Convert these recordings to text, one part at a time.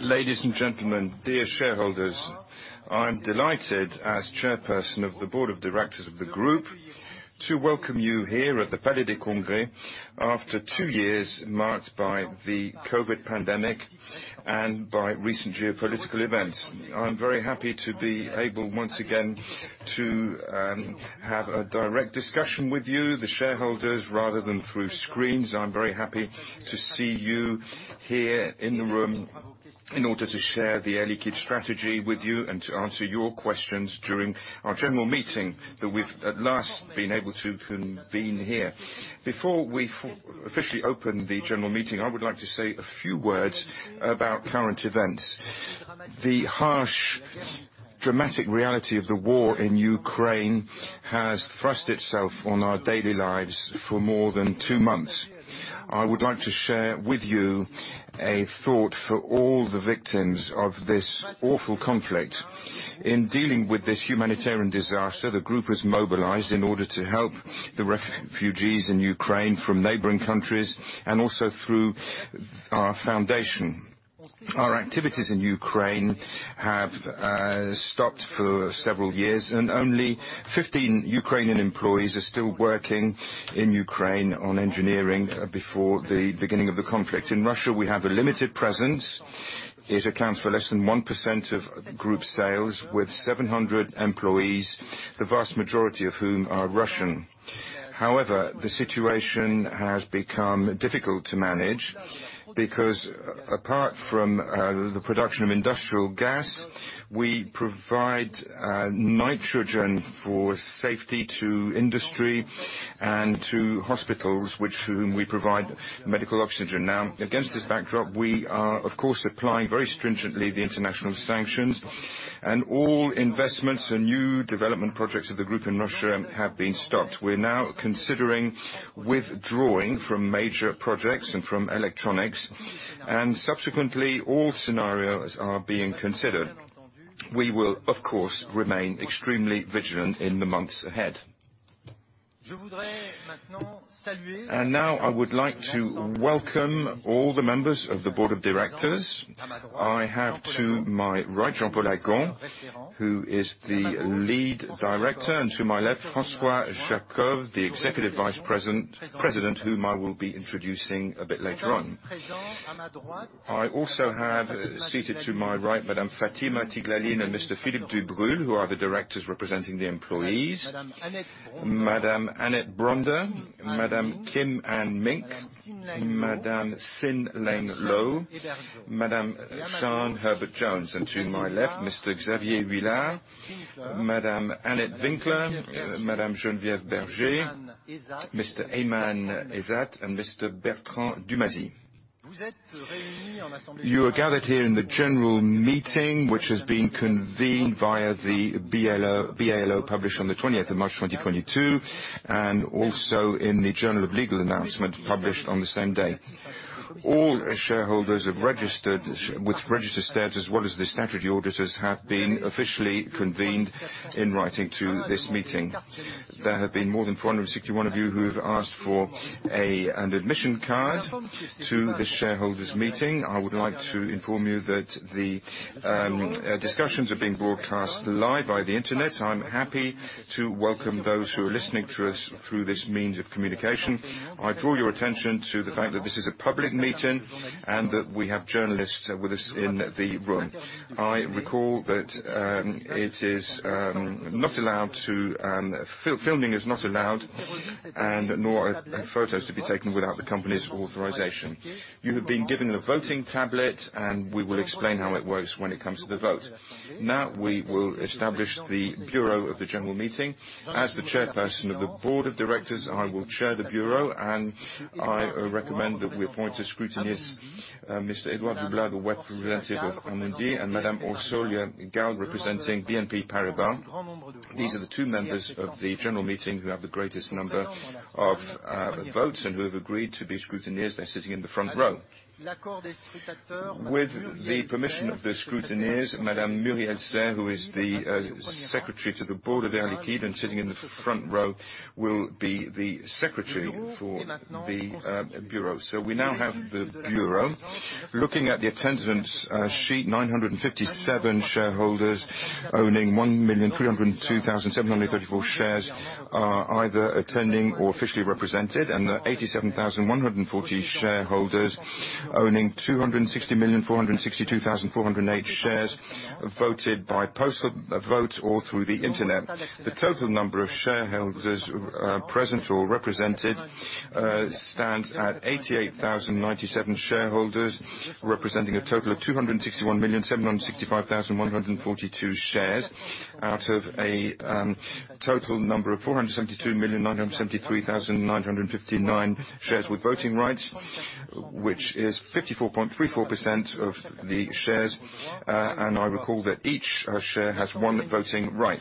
Ladies, and gentlemen, dear shareholders, I'm delighted as Chairperson of the Board of Directors of the group to welcome you here at the Palais des Congrès after two years marked by the COVID pandemic and by recent geopolitical events. I'm very happy to be able once again to have a direct discussion with you, the shareholders, rather than through screens. I'm very happy to see you here in the room in order to share the Air Liquide strategy with you and to answer your questions during our general meeting that we've at last been able to convene here. Before we officially open the general meeting, I would like to say a few words about current events. The harsh, dramatic reality of the war in Ukraine has thrust itself on our daily lives for more than two months. I would like to share with you a thought for all the victims of this awful conflict. In dealing with this humanitarian disaster, the group was mobilized in order to help the refugees in Ukraine from neighboring countries and also through our foundation. Our activities in Ukraine have stopped for several years, and only 15 Ukrainian employees are still working in Ukraine on engineering before the beginning of the conflict. In Russia, we have a limited presence. It accounts for less than 1% of group sales with 700 employees, the vast majority of whom are Russian. However, the situation has become difficult to manage because apart from the production of industrial gas, we provide nitrogen for safety to industry and to hospitals, whom we provide medical oxygen. Now, against this backdrop, we are, of course, applying very stringently the international sanctions and all investments and new development projects of the group in Russia have been stopped. We're now considering withdrawing from major projects and from electronics, and subsequently, all scenarios are being considered. We will, of course, remain extremely vigilant in the months ahead. Now I would like to welcome all the members of the Board of Directors. I have to my right Jean-Paul Agon, who is the Lead Director, and to my left, François Jackow, the Executive Vice President, president, whom I will be introducing a bit later on. I also have seated to my right Madame Fatima Tighlaline and Mr. Philippe Dubrulle, who are the directors representing the employees. Madame Annette Winkler, Madame Kim Ann Mink, Madame Sin Leng Low, Madame Siân Herbert-Jones, and to my left, Mr. Xavier Huillard, Madame Annette Winkler, Madame Geneviève Berger, Mr. Aiman Ezzat, and Mr. Bertrand Dumazy. You are gathered here in the general meeting, which has been convened via the BALO published on the 20th of March 2022, and also in the Journal of Legal Announcement published on the same day. All shareholders have registered with registered status, as well as the statutory auditors, have been officially convened in writing to this meeting. There have been more than 461 of you who have asked for an admission card to the shareholders' meeting. I would like to inform you that the discussions are being broadcast live by the Internet. I'm happy to welcome those who are listening to us through this means of communication. I draw your attention to the fact that this is a public meeting and that we have journalists with us in the room. I recall that filming is not allowed and nor are photos to be taken without the company's authorization. You have been given a voting tablet, and we will explain how it works when it comes to the vote. Now we will establish the bureau of the general meeting. As the Chairperson of the Board of Directors, I will Chair the Bureau, and I recommend that we appoint scrutineers, Mr. Édouard Dubois, a representative of Edmond de Rothschild, and Madame Orsolya Gal, representing BNP Paribas. These are the two members of the general meeting who have the greatest number of votes and who have agreed to be scrutineers. They're sitting in the front row. With the permission of the scrutineers, Madame Muriel Serre, who is the Secretary to the Board of Air Liquide and sitting in the front row, will be the Secretary for the Bureau. We now have the bureau. Looking at the attendance sheet, 957 shareholders owning 1,302,734 shares are either attending or officially represented, and the 87,140 shareholders owning 260,462,408 shares voted by postal vote or through the Internet. The total number of shareholders present or represented stands at 88,097 shareholders, representing a total of 261,765,142 shares out of a total number of 472,973,959 shares with voting rights, which is 54.34% of the shares. I recall that each share has one voting right.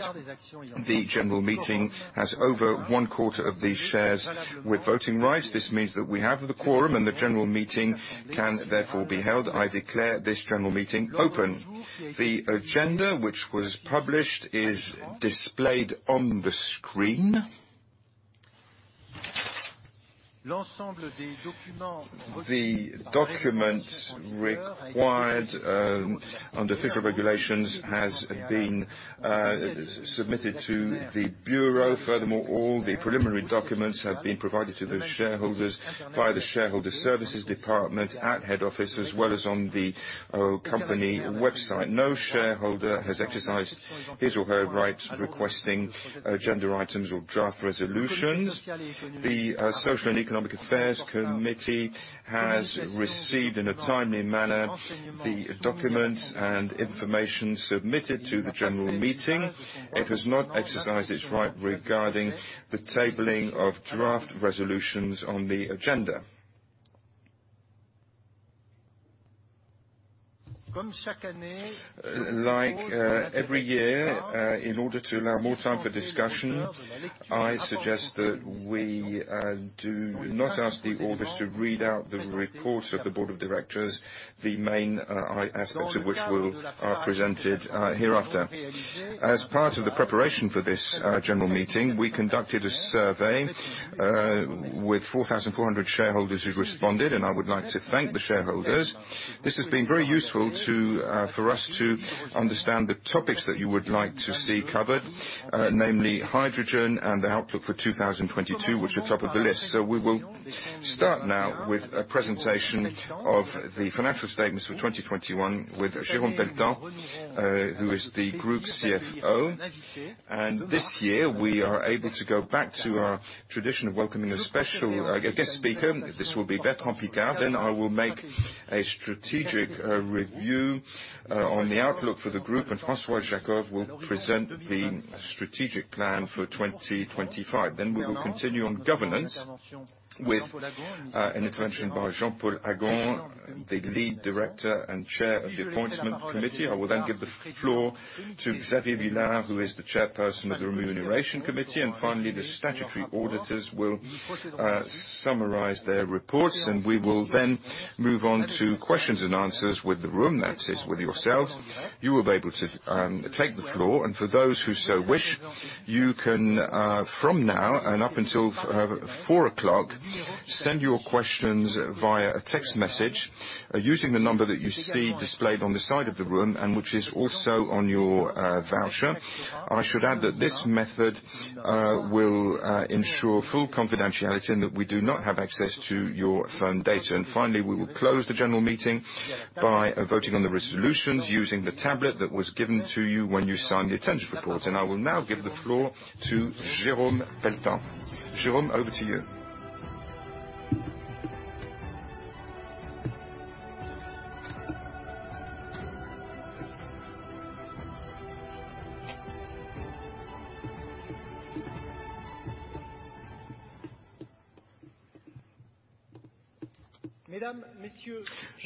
The general meeting has over one quarter of these shares with voting rights. This means that we have the quorum, and the general meeting can therefore be held. I declare this general meeting open. The agenda which was published is displayed on the screen. The documents required under fiscal regulations has been submitted to the bureau. Furthermore, all the preliminary documents have been provided to the shareholders via the shareholder services department at head office as well as on the company website. No shareholder has exercised his or her right requesting agenda items or draft resolutions. The social and economic affairs committee has received in a timely manner the documents and information submitted to the general meeting. It has not exercised its right regarding the tabling of draft resolutions on the agenda. Like every year, in order to allow more time for discussion, I suggest that we do not ask the audience to read out the reports of the Board of Directors. The main aspects of which are presented hereafter. As part of the preparation for this general meeting, we conducted a survey with 4,400 shareholders who responded, and I would like to thank the shareholders. This has been very useful to for us to understand the topics that you would like to see covered, namely hydrogen and the outlook for 2022, which are top of the list. We will start now with a presentation of the financial statements for 2021 with Jérôme Pelletan, who is the group CFO. This year we are able to go back to our tradition of welcoming a special guest speaker. This will be Bertrand Piccard, then I will make a strategic review on the outlook for the group, and François Jackow will present the strategic plan for 2025. We will continue on governance with an intervention by Jean-Paul Agon, the Lead Director and Chair of the Appointments Committee. I will then give the floor to Xavier Huillard, who is the Chairperson of the Remuneration Committee. Finally, the statutory auditors will summarize their reports, and we will then move on to questions-and-answers with the room. That is with yourselves. You will be able to take the floor, and for those who so wish, you can from now and up until 4:00 P.M., send your questions via text message, using the number that you see displayed on the side of the room and which is also on your voucher. I should add that this method will ensure full confidentiality and that we do not have access to your phone data. Finally, we will close the general meeting by voting on the resolutions using the tablet that was given to you when you signed the attendance report. I will now give the floor to Jérôme Pelletan. Jérôme, over to you.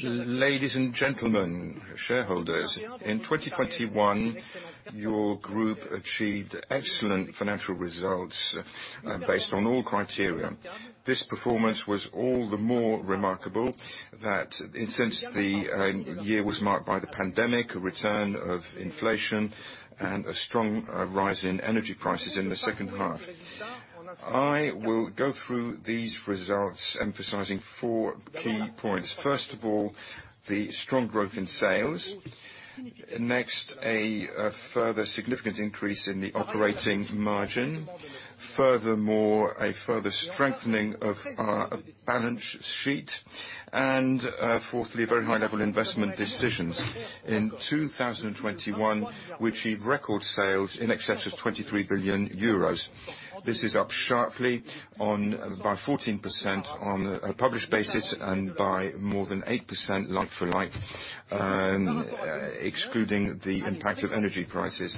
Ladies, and gentlemen, shareholders. In 2021, your group achieved excellent financial results based on all criteria. This performance was all the more remarkable, since the year was marked by the pandemic, a return of inflation and a strong rise in energy prices in the second half. I will go through these results emphasizing four key points. First of all, the strong growth in sales. Next, a further significant increase in the operating margin. Furthermore, a further strengthening of our balance sheet. Fourthly, very high level investment decisions. In 2021, we achieved record sales in excess of 23 billion euros. This is up sharply by 14% on a published basis and by more than 8% like for like, excluding the impact of energy prices.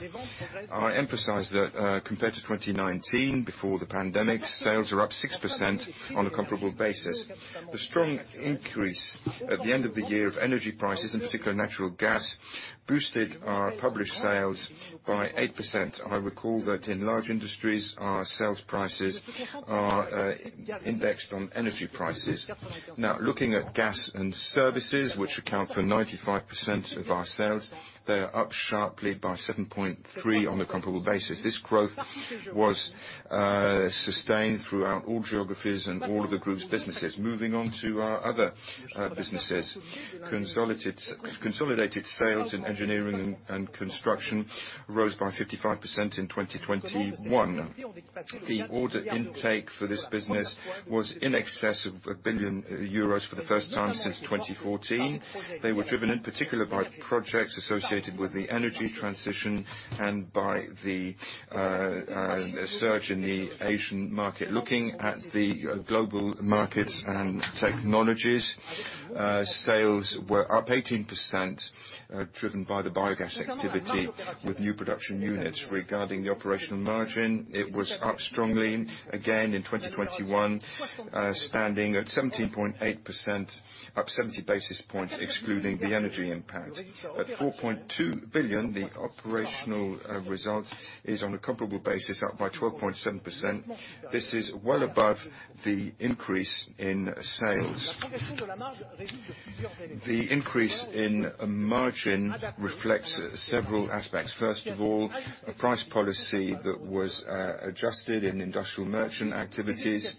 I emphasize that, compared to 2019, before the pandemic, sales are up 6% on a comparable basis. The strong increase at the end of the year of energy prices, in particular natural gas, boosted our published sales by 8%. I recall that in large industries, our sales prices are indexed on energy prices. Now looking at gas and services, which account for 95% of our sales, they are up sharply by 7.3% on a comparable basis. This growth was sustained throughout all geographies and all of the group's businesses. Moving on to our other businesses. Consolidated sales in engineering and construction rose by 55% in 2021. The order intake for this business was in excess of 1 billion euros for the first time since 2014. They were driven in particular by projects associated with the energy transition and by the surge in the Asian market. Looking at the global markets and technologies, sales were up 18%, driven by the biogas activity with new production units. Regarding the operational margin, it was up strongly again in 2021, standing at 17.8%, up 70 basis points excluding the energy impact. At 4.2 billion, the operational result is on a comparable basis, up by 12.7%. This is well above the increase in sales. The increase in margin reflects several aspects. First of all, a price policy that was adjusted in industrial merchant activities.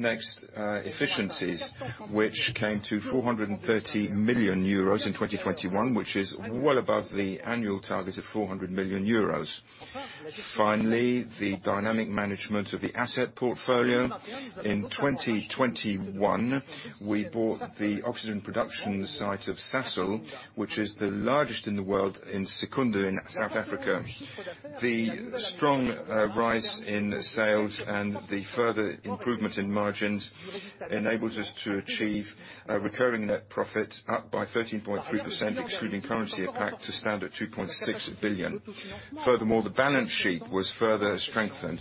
Next, efficiencies, which came to 430 million euros in 2021, which is well above the annual target of 400 million euros. Finally, the dynamic management of the asset portfolio. In 2021, we bought the oxygen production site of Sasol, which is the largest in the world in Secunda in South Africa. The strong rise in sales and the further improvement in margins enables us to achieve a recurring net profit up by 13.3% excluding currency impact to stand at 2.6 billion. Furthermore, the balance sheet was further strengthened.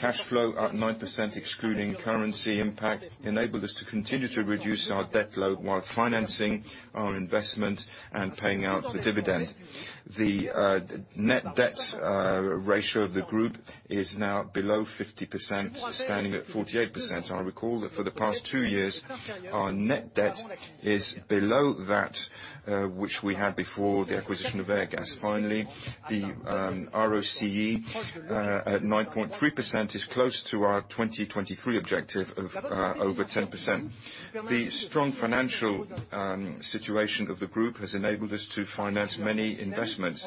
Cash flow at 9% excluding currency impact enabled us to continue to reduce our debt load while financing our investment and paying out the dividend. The net debt ratio of the group is now below 50%, standing at 48%. I recall that for the past two years, our net debt is below that which we had before the acquisition of Airgas. Finally, the ROCE at 9.3% is close to our 2023 objective of over 10%. The strong financial situation of the group has enabled us to finance many investments.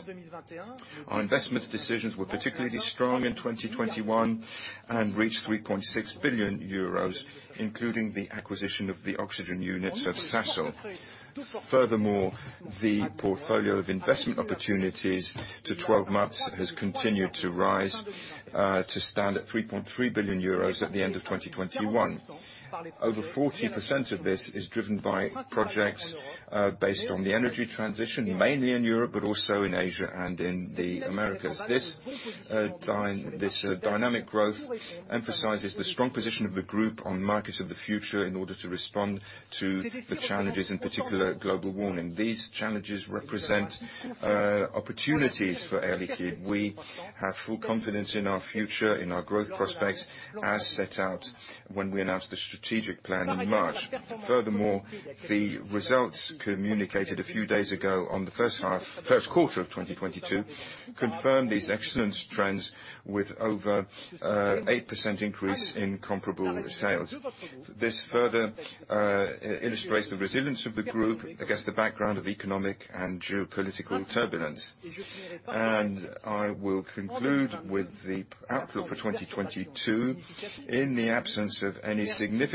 Our investment decisions were particularly strong in 2021 and reached 3.6 billion euros, including the acquisition of the oxygen units of Sasol. Furthermore, the portfolio of investment opportunities to 12 months has continued to rise to stand at 3.3 billion euros at the end of 2021. Over 40% of this is driven by projects based on the energy transition, mainly in Europe but also in Asia and in the Americas. This dynamic growth emphasizes the strong position of the group on markets of the future in order to respond to the challenges, in particular global warming. These challenges represent opportunities for Air Liquide. We have full confidence in our future, in our growth prospects as set out when we announced the strategic plan in March. Furthermore, the results communicated a few days ago on the first quarter of 2022 confirm these excellent trends with over 8% increase in comparable sales. This further illustrates the resilience of the group against the background of economic and geopolitical turbulence. I will conclude with the outlook for 2022. In the absence of any significant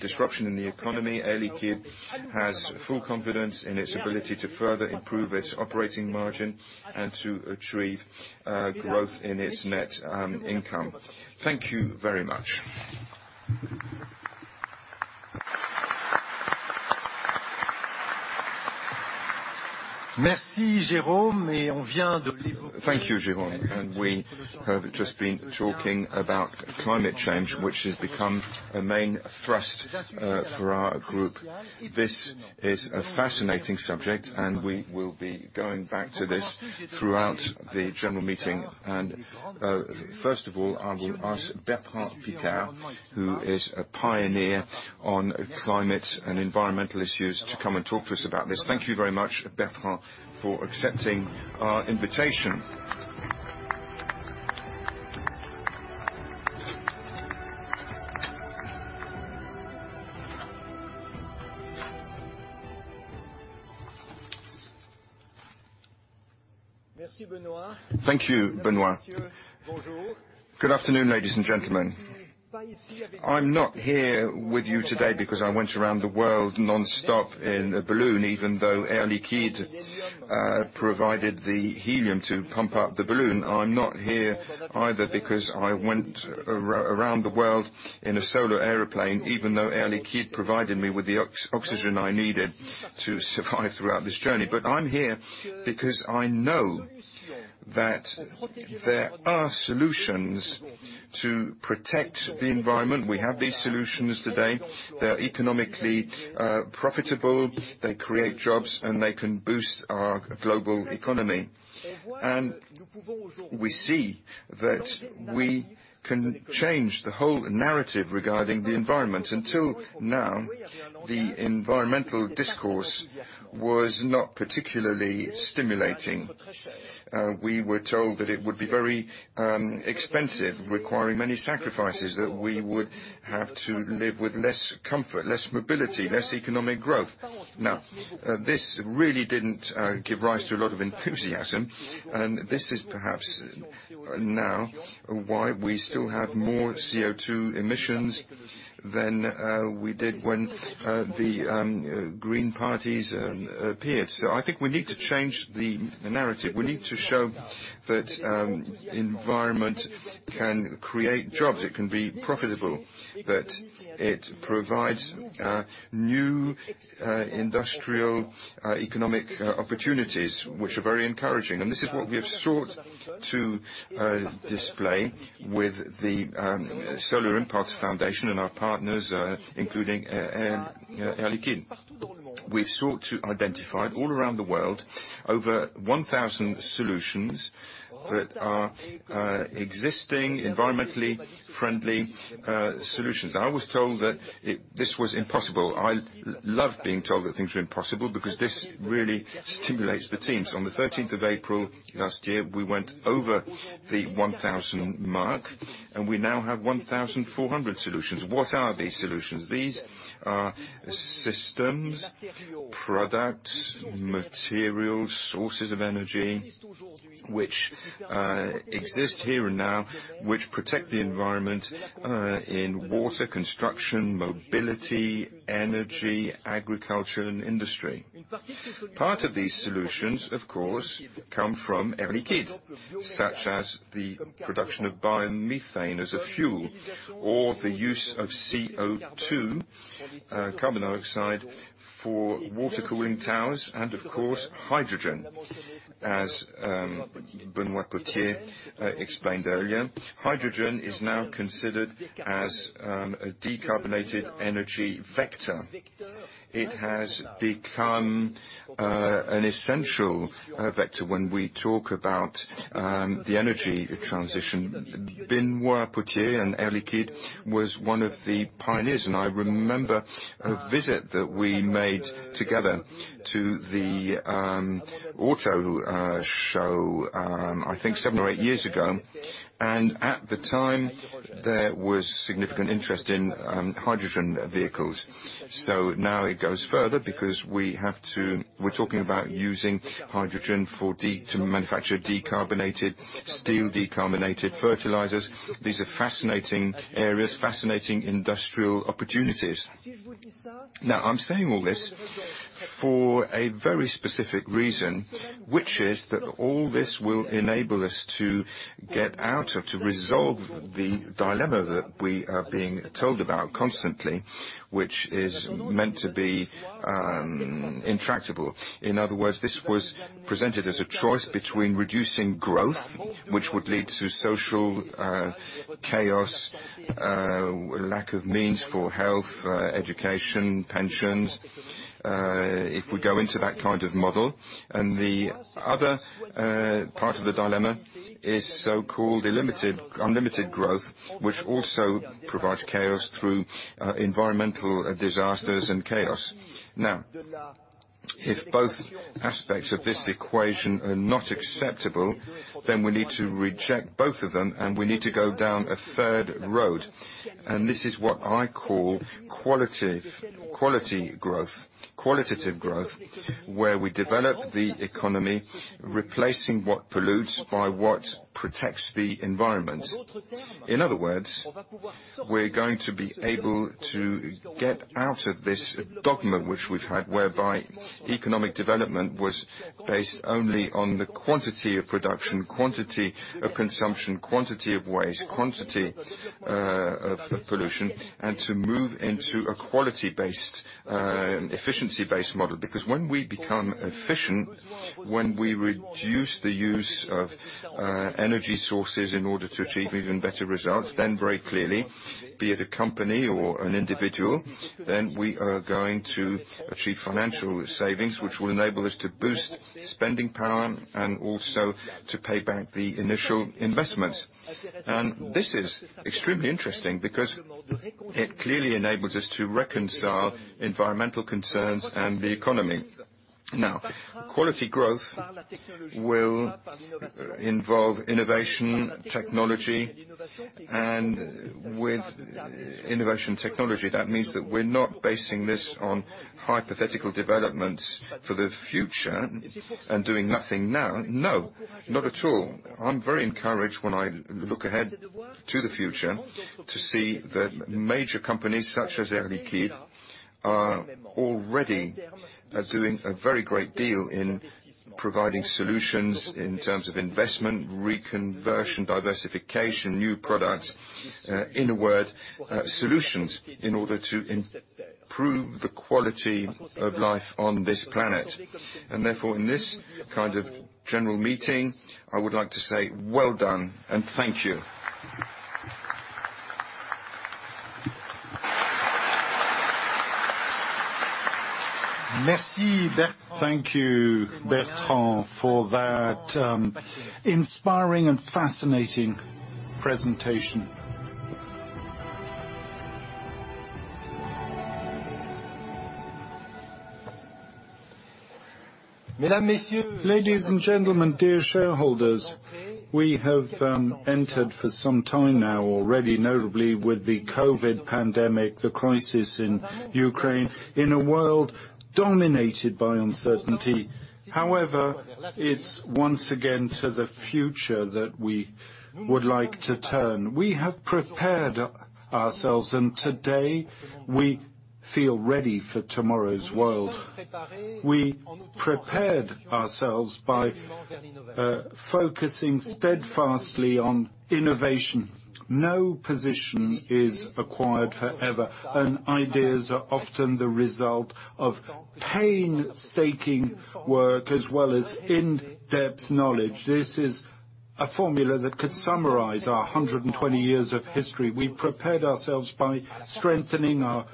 disruption in the economy, Air Liquide has full confidence in its ability to further improve its operating margin and to achieve growth in its net income. Thank you very much. Merci, Jérôme. Thank you, Jérôme, and we have just been talking about climate change, which has become a main thrust for our group. This is a fascinating subject, and we will be going back to this throughout the general meeting. First of all, I will ask Bertrand Piccard, who is a pioneer on climate and environmental issues, to come and talk to us about this. Thank you very much, Bertrand, for accepting our invitation. Thank you, Benoît. Good afternoon, ladies, and gentlemen. I'm not here with you today because I went around the world nonstop in a balloon even though Air Liquide provided the helium to pump up the balloon. I'm not here either because I went around the world in a solar airplane even though Air Liquide provided me with the oxygen I needed to survive throughout this journey. I'm here because I know that there are solutions to protect the environment. We have these solutions today. They're economically, profitable. They create jobs, and they can boost our global economy. We see that we can change the whole narrative regarding the environment. Until now, the environmental discourse was not particularly stimulating. We were told that it would be very, expensive, requiring many sacrifices, that we would have to live with less comfort, less mobility, less economic growth. Now, this really didn't give rise to a lot of enthusiasm, and this is perhaps now why we still have more CO₂ emissions than we did when the green parties appeared. I think we need to change the narrative. We need to show that environment can create jobs, it can be profitable, that it provides new industrial economic opportunities which are very encouraging. This is what we have sought to display with the Solar Impulse Foundation and our partners, including Air Liquide. We've sought to identify all around the world over 1,000 solutions that are existing environmentally friendly solutions. I was told that this was impossible. I love being told that things are impossible because this really stimulates the teams. On the 13th of April last year, we went over the 1,000 mark, and we now have 1,400 solutions. What are these solutions? These are systems, products, materials, sources of energy which exist here and now, which protect the environment in water, construction, mobility, energy, agriculture, and industry. Part of these solutions, of course, come from Air Liquide, such as the production of biomethane as a fuel, or the use of CO₂, carbon dioxide for water cooling towers and of course, hydrogen, as Benoît Potier explained earlier. Hydrogen is now considered as a decarbonized energy vector. It has become an essential vector when we talk about the energy transition. Benoît Potier and Air Liquide was one of the pioneers, and I remember a visit that we made together to the auto show, I think seven or eight years ago. At the time, there was significant interest in hydrogen vehicles. Now it goes further because we're talking about using hydrogen to manufacture decarbonized steel, decarbonized fertilizers. These are fascinating areas, fascinating industrial opportunities. Now, I'm saying all this for a very specific reason, which is that all this will enable us to get out or to resolve the dilemma that we are being told about constantly, which is meant to be intractable. In other words, this was presented as a choice between reducing growth, which would lead to social chaos, lack of means for health, for education, pensions, if we go into that kind of model. The other part of the dilemma is so-called unlimited growth, which also provides chaos through environmental disasters and chaos. Now, if both aspects of this equation are not acceptable, then we need to reject both of them, and we need to go down a third road. This is what I call quality growth, qualitative growth, where we develop the economy, replacing what pollutes by what protects the environment. In other words, we're going to be able to get out of this dogma which we've had, whereby economic development was based only on the quantity of production, quantity of consumption, quantity of waste, quantity of pollution, and to move into a quality-based, efficiency-based model. Because when we become efficient, when we reduce the use of energy sources in order to achieve even better results, then very clearly, be it a company or an individual, then we are going to achieve financial savings, which will enable us to boost spending power and also to pay back the initial investments. This is extremely interesting because it clearly enables us to reconcile environmental concerns and the economy. Now, quality growth will involve innovation, technology, and with innovation technology, that means that we're not basing this on hypothetical developments for the future and doing nothing now. No, not at all. I'm very encouraged when I look ahead to the future to see that major companies such as Air Liquide are already doing a very great deal in providing solutions in terms of investment, reconversion, diversification, new products, in a word, solutions in order to improve the quality of life on this planet. Therefore, in this kind of general meeting, I would like to say well done and thank you. Merci, Bertrand. Thank you, Bertrand, for that inspiring and fascinating presentation. Ladies, and gentlemen, dear shareholders, we have entered for some time now already, notably with the COVID pandemic, the crisis in Ukraine, in a world dominated by uncertainty. However, it's once again to the future that we would like to turn. We have prepared ourselves, and today we feel ready for tomorrow's world. We prepared ourselves by focusing steadfastly on innovation. No position is acquired forever, and ideas are often the result of painstaking work as well as in-depth knowledge. This is a formula that could summarize our 120 years of history. We prepared ourselves by strengthening our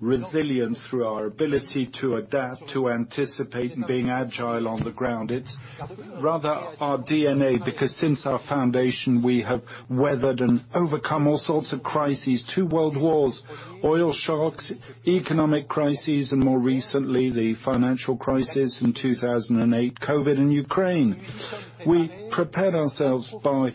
resilience through our ability to adapt, to anticipate, and being agile on the ground. It's rather our DNA, because since our foundation, we have weathered and overcome all sorts of crises. Two world wars, oil shocks, economic crises, and more recently, the financial crisis in 2008, COVID and Ukraine. We prepared ourselves by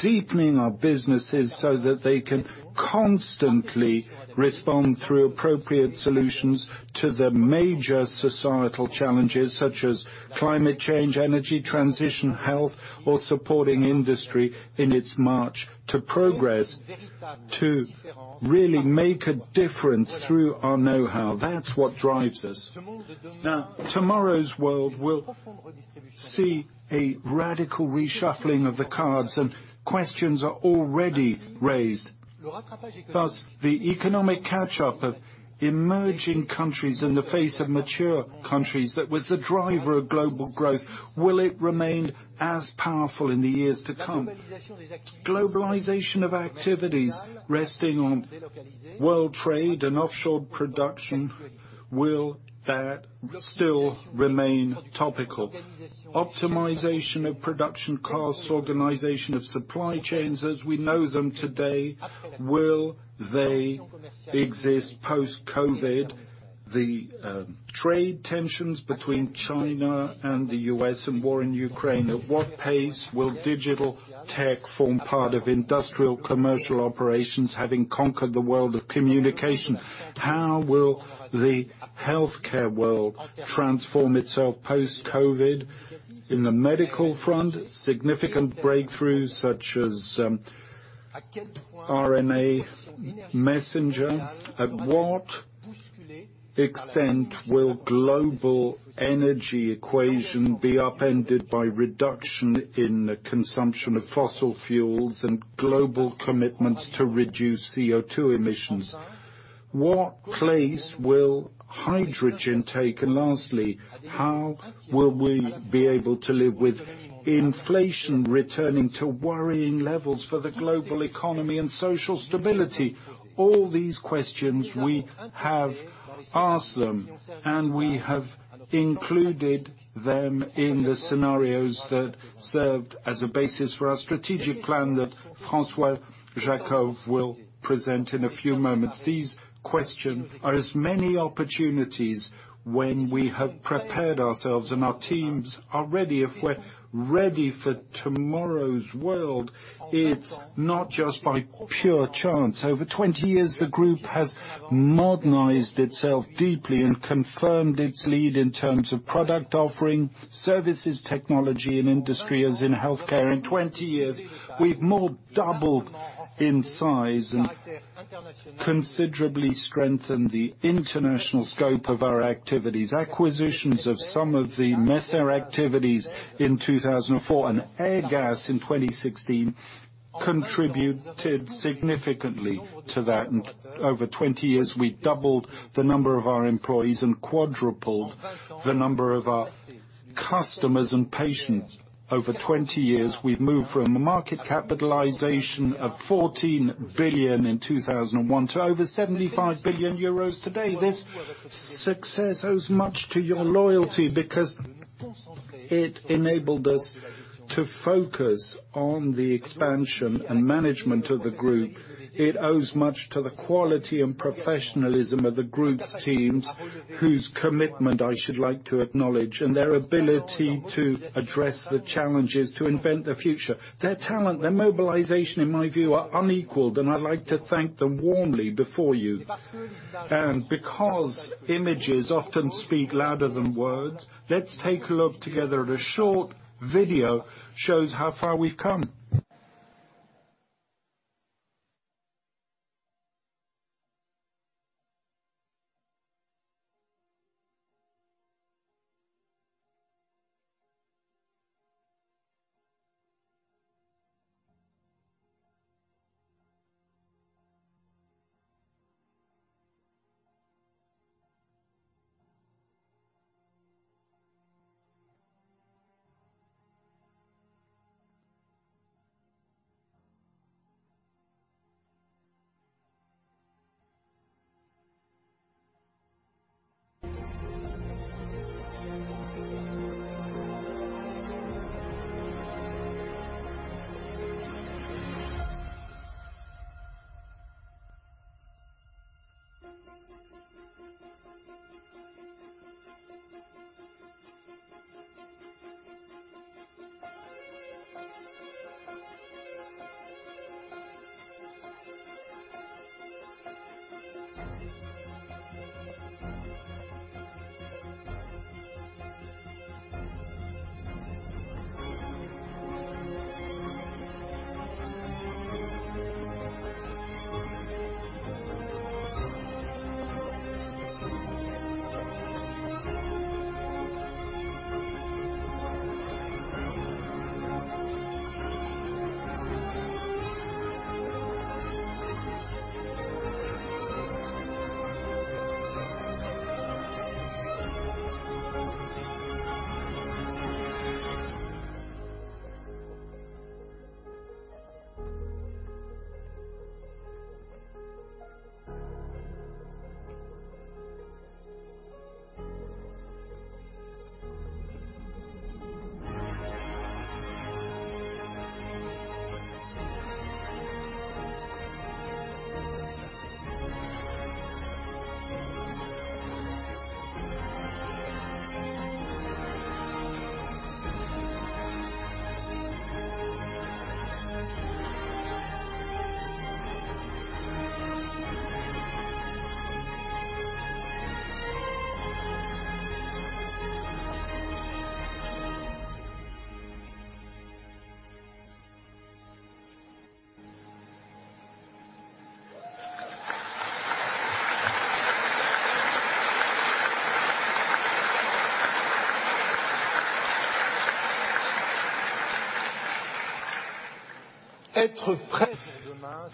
deepening our businesses so that they can constantly respond through appropriate solutions to the major societal challenges such as climate change, energy transition, health or supporting industry in its march to progress. To really make a difference through our know-how. That's what drives us. Now, tomorrow's world will see a radical reshuffling of the cards, and questions are already raised. Thus, the economic catch-up of emerging countries in the face of mature countries, that was the driver of global growth. Will it remain as powerful in the years to come? Globalization of activities resting on world trade and offshore production, will that still remain topical? Optimization of production costs, organization of supply chains as we know them today, will they exist post-COVID? Trade tensions between China and the U.S. and war in Ukraine, at what pace will digital tech form part of industrial commercial operations, having conquered the world of communication? How will the healthcare world transform itself post-COVID? In the medical front, significant breakthroughs such as messenger RNA. To what extent will global energy equation be upended by reduction in the consumption of fossil fuels and global commitments to reduce CO₂ emissions? What place will hydrogen take? And lastly, how will we be able to live with inflation returning to worrying levels for the global economy and social stability? All these questions we have asked them, and we have included them in the scenarios that served as a basis for our strategic plan that François Jackow will present in a few moments. These questions are as many opportunities when we have prepared ourselves and our teams are ready. If we're ready for tomorrow's world, it's not just by pure chance. Over 20 years, the group has modernized itself deeply and confirmed its lead in terms of product offering, services, technology and industry, as in healthcare. In 20 years, we've more than doubled in size and considerably strengthened the international scope of our activities. Acquisitions of some of the Messer activities in 2004 and Airgas in 2016 contributed significantly to that. Over 20 years, we doubled the number of our employees and quadrupled the number of our customers and patients. Over 20 years, we've moved from a market capitalization of 14 billion in 2001 to over 75 billion euros today. This success owes much to your loyalty because it enabled us to focus on the expansion and management of the group. It owes much to the quality and professionalism of the group's teams, whose commitment I should like to acknowledge, and their ability to address the challenges to invent the future. Their talent, their mobilization, in my view, are unequaled, and I'd like to thank them warmly before you. Because images often speak louder than words, let's take a look together at a short video, shows how far we've come.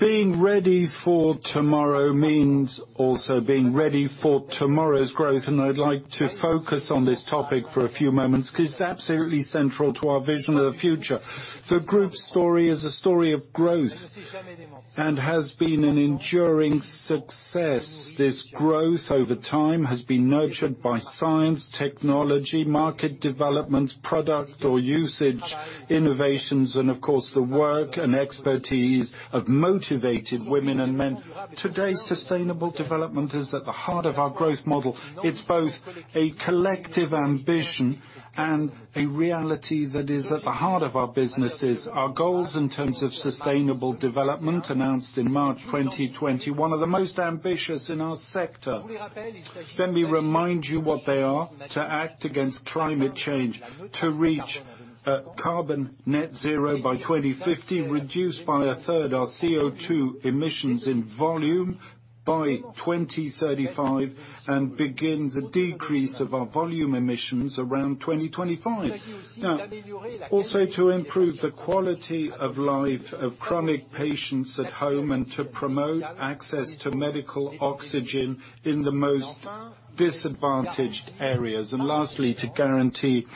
Being ready for tomorrow means also being ready for tomorrow's growth, and I'd like to focus on this topic for a few moments because it's absolutely central to our vision of the future. The group story is a story of growth and has been an enduring success. This growth over time has been nurtured by science, technology, market development, product or usage innovations, and of course, the work and expertise of motivated women and men. Today, sustainable development is at the heart of our growth model. It's both a collective ambition and a reality that is at the heart of our businesses. Our goals in terms of sustainable development, announced in March 2020, one of the most ambitious in our sector. Let me remind you what they are. To act against climate change, to reach carbon net zero by 2050, reduce by a third our CO₂ emissions in volume by 2035, and begin the decrease of our volume emissions around 2025. Now, also to improve the quality of life of chronic patients at home and to promote access to medical oxygen in the most disadvantaged areas. Lastly, to guarantee,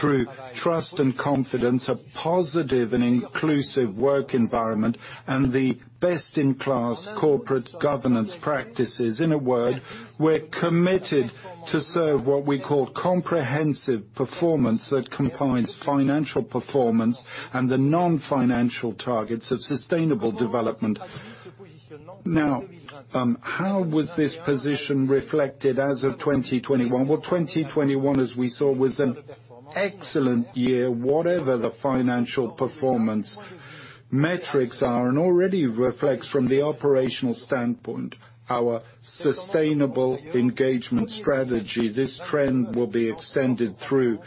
through trust and confidence, a positive and inclusive work environment and the best-in-class corporate governance practices. In a word, we're committed to serve what we call comprehensive performance that combines financial performance and the non-financial targets of sustainable development. Now, how was this position reflected as of 2021? Well, 2021, as we saw, was an excellent year, whatever the financial performance metrics are, and already reflects from the operational standpoint our sustainable engagement strategy. This trend will be extended through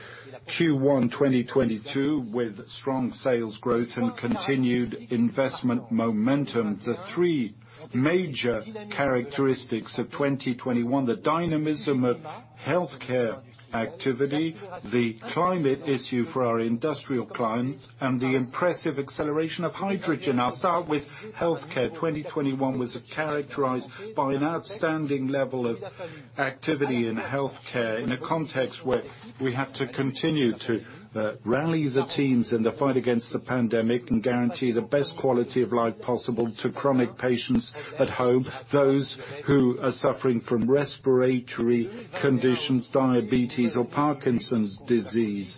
Q1 2022 with strong sales growth and continued investment momentum. The three major characteristics of 2021. The dynamism of healthcare activity, the climate issue for our industrial clients, and the impressive acceleration of hydrogen. I'll start with healthcare. 2021 was characterized by an outstanding level of activity in healthcare in a context where we have to continue to rally the teams in the fight against the pandemic and guarantee the best quality of life possible to chronic patients at home, those who are suffering from respiratory conditions, diabetes, or Parkinson's disease.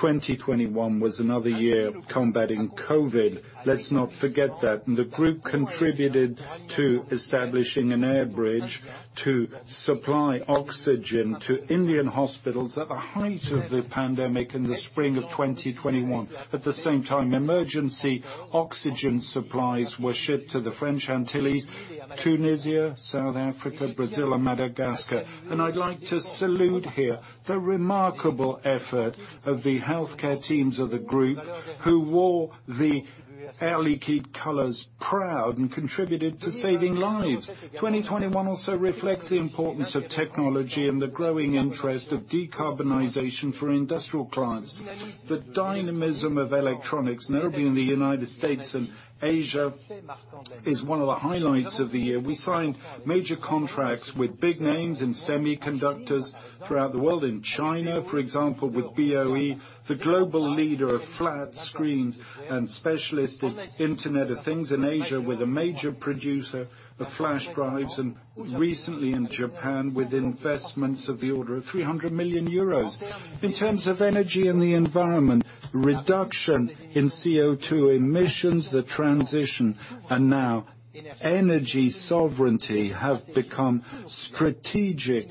2021 was another year of combating COVID. Let's not forget that. The group contributed to establishing an air bridge to supply oxygen to Indian hospitals at the height of the pandemic in the spring of 2021. At the same time, emergency oxygen supplies were shipped to the French Antilles, Tunisia, South Africa, Brazil, and Madagascar. I'd like to salute here the remarkable effort of the healthcare teams of the group who wore the Air Liquide colors proud and contributed to saving lives. 2021 also reflects the importance of technology and the growing interest of decarbonization for industrial clients. The dynamism of electronics, notably in the U.S. and Asia, is one of the highlights of the year. We signed major contracts with big names in semiconductors throughout the world. In China, for example, with BOE, the global leader of flat screens and specialist in Internet of Things in Asia with a major producer of flash drives, and recently in Japan with investments of the order of 300 million euros. In terms of energy and the environment, reduction in CO₂ emissions, the transition, and now energy sovereignty have become strategic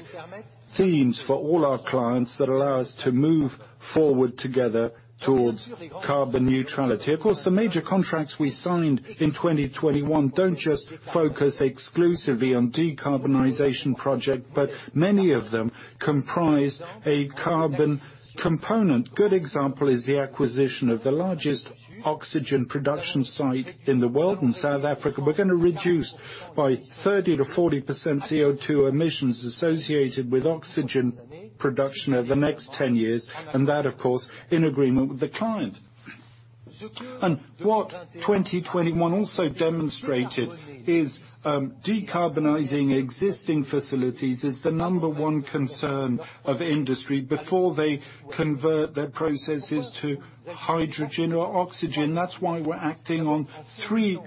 themes for all our clients that allow us to move forward together towards carbon neutrality. Of course, the major contracts we signed in 2021 don't just focus exclusively on decarbonization project, but many of them comprise a carbon component. Good example is the acquisition of the largest oxygen production site in the world in South Africa. We're gonna reduce by 30%-40% CO₂ emissions associated with oxygen production over the next 10 years, and that, of course, in agreement with the client. What 2021 also demonstrated is, decarbonizing existing facilities is the number one concern of industry before they convert their processes to hydrogen or oxygen. That's why we're acting on three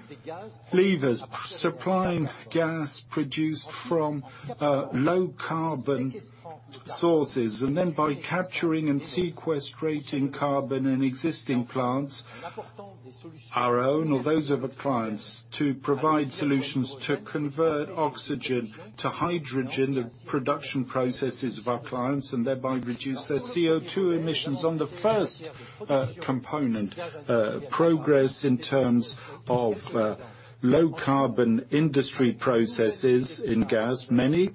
levers. Supplying gas produced from low carbon sources, and then by capturing and sequestering carbon in existing plants, our own or those of our clients, to provide solutions to convert oxygen to hydrogen the production processes of our clients and thereby reduce their CO₂ emissions. On the first component, progress in terms of low-carbon industry processes in gas, many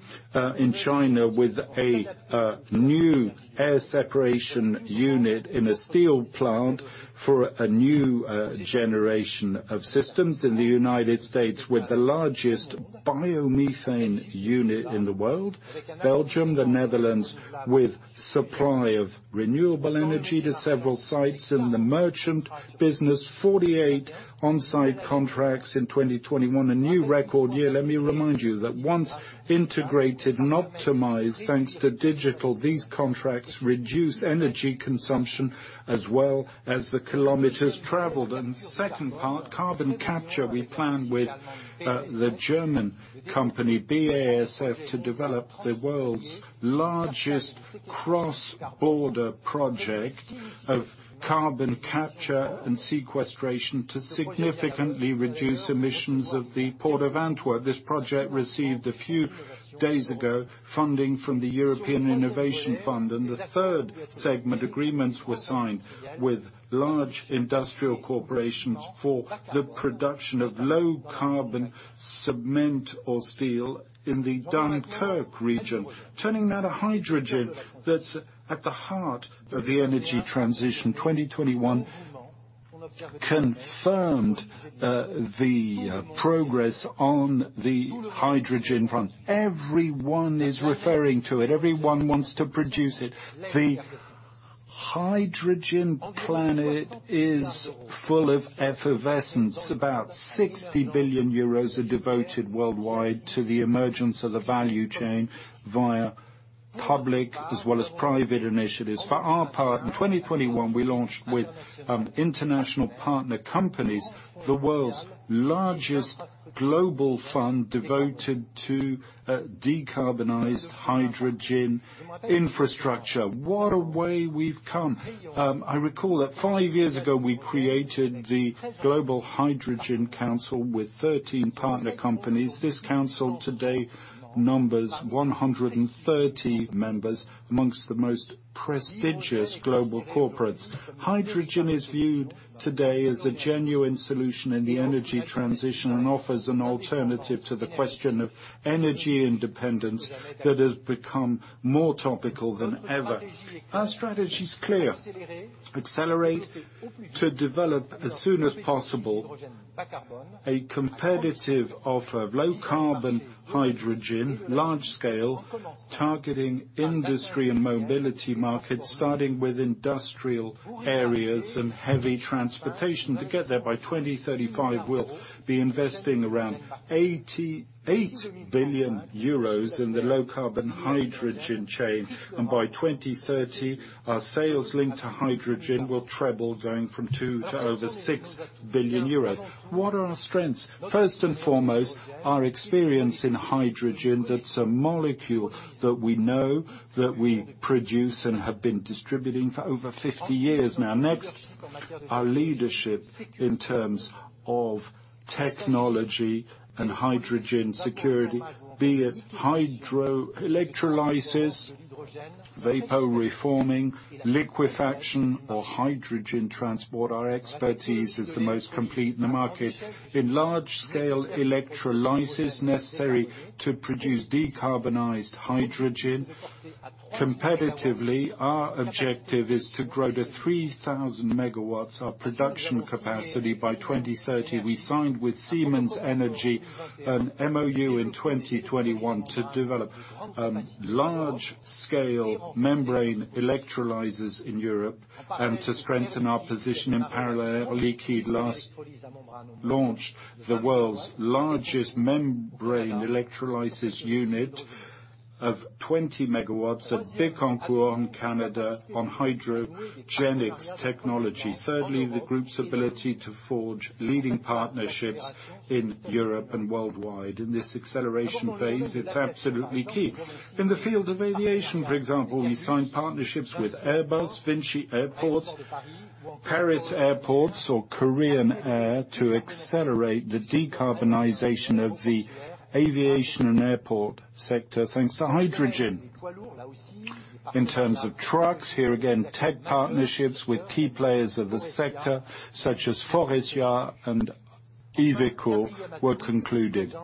in China with a new air separation unit in a steel plant for a new generation of systems in the U.S. with the largest biomethane unit in the world. Belgium, the Netherlands with supply of renewable energy to several sites in the merchant business. 48 on-site contracts in 2021, a new record year. Let me remind you that once integrated and optimized thanks to digital, these contracts reduce energy consumption as well as the kilometers traveled. Second part, carbon capture we planned with the German company BASF to develop the world's largest cross-border project of carbon capture and sequestration to significantly reduce emissions of the Port of Antwerp. This project received a few days ago funding from the Innovation Fund. The third segment agreements were signed with large industrial corporations for the production of low-carbon cement or steel in the Dunkirk region. Turning now to hydrogen that's at the heart of the energy transition. 2021 confirmed the progress on the hydrogen front. Everyone is referring to it. Everyone wants to produce it. The hydrogen planet is full of effervescence. About 60 billion euros are devoted worldwide to the emergence of the value chain via public as well as private initiatives. For our part, in 2021, we launched with international partner companies, the world's largest global fund devoted to decarbonized hydrogen infrastructure. What a way we've come. I recall that five years ago, we created the Global Hydrogen Council with 13 partner companies. This council today numbers 130 members amongst the most prestigious global corporates. Hydrogen is viewed today as a genuine solution in the energy transition and offers an alternative to the question of energy independence that has become more topical than ever. Our strategy is clear: accelerate to develop as soon as possible a competitive offer of low-carbon hydrogen, large scale, targeting industry and mobility markets, starting with industrial areas and heavy transportation. To get there, by 2035, we'll be investing around 88 billion euros in the low-carbon hydrogen chain, and by 2030, our sales link to hydrogen will treble, going from 2 billion to over 6 billion euros. What are our strengths? First and foremost, our experience in hydrogen, that's a molecule that we know, that we produce and have been distributing for over 50 years now. Next, our leadership in terms of technology and hydrogen security, be it electrolysis, vapor reforming, liquefaction or hydrogen transport. Our expertise is the most complete in the market. In large-scale electrolysis necessary to produce decarbonized hydrogen competitively, our objective is to grow to 3,000 MW our production capacity by 2030. We signed with Siemens Energy an MoU in 2021 to develop large-scale membrane electrolyzers in Europe and to strengthen our position in parallel. Air Liquide last launched the world's largest membrane electrolysis unit of 20 MW at Bécancour in Canada on Hydrogenics technology. Thirdly, the group's ability to forge leading partnerships in Europe and worldwide. In this acceleration phase, it's absolutely key. In the field of aviation, for example, we signed partnerships with Airbus, VINCI Airports, Paris Airports or Korean Air to accelerate the decarbonization of the aviation and airport sector, thanks to hydrogen. In terms of trucks, here again, tech partnerships with key players of the sector such as Faurecia and Iveco were concluded.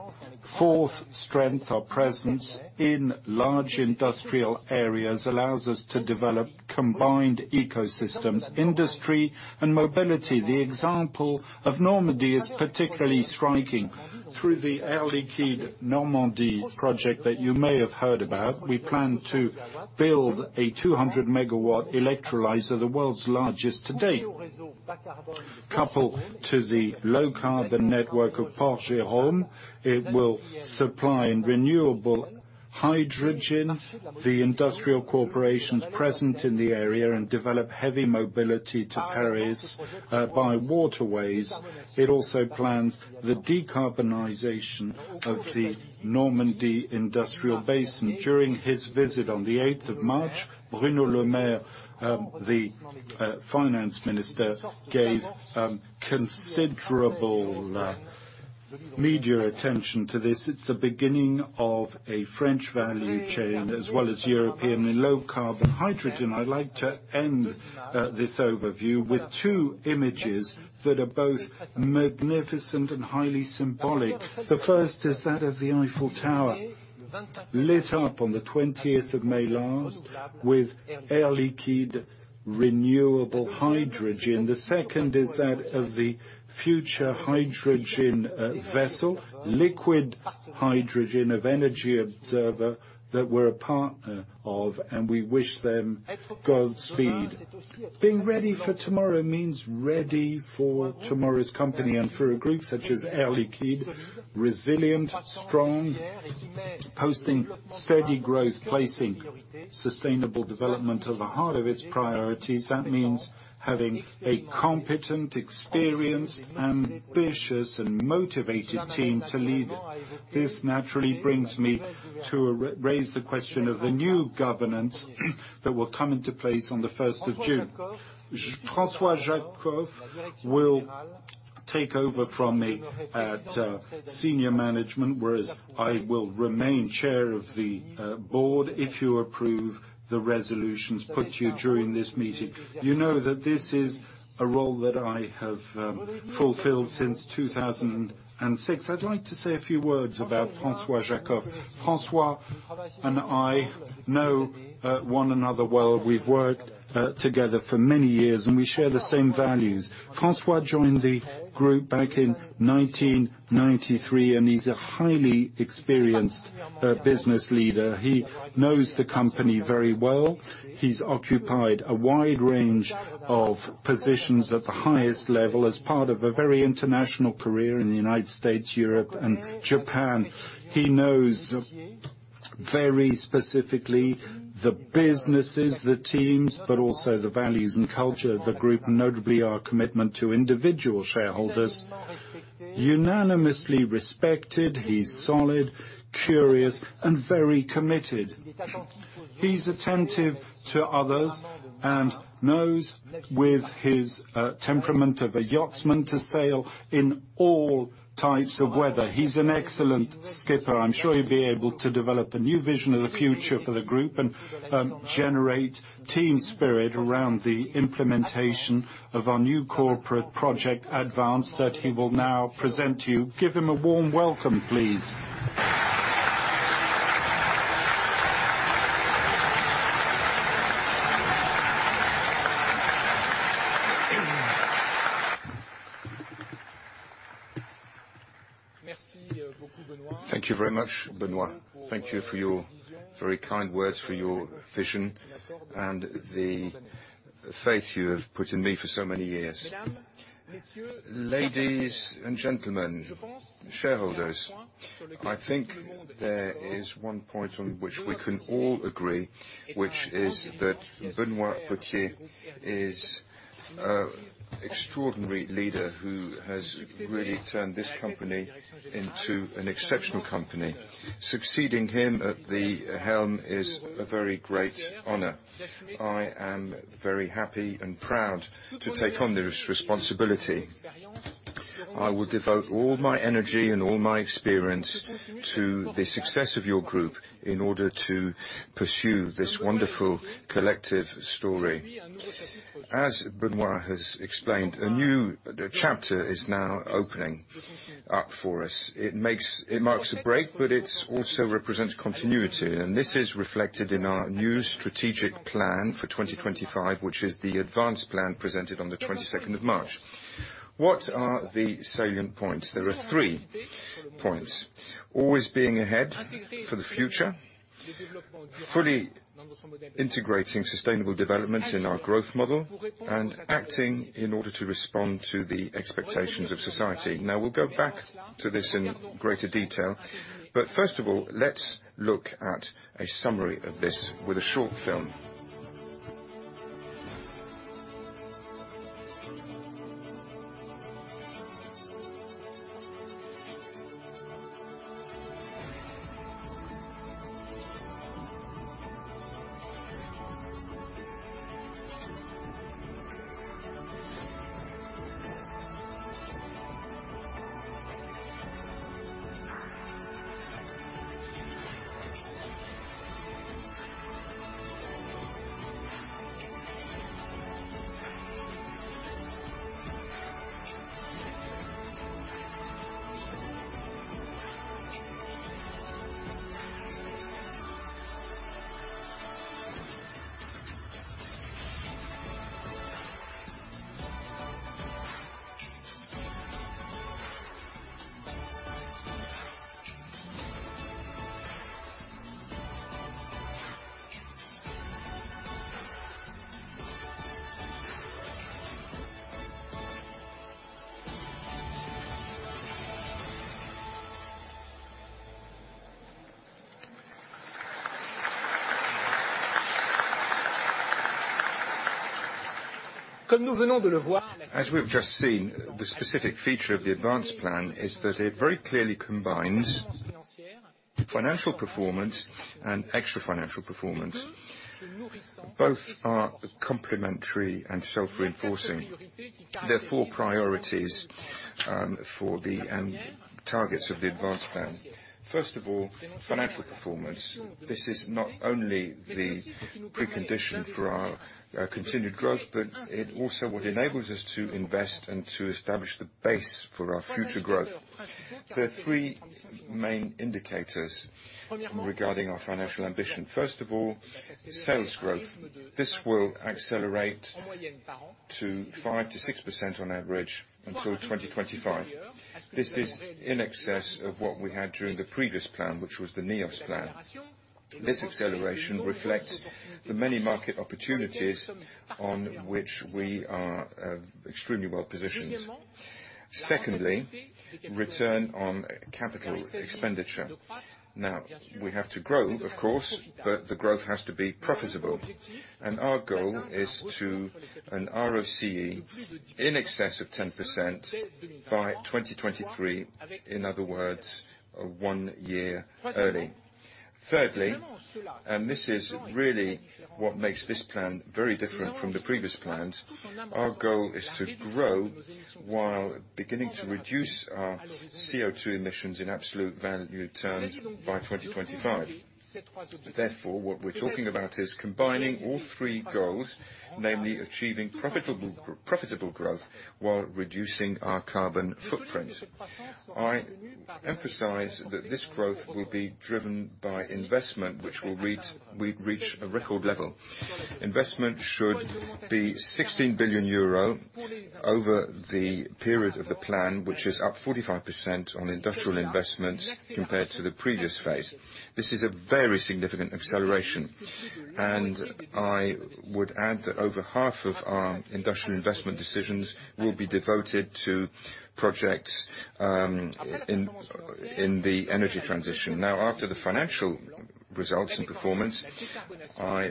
Fourth strength or presence in large industrial areas allows us to develop combined ecosystems, industry and mobility. The example of Normandy is particularly striking. Through the Air Liquide Normand'Hy that you may have heard about, we plan to build a 200 MW electrolyzer, the world's largest to date. Coupled to the low-carbon network of Port-Jérôme, it will supply renewable hydrogen, the industrial corporations present in the area and develop heavy mobility to Paris by waterways. It also plans the decarbonization of the Normandy industrial basin. During his visit on the 8th of March, Bruno Le Maire, the finance minister, gave considerable media attention to this. It's a beginning of a French value chain as well as European low-carbon hydrogen. I'd like to end this overview with two images that are both magnificent and highly symbolic. The first is that of the Eiffel Tower lit up on the 20th of May last with Air Liquide renewable hydrogen. The second is that of the future hydrogen vessel, liquid hydrogen of Energy Observer that we're a partner of, and we wish them Godspeed. Being ready for tomorrow means ready for tomorrow's company and for a group such as Air Liquide, resilient, strong, posting steady growth, placing sustainable development at the heart of its priorities. That means having a competent, experienced, ambitious, and motivated team to lead it. This naturally brings me to raise the question of the new governance that will come into place on the 1st of June. François Jackow will take over from me at senior management, whereas I will remain chair of the board if you approve the resolutions put to you during this meeting. You know that this is a role that I have fulfilled since 2006. I'd like to say a few words about François Jackow. François and I know one another well. We've worked together for many years, and we share the same values. François joined the group back in 1993, and he's a highly experienced business leader. He knows the company very well. He's occupied a wide range of positions at the highest level as part of a very international career in the U.S., Europe, and Japan. He knows very specifically the businesses, the teams, but also the values and culture of the group, notably our commitment to individual shareholders. Unanimously respected, he's solid, curious, and very committed. He's attentive to others and knows with his temperament of a yachtsman to sail in all types of weather. He's an excellent skipper. I'm sure he'll be able to develop a new vision of the future for the group and generate team spirit around the implementation of our new corporate project ADVANCE that he will now present to you. Give him a warm welcome, please. Thank you very much, Benoît. Thank you for your very kind words, for your vision, and the faith you have put in me for so many years. Ladies, and gentlemen, shareholders, I think there is one point on which we can all agree, which is that Benoît Potier is an extraordinary leader who has really turned this company into an exceptional company. Succeeding him at the helm is a very great honor. I am very happy and proud to take on this responsibility. I will devote all my energy and all my experience to the success of your group in order to pursue this wonderful collective story. As Benoît has explained, a new chapter is now opening up for us. It makes. It marks a break, but it also represents continuity, and this is reflected in our new strategic plan for 2025, which is the ADVANCE plan presented on the 22nd of March. What are the salient points? There are three points: always being ahead for the future, fully integrating sustainable development in our growth model, and acting in order to respond to the expectations of society. Now, we'll go back to this in greater detail, but first of all, let's look at a summary of this with a short film. As we've just seen, the specific feature of the ADVANCE plan is that it very clearly combines financial performance and extrafinancial performance. Both are complementary and self-reinforcing. There are four priorities for the end targets of the ADVANCE plan. First of all, financial performance. This is not only the precondition for our continued growth, but it also what enables us to invest and to establish the base for our future growth. There are three main indicators regarding our financial ambition. First of all, sales growth. This will accelerate to 5%-6% on average until 2025. This is in excess of what we had during the previous plan, which was the NEOS plan. This acceleration reflects the many market opportunities on which we are extremely well positioned. Secondly, return on capital expenditure. Now, we have to grow, of course, but the growth has to be profitable. Our goal is to an ROCE in excess of 10% by 2023, in other words, one year early. Thirdly, and this is really what makes this plan very different from the previous plans, our goal is to grow while beginning to reduce our CO₂ emissions in absolute value terms by 2025. Therefore, what we're talking about is combining all three goals, namely achieving profitable growth while reducing our carbon footprint. I emphasize that this growth will be driven by investment, which will reach a record level. Investment should be 16 billion euro over the period of the plan, which is up 45% on industrial investments compared to the previous phase. This is a very significant acceleration. I would add that over half of our industrial investment decisions will be devoted to projects in the energy transition. Now, after the financial results and performance, I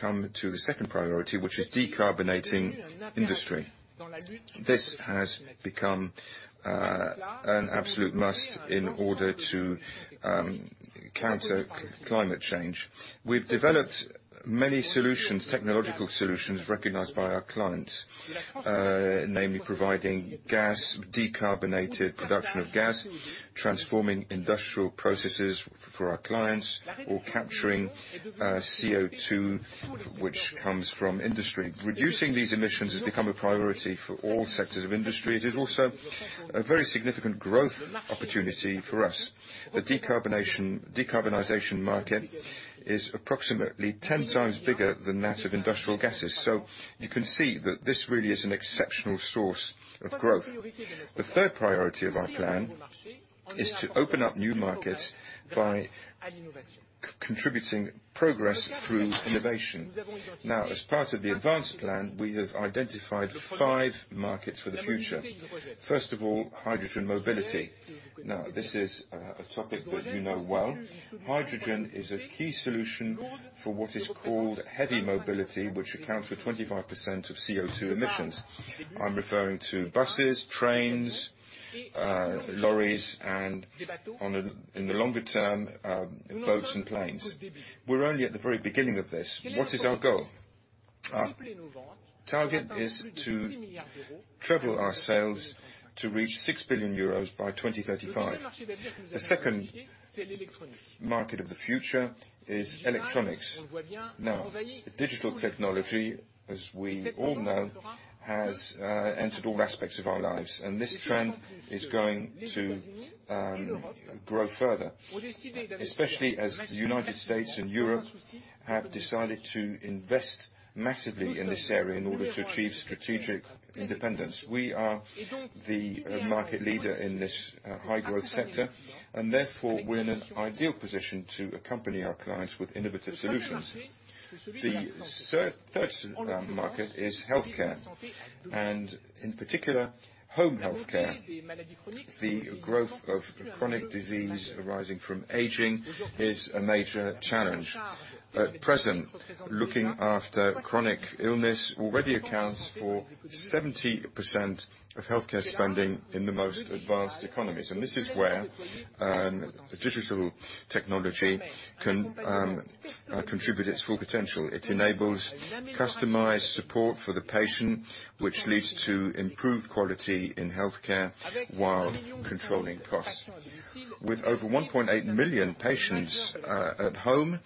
come to the second priority, which is decarbonating industry. This has become an absolute must in order to counter climate change. We've developed many solutions, technological solutions, recognized by our clients, namely providing gas, decarbonated production of gas, transforming industrial processes for our clients, or capturing CO₂ which comes from industry. Reducing these emissions has become a priority for all sectors of industry. It is also a very significant growth opportunity for us. The decarbonization market is approximately 10x bigger than that of industrial gases. You can see that this really is an exceptional source of growth. The third priority of our plan is to open up new markets by contributing progress through innovation. Now, as part of the ADVANCE plan, we have identified five markets for the future. First of all, hydrogen mobility. Now this is a topic that you know well. Hydrogen is a key solution for what is called heavy mobility, which accounts for 25% of CO₂ emissions. I'm referring to buses, trains, lorries and in the longer term, boats and planes. We're only at the very beginning of this. What is our goal? Our target is to triple our sales to reach 6 billion euros by 2035. The second market of the future is electronics. Now, digital technology, as we all know, has entered all aspects of our lives, and this trend is going to grow further, especially as the U.S. and Europe have decided to invest massively in this area in order to achieve strategic independence. We are the market leader in this high-growth sector, and therefore, we're in an ideal position to accompany our clients with innovative solutions. The third market is healthcare, and in particular, home healthcare. The growth of chronic disease arising from aging is a major challenge. At present, looking after chronic illness already accounts for 70% of healthcare spending in the most advanced economies. This is where digital technology can contribute its full potential. It enables customized support for the patient, which leads to improved quality in healthcare while controlling costs. With over 1.8 million patients at home,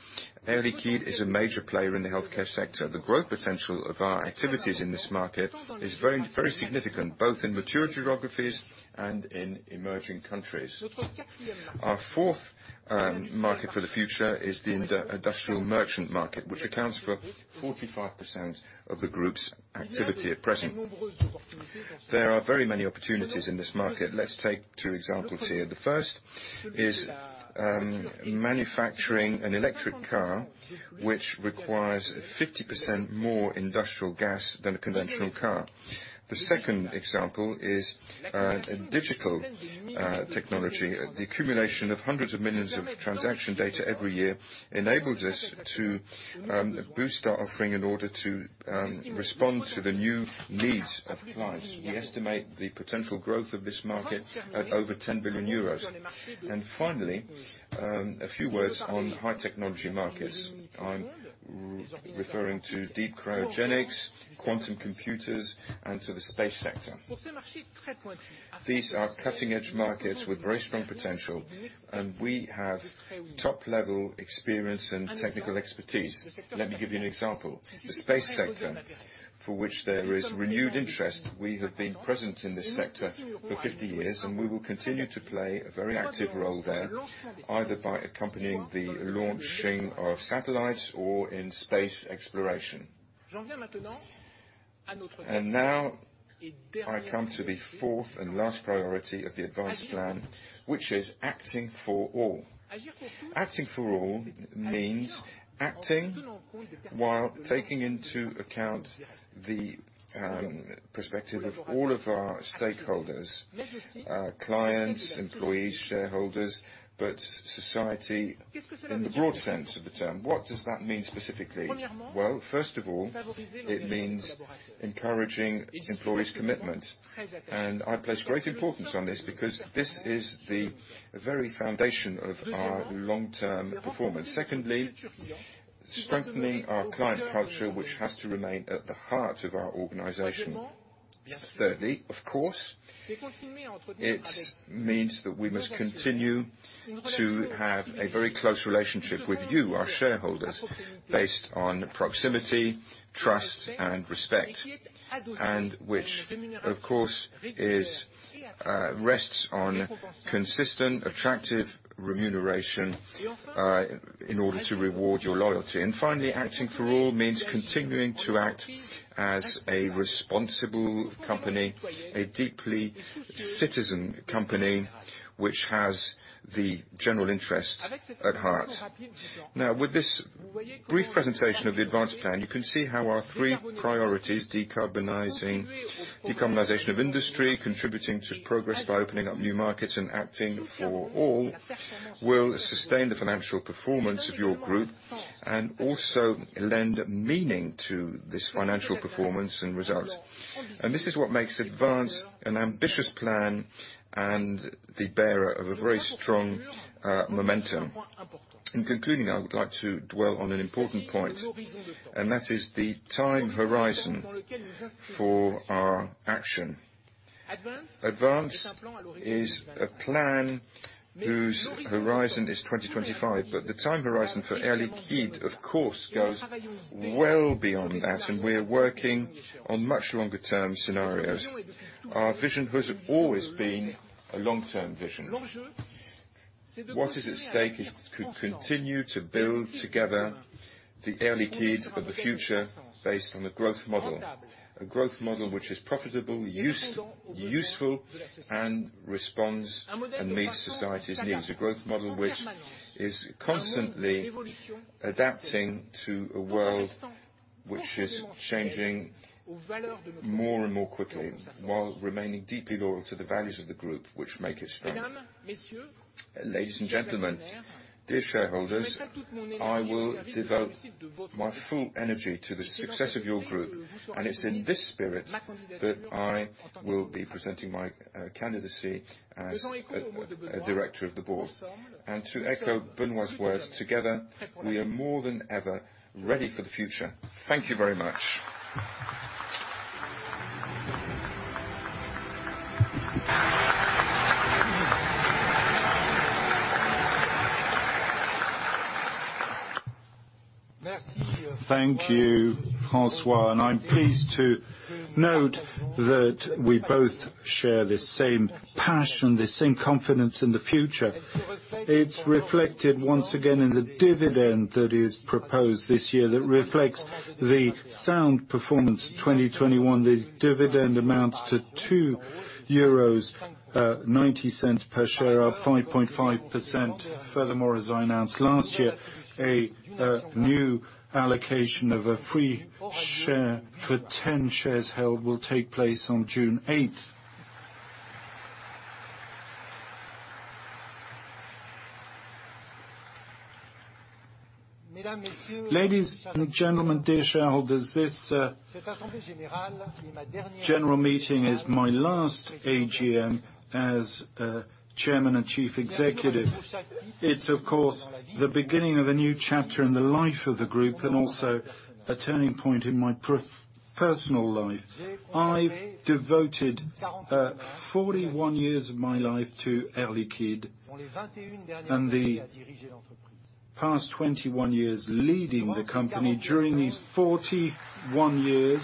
Air Liquide is a major player in the healthcare sector. The growth potential of our activities in this market is very, very significant, both in mature geographies and in emerging countries. Our fourth market for the future is the industrial merchant market, which accounts for 45% of the group's activity at present. There are very many opportunities in this market. Let's take two examples here. The first is manufacturing an electric car which requires 50% more industrial gas than a conventional car. The second example is digital technology. The accumulation of hundreds of millions of transaction data every year enables us to boost our offering in order to respond to the new needs of clients. We estimate the potential growth of this market at over 10 billion euros. Finally, a few words on high technology markets. I'm referring to deep cryogenics, quantum computers, and to the space sector. These are cutting-edge markets with very strong potential, and we have top-level experience and technical expertise. Let me give you an example. The space sector, for which there is renewed interest, we have been present in this sector for 50 years, and we will continue to play a very active role there, either by accompanying the launching of satellites or in space exploration. Now I come to the fourth and last priority of the ADVANCE plan, which is acting for all. Acting for all means acting while taking into account the perspective of all of our stakeholders, clients, employees, shareholders, but society in the broad sense of the term. What does that mean specifically? Well, first of all, it means encouraging employees' commitment, and I place great importance on this because this is the very foundation of our long-term performance. Secondly, strengthening our client culture, which has to remain at the heart of our organization. Thirdly, of course, it means that we must continue to have a very close relationship with you, our shareholders, based on proximity, trust, and respect, and which of course is, rests on consistent, attractive remuneration, in order to reward your loyalty. Finally, acting for all means continuing to act as a responsible company, a deeply citizen company which has the general interest at heart. Now, with this brief presentation of the ADVANCE plan, you can see how our three priorities, decarbonization of industry, contributing to progress by opening up new markets, and acting for all, will sustain the financial performance of your group and also lend meaning to this financial performance and results. This is what makes ADVANCE an ambitious plan and the bearer of a very strong, momentum. In concluding, I would like to dwell on an important point, and that is the time horizon for our action. ADVANCE is a plan whose horizon is 2025, but the time horizon for Air Liquide, of course, goes well beyond that, and we are working on much longer-term scenarios. Our vision has always been a long-term vision. What is at stake is to continue to build together the Air Liquide of the future based on a growth model, a growth model which is profitable, useful, and responds and meets society's needs. A growth model which is constantly adapting to a world which is changing more and more quickly while remaining deeply loyal to the values of the group which make it strong. Ladies, and gentlemen, dear shareholders, I will devote my full energy to the success of your group, and it's in this spirit that I will be presenting my candidacy as a Director of the Board. To echo Benoît's words, together we are more than ever ready for the future. Thank you very much. Thank you, François. I'm pleased to note that we both share the same passion, the same confidence in the future. It's reflected once again in the dividend that is proposed this year that reflects the sound performance of 2021. The dividend amounts to 2.90 euros per share, up 5.5%. Furthermore, as I announced last year, a new allocation of a free share for 10 shares held will take place on June 8th. Ladies, and gentlemen, dear shareholders, this general meeting is my last AGM as Chairman and Chief Executive. It's, of course, the beginning of a new chapter in the life of the group and also a turning point in my personal life. I've devoted 41 years of my life to Air Liquide and the past 21 years leading the company during these 41 years.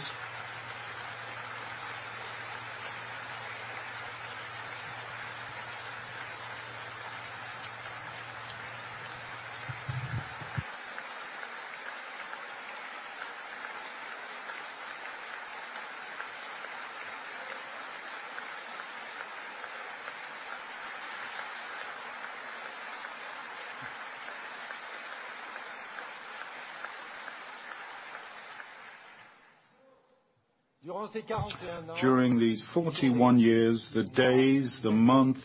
During these 41 years, the days, the months,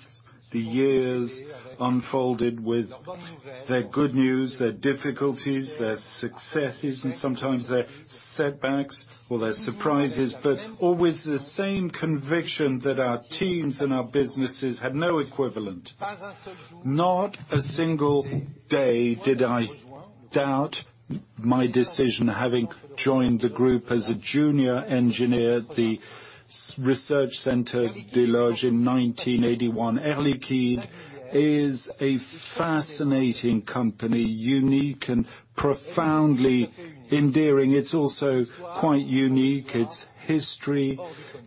the years unfolded with their good news, their difficulties, their successes, and sometimes their setbacks or their surprises, but always the same conviction that our teams and our businesses had no equivalent. Not a single day did I doubt my decision, having joined the group as a junior engineer at the research center, Les Loges-en-Josas, in 1981. Air Liquide is a fascinating company, unique and profoundly endearing. It's also quite unique. Its history,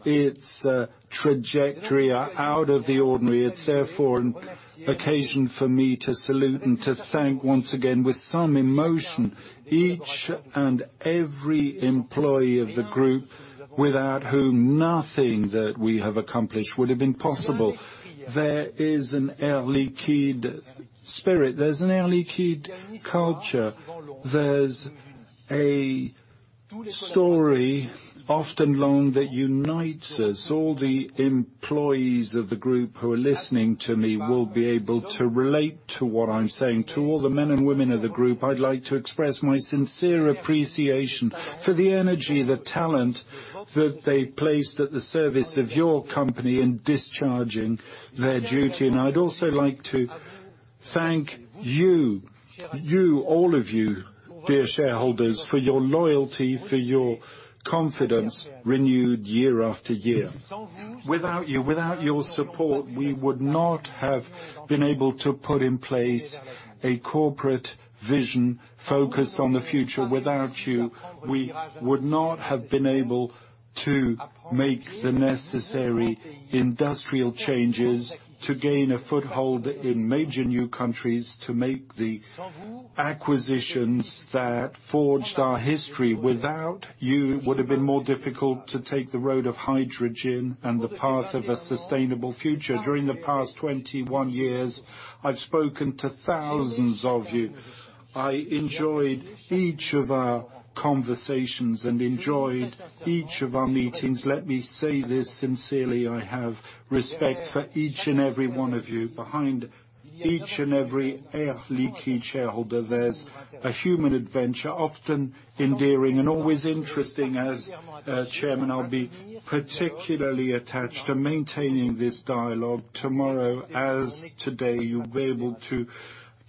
its trajectory are out of the ordinary. It's therefore an occasion for me to salute and to thank once again with some emotion, each and every employee of the group without whom nothing that we have accomplished would have been possible. There is an Air Liquide spirit. There's an Air Liquide culture. There's a story, often long, that unites us. All the employees of the group who are listening to me will be able to relate to what I'm saying. To all the men and women of the group, I'd like to express my sincere appreciation for the energy, the talent that they place at the service of your company in discharging their duty. I'd also like to thank you, all of you, dear shareholders, for your loyalty, for your confidence renewed year-after-year. Without you, without your support, we would not have been able to put in place a corporate vision focused on the future. Without you, we would not have been able to make the necessary industrial changes to gain a foothold in major new countries to make the acquisitions that forged our history. Without you, it would have been more difficult to take the road of hydrogen and the path of a sustainable future. During the past 21 years, I've spoken to thousands of you. I enjoyed each of our conversations and enjoyed each of our meetings. Let me say this sincerely, I have respect for each and every one of you. Behind each and every Air Liquide shareholder, there's a human adventure, often endearing and always interesting. As Chairman, I'll be particularly attached to maintaining this dialogue. Tomorrow, as today, you'll be able to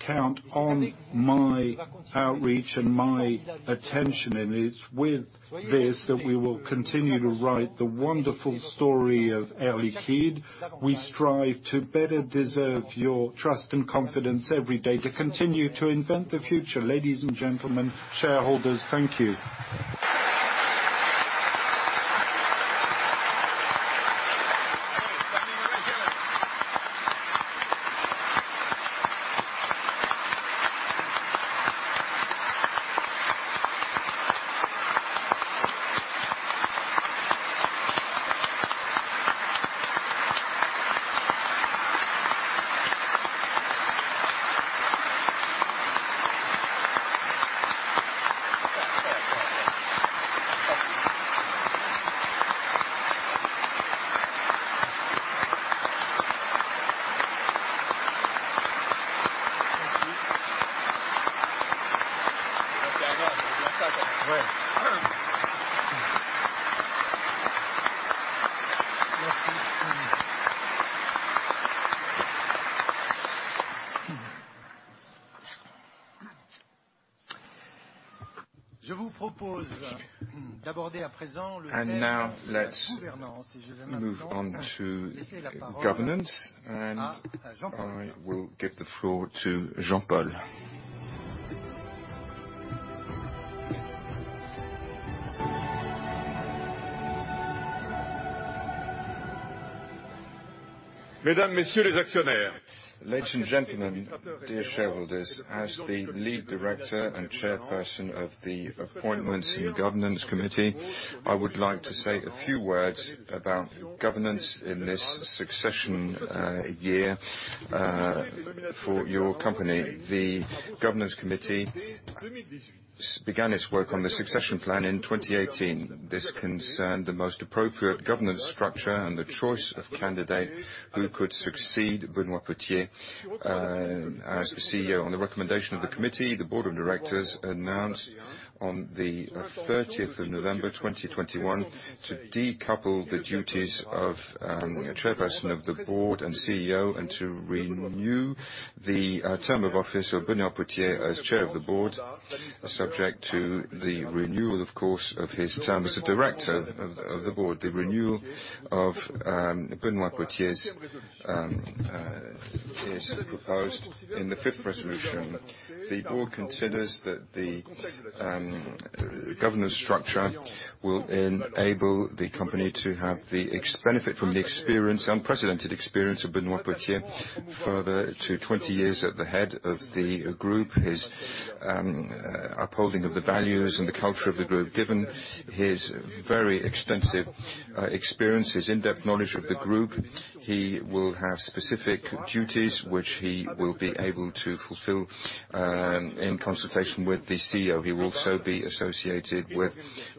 count on my outreach and my attention. It's with this that we will continue to write the wonderful story of Air Liquide. We strive to better deserve your trust and confidence every day to continue to invent the future. Ladies, and gentlemen, shareholders, thank you. Now let's move on to governance, and I will give the floor to Jean-Paul. Ladies, and gentlemen, dear shareholders, as the Lead Director and Chairperson of the Appointments and Governance Committee, I would like to say a few words about governance in this succession year for your company. The Governance Committee began its work on the succession plan in 2018. This concerned the most appropriate governance structure and the choice of candidate who could succeed Benoît Potier as CEO. On the recommendation of the committee, the Board of Directors announced on the 30th of November, 2021, to decouple the duties of Chairperson of the Board and CEO and to renew the term of office of Benoît Potier as Chair of the Board, subject to the renewal, of course, of his term as a Director of the Board. The renewal of Benoît Potier's is proposed in the fifth resolution. The board considers that the governance structure will enable the company to have the benefit from the experience, unprecedented experience of Benoît Potier. Further to 20 years at the head of the group, his upholding of the values and the culture of the group. Given his very extensive experience, his in-depth knowledge of the group. He will have specific duties which he will be able to fulfill in consultation with the CEO. He will also be associated with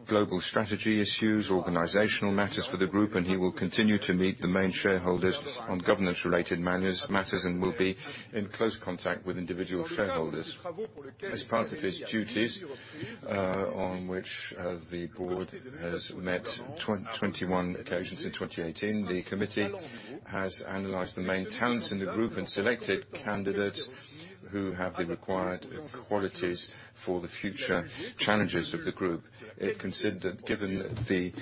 global strategy issues, organizational matters for the group, and he will continue to meet the main shareholders on governance-related matters, and will be in close contact with individual shareholders. As part of his duties, on which the board has met 21 occasions in 2018, the committee has analyzed the main talents in the group and selected candidates who have the required qualities for the future challenges of the group. It considered that given the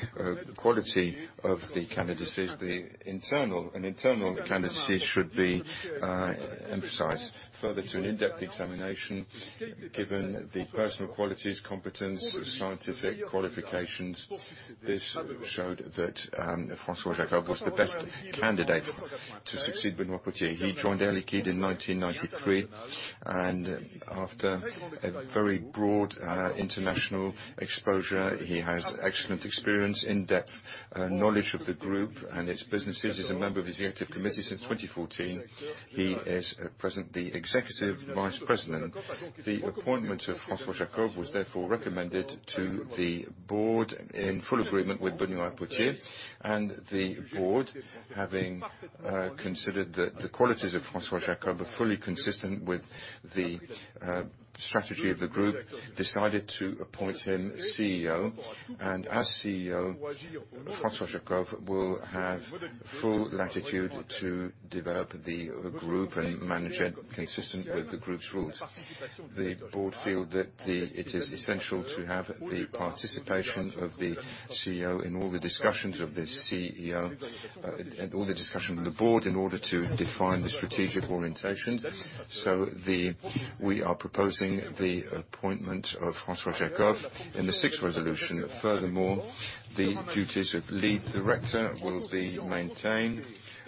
quality of the candidacies, an internal candidacy should be emphasized. Further to an in-depth examination, given the personal qualities, competence, scientific qualifications, this showed that François Jackow was the best candidate to succeed Benoît Potier. He joined Air Liquide in 1993, and after a very broad international exposure, he has excellent experience, in-depth knowledge of the group and its businesses. He's a member of the executive committee since 2014. He is at present the Executive Vice President. The appointment of François Jackow was therefore recommended to the board in full agreement with Benoît Potier, and the board, having considered that the qualities of François Jackow are fully consistent with the strategy of the group, decided to appoint him CEO. As CEO, François Jackow will have full latitude to develop the group and manage it consistent with the group's rules. The board feel that it is essential to have the participation of the CEO in all the discussions of the CEO, in all the discussions of the board in order to define the strategic orientations. We are proposing the appointment of François Jackow in the sixth resolution. Furthermore, the duties of Lead Director will be maintained,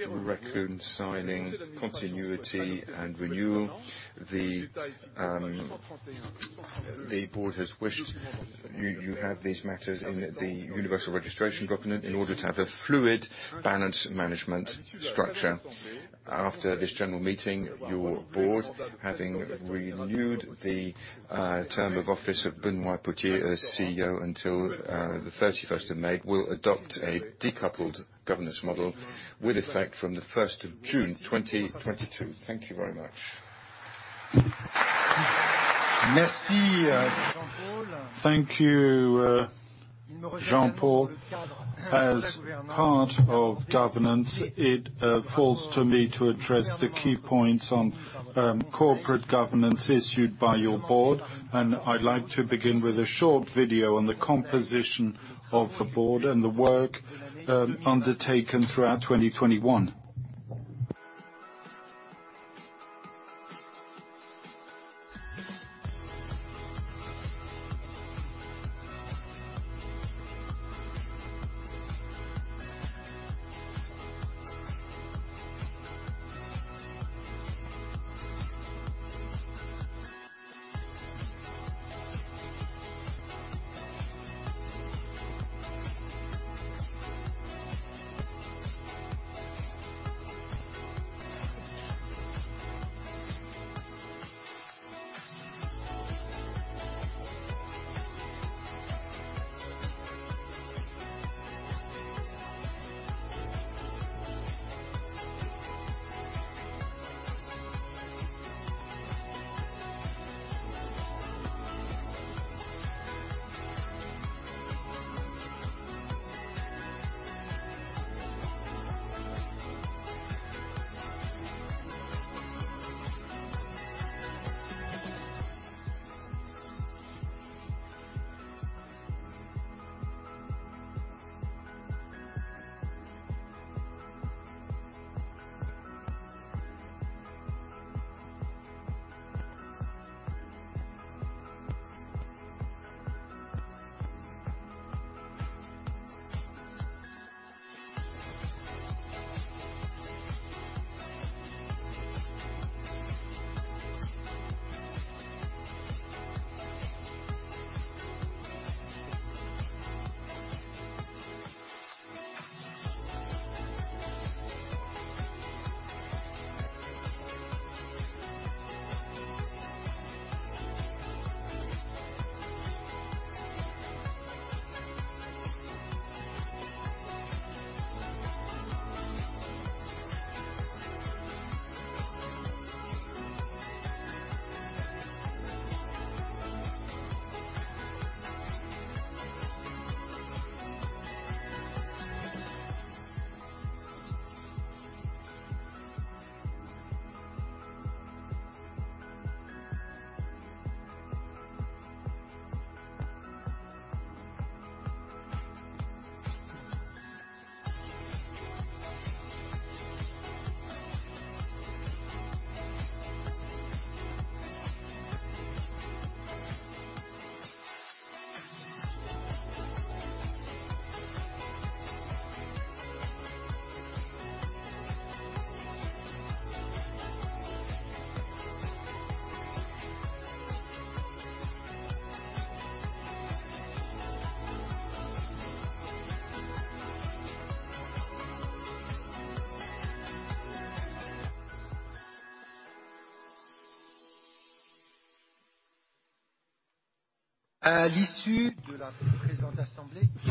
reconciling continuity and renewal. The board has wished to have these matters in the universal registration document in order to have a fluid, balanced governance structure. After this general meeting, your board, having renewed the term of office of Benoît Potier as CEO until the 31st of May, will adopt a decoupled governance model with effect from the 1st of June, 2022. Thank you very much. Merci. Thank you, Jean-Paul. As part of governance, it falls to me to address the key points on corporate governance issued by your board, and I'd like to begin with a short video on the composition of the board and the work undertaken throughout 2021.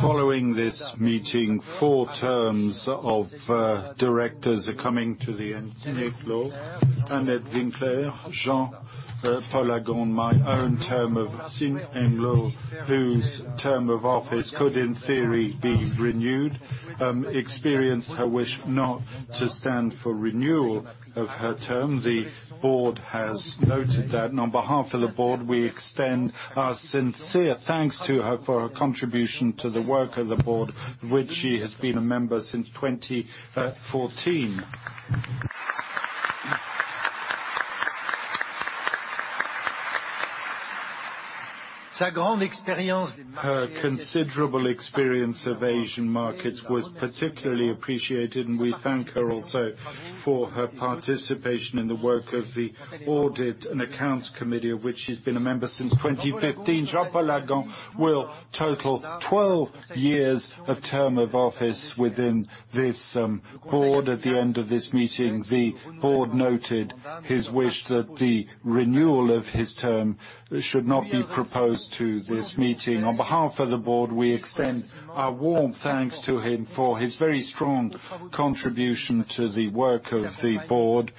Following this meeting, four terms of directors are coming to the end. Annette Winkler, Jean-Paul Agon, Sin Leng Low whose term of office could in theory be renewed, expressed her wish not to stand for renewal of her term. The board has noted that. On behalf of the board, we extend our sincere thanks to her for her contribution to the work of the board, which she has been a member since 2014. Her considerable experience of Asian markets was particularly appreciated, and we thank her also for her participation in the work of the Audit and Accounts Committee, of which she's been a member since 2015. Jean-Paul Agon will total 12 years of term of office within this board at the end of this meeting. The board noted his wish that the renewal of his term should not be proposed to this meeting. On behalf of the board, we extend our warm thanks to him for his very strong contribution to the work of the board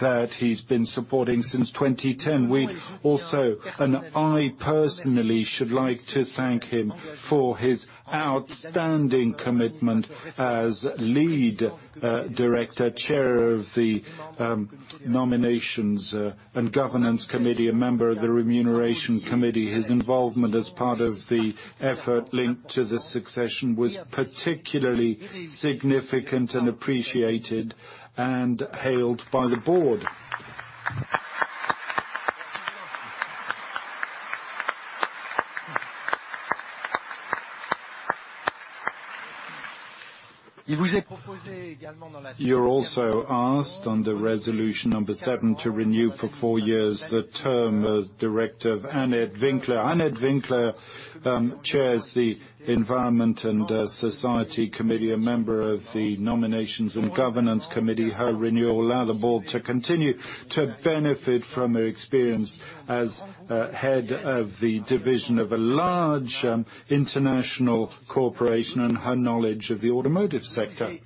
that he's been supporting since 2010. We also, and I personally, should like to thank him for his outstanding commitment as Lead Director, Chair of the Nominations and Governance Committee, a member of the Remuneration Committee. His involvement as part of the effort linked to the succession was particularly significant and appreciated and hailed by the board. You're also asked under Resolution number 7 to renew for four years the term of Director Annette Winkler. Annette Winkler chairs the Environment and Society Committee, a member of the Nominations and Governance Committee. Her renewal allow the board to continue to benefit from her experience as head of the division of a large international corporation and her knowledge of the automotive sector.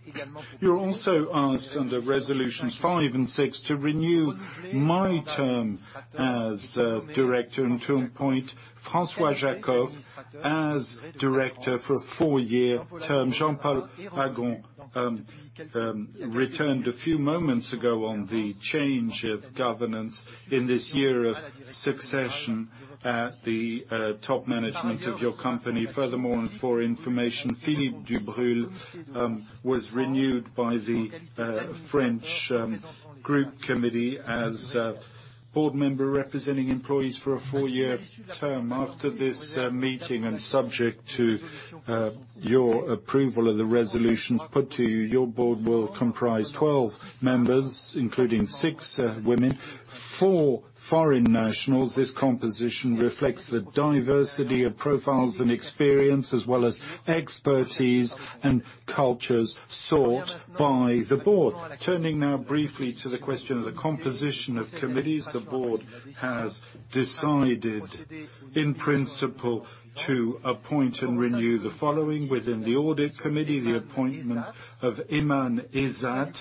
You're also asked under Resolutions 5 and 6 to renew my term as Director and to appoint François Jackow as Director for a four-year term. Jean-Paul Agon returned a few moments ago on the change of governance in this year of succession at the top management of your company. Furthermore, and for information, Philippe Dubrulle was renewed by the French Group Committee as board member representing employees for a four-year term. After this meeting and subject to your approval of the resolutions put to you, your board will comprise 12 members, including six women, four foreign nationals. This composition reflects the diversity of profiles and experience as well as expertise and cultures sought by the board. Turning now briefly to the question of the composition of committees, the board has decided in principle to appoint and renew the following. Within the Audit Committee, the appointment of Aiman Ezzat.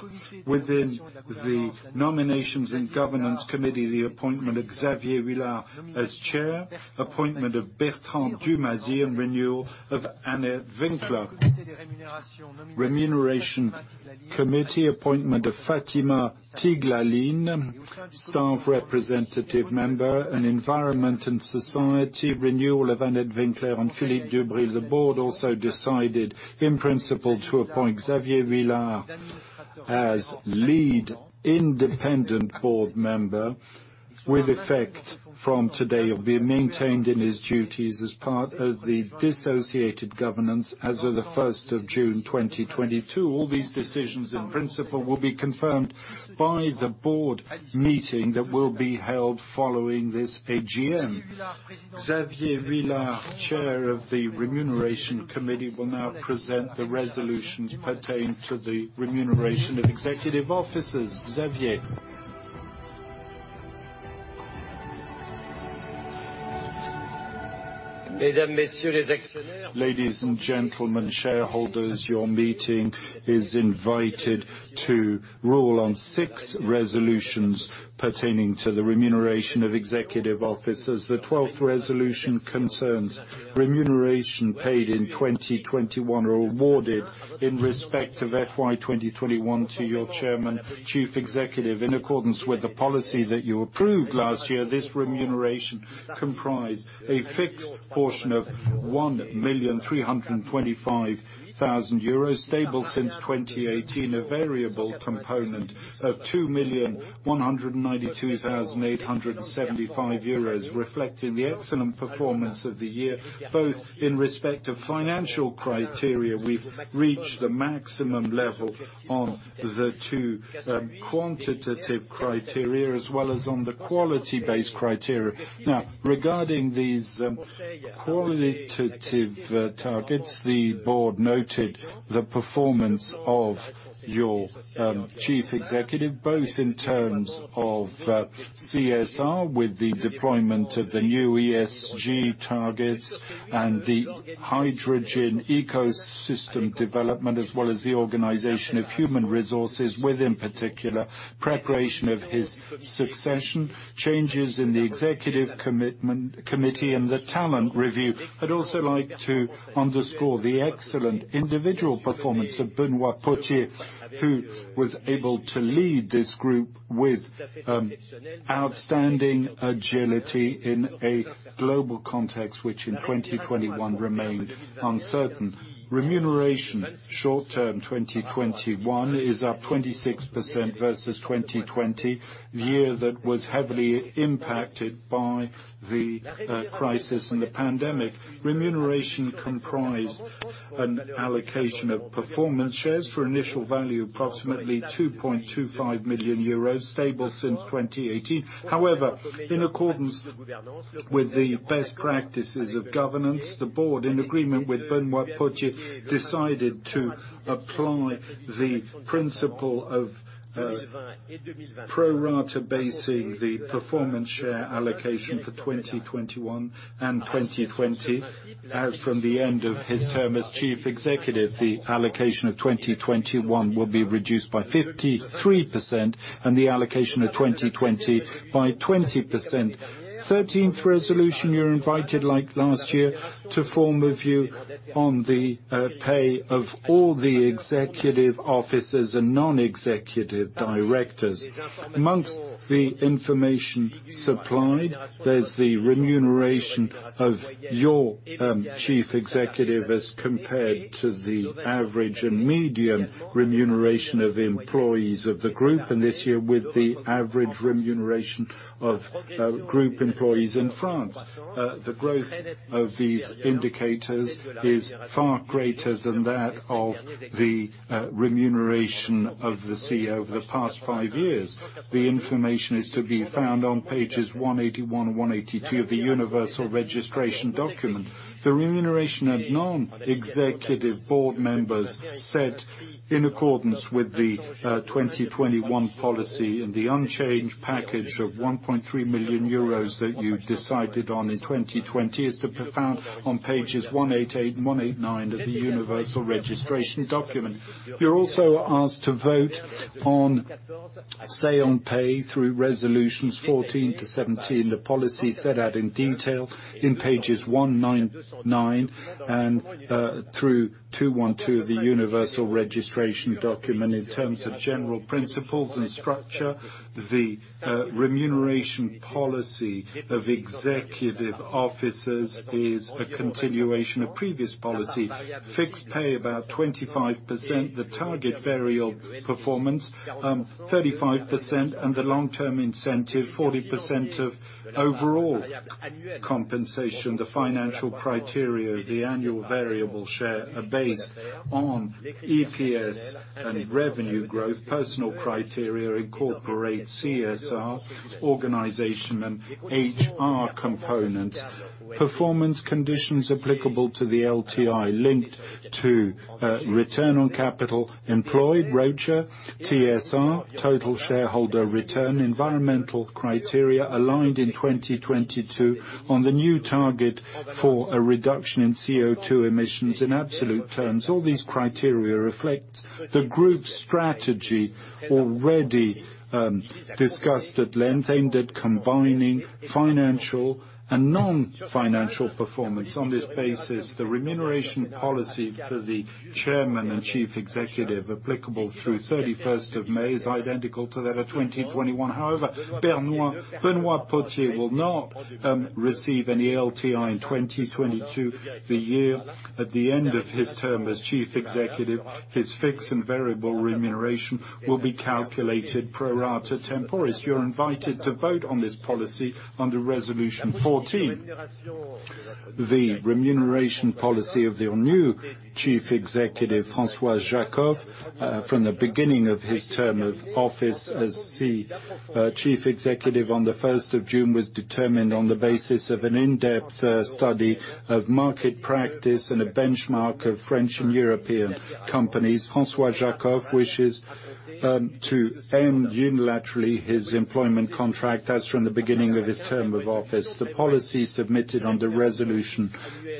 Within the Nominations and Governance Committee, the appointment of Xavier Huillard as Chair, appointment of Bertrand Dumazy, and renewal of Annette Winkler. Remuneration Committee appointment of Fatima Tighlaline, Staff Representative Member, and Environment and Society, renewal of Annette Winkler and Philippe Dubrulle. The board also decided in principle to appoint Xavier Huillard as lead independent board member with effect from today. He'll be maintained in his duties as part of the dissociated governance as of the 1st of June, 2022. All these decisions in principle will be confirmed by the board meeting that will be held following this AGM. Xavier Huillard, Chair of the Remuneration Committee, will now present the resolutions pertaining to the remuneration of executive officers. Xavier? Ladies, and gentlemen, shareholders, your meeting is invited to rule on six resolutions pertaining to the remuneration of executive officers. The 12th resolution concerns remuneration paid in 2021 or awarded in respect of FY 2021 to your chairman, chief executive. In accordance with the policy that you approved last year, this remuneration comprised a fixed portion of 1.325 million euros, stable since 2018. A variable component of 2,192,875 euros, reflecting the excellent performance of the year, both in respect of financial criteria. We've reached the maximum level on the two quantitative criteria, as well as on the quality-based criteria. Now, regarding these qualitative targets, the board noted the performance of your chief executive, both in terms of CSR with the deployment of the new ESG targets and the hydrogen ecosystem development, as well as the organization of human resources with, in particular, preparation of his succession, changes in the executive committee, and the talent review. I'd also like to underscore the excellent individual performance of Benoît Potier who was able to lead this group with outstanding agility in a global context which in 2021 remained uncertain. Remuneration short-term 2021 is up 26% versus 2020, the year that was heavily impacted by the crisis and the pandemic. Remuneration comprised an allocation of performance shares for initial value approximately 2.25 million euros, stable since 2018. However, in accordance with the best practices of governance, the board, in agreement with Benoît Potier, decided to apply the principle of pro rata, basing the performance share allocation for 2021 and 2020. As from the end of his term as chief executive, the allocation of 2021 will be reduced by 53% and the allocation of 2020 by 20%. 13th resolution, you're invited, like last year, to form a view on the pay of all the executive officers and non-executive directors. Among the information supplied, there's the remuneration of your chief executive as compared to the average and median remuneration of employees of the group, and this year with the average remuneration of group employees in France. The growth of these indicators is far greater than that of the remuneration of the CEO over the past five years. The information is to be found on pages 181 and 182 of the universal registration document. The remuneration of non-executive board members set in accordance with the 2021 policy and the unchanged package of 1.3 million euros that you decided on in 2020 is to be found on pages 188 and 189 of the universal registration document. You're also asked to vote on say on pay through Resolutions 14 to 17. The policy set out in detail in pages 199 and through 212 of the universal registration document. In terms of general principles and structure, the remuneration policy of executive officers is a continuation of previous policy. Fixed pay about 25%, the target variable performance 35%, and the long-term incentive 40% of overall compensation. The financial criteria, the annual variable share are based on EPS and revenue growth. Personal criteria incorporate CSR, organization, and HR components. Performance conditions applicable to the LTI linked to return on capital employed, ROCE, TSR, total shareholder return, environmental criteria aligned in 2022 on the new target for a reduction in CO₂ emissions in absolute terms. All these criteria reflect the group's strategy already discussed at length, aimed at combining financial and non-financial performance. On this basis, the remuneration policy for the chairman and chief executive applicable through 31st of May is identical to that of 2021. However, Benoît Potier will not receive any LTI in 2022. The year at the end of his term as chief executive, his fixed and variable remuneration will be calculated pro rata temporis. You're invited to vote on this policy under Resolution 14. The remuneration policy of your new chief executive, François Jackow, from the beginning of his term of office as the chief executive on the 1st of June was determined on the basis of an in-depth study of market practice and a benchmark of French and European companies. François Jackow wishes to end unilaterally his employment contract as from the beginning of his term of office. The policy submitted under Resolution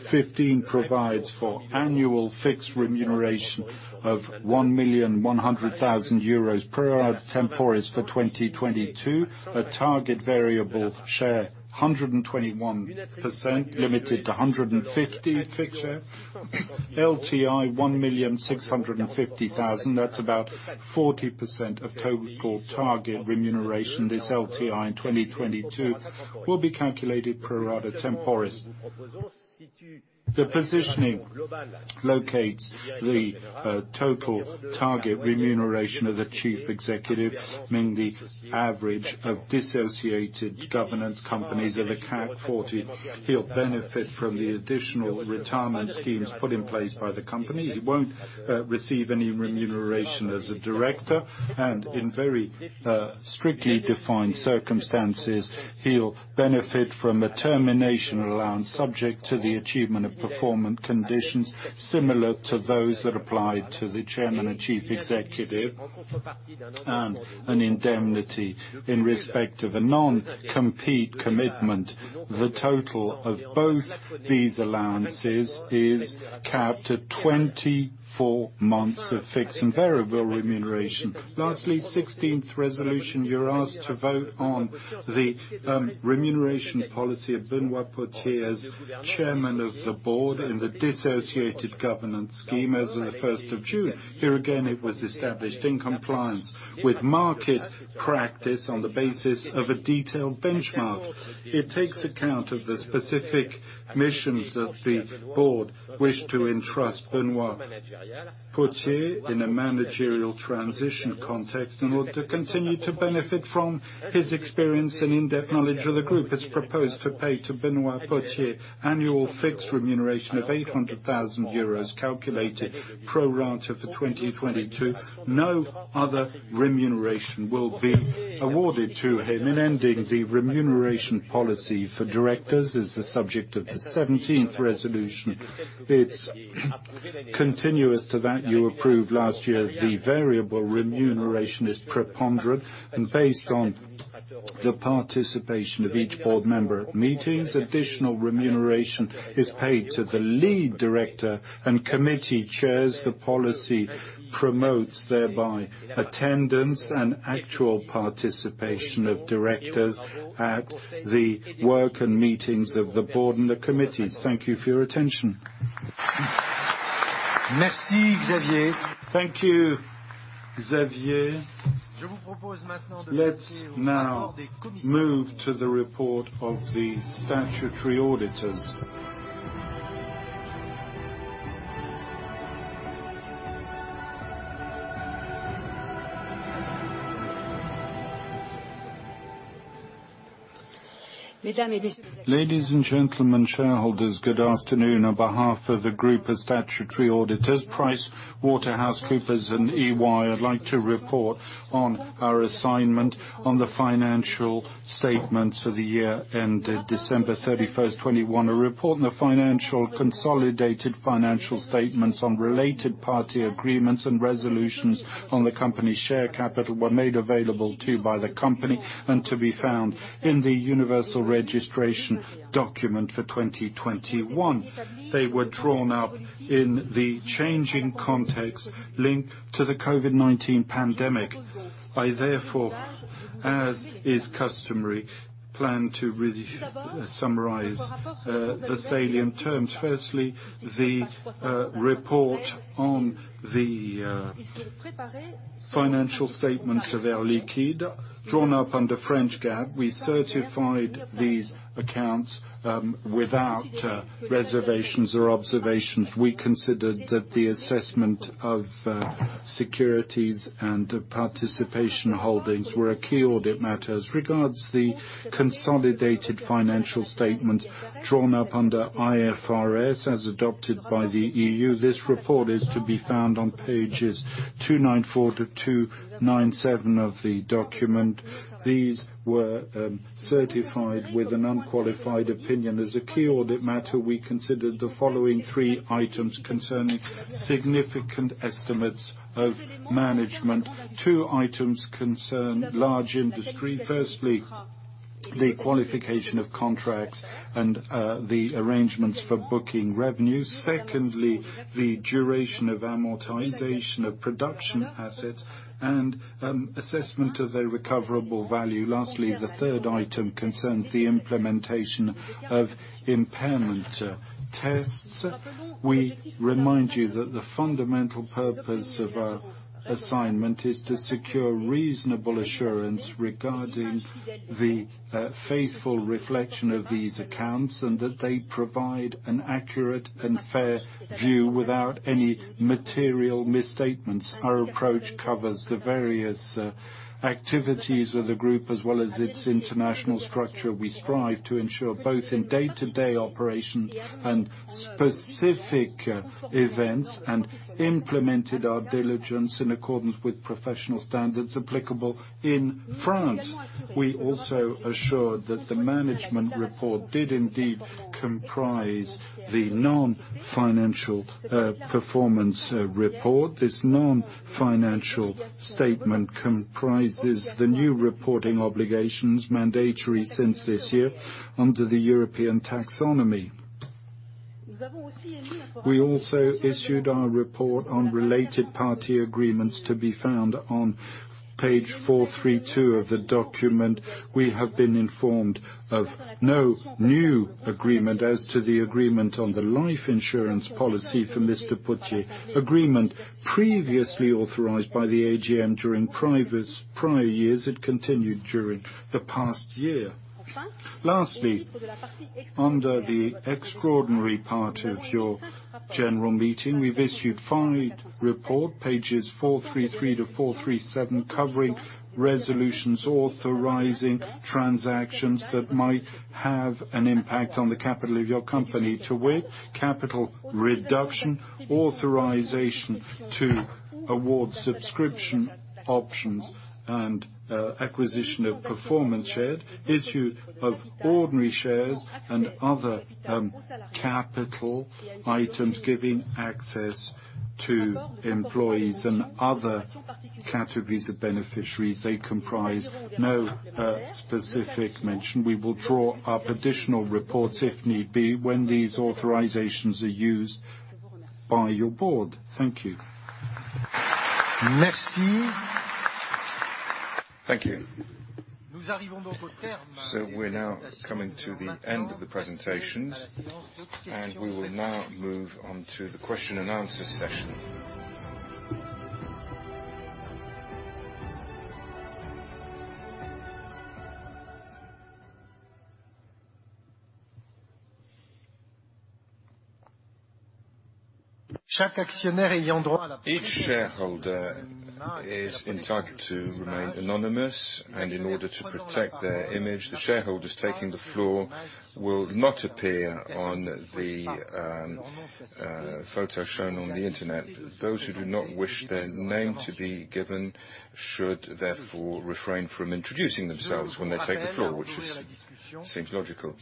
15 provides for annual fixed remuneration of 1.1 million euros pro rata temporis for 2022. A target variable share 121%, limited to 150% fixed share. LTI, 1.65 million, that's about 40% of total target remuneration. This LTI in 2022 will be calculated pro rata temporis. The positioning locates the total target remuneration of the chief executive, meaning the average of dissociated governance companies of the CAC 40. He'll benefit from the additional retirement schemes put in place by the company. He won't receive any remuneration as a director and in very strictly defined circumstances, he'll benefit from a termination allowance subject to the achievement of performance conditions similar to those that apply to the chairman and chief executive, and an indemnity in respect of a non-compete commitment. The total of both these allowances is capped at 24 months of fixed and variable remuneration. Lastly, 16th resolution, you're asked to vote on the remuneration policy of Benoît Potier as chairman of the board in the dissociated governance scheme as of the 1st of June. Here again, it was established in compliance with market practice on the basis of a detailed benchmark. It takes account of the specific missions that the board wished to entrust Benoît Potier in a managerial transition context, in order to continue to benefit from his experience and in-depth knowledge of the group. It's proposed to pay to Benoît Potier annual fixed remuneration of 800,000 euros calculated pro rata for 2022. No other remuneration will be awarded to him. In ending, the remuneration policy for directors is the subject of the 17th resolution. It's consistent to that you approved last year. The variable remuneration is preponderant and based on the participation of each board member at meetings. Additional remuneration is paid to the lead director and committee chairs. The policy promotes thereby attendance and actual participation of directors at the work and meetings of the board and the committees. Thank you for your attention. Merci, Xavier. Thank you, Xavier. Let's now move to the report of the statutory auditors. Ladies, and gentlemen, shareholders, good afternoon. On behalf of the group of statutory auditors, PricewaterhouseCoopers and EY, I'd like to report on our assignment on the financial statements for the year ended December 31st, 2021. A report on the consolidated financial statements on related party agreements and resolutions on the company share capital were made available to you by the company, and to be found in the universal registration document for 2021. They were drawn up in the changing context linked to the COVID-19 pandemic. I therefore, as is customary, plan to re-summarize the salient terms. Firstly, the report on the financial statements of Air Liquide drawn up under French GAAP. We certified these accounts without reservations or observations. We considered that the assessment of securities and participation holdings were a key audit matter. As regards the consolidated financial statements drawn up under IFRS, as adopted by the EU, this report is to be found on pages 294-297 of the document. These were certified with an unqualified opinion. As a key audit matter, we considered the following three items concerning significant estimates of management. Two items concerned large industry. Firstly, the qualification of contracts and the arrangements for booking revenues. Secondly, the duration of amortization of production assets and assessment of their recoverable value. Lastly, the third item concerns the implementation of impairment tests. We remind you that the fundamental purpose of our assignment is to secure reasonable assurance regarding the faithful reflection of these accounts, and that they provide an accurate and fair view without any material misstatements. Our approach covers the various activities of the group, as well as its international structure. We strive to ensure both in day-to-day operations and specific events, and implemented our diligence in accordance with professional standards applicable in France. We also assured that the management report did indeed comprise the non-financial performance report. This non-financial statement comprises the new reporting obligations, mandatory since this year under the European taxonomy. We also issued our report on related party agreements to be found on page 432 of the document. We have been informed of no new agreement as to the agreement on the life insurance policy for Mr. Potier. Agreement previously authorized by the AGM during prior years, it continued during the past year. Lastly, under the extraordinary part of your general meeting, we've issued five reports, pages 433-437, covering resolutions authorizing transactions that might have an impact on the capital of your company, to wit, capital reduction, authorization to award subscription options and acquisition of performance shares, issue of ordinary shares and other capital items giving access to employees and other categories of beneficiaries. They comprise no specific mention. We will draw up additional reports if need be when these authorizations are used by your board. Thank you. Merci. Thank you. We're now coming to the end of the presentations, and we will now move on to the question-and-answer session. Each shareholder is entitled to remain anonymous, and in order to protect their image, the shareholders taking the floor will not appear on the photo shown on the Internet. Those who do not wish their name to be given should therefore refrain from introducing themselves when they take the floor, which seems logical.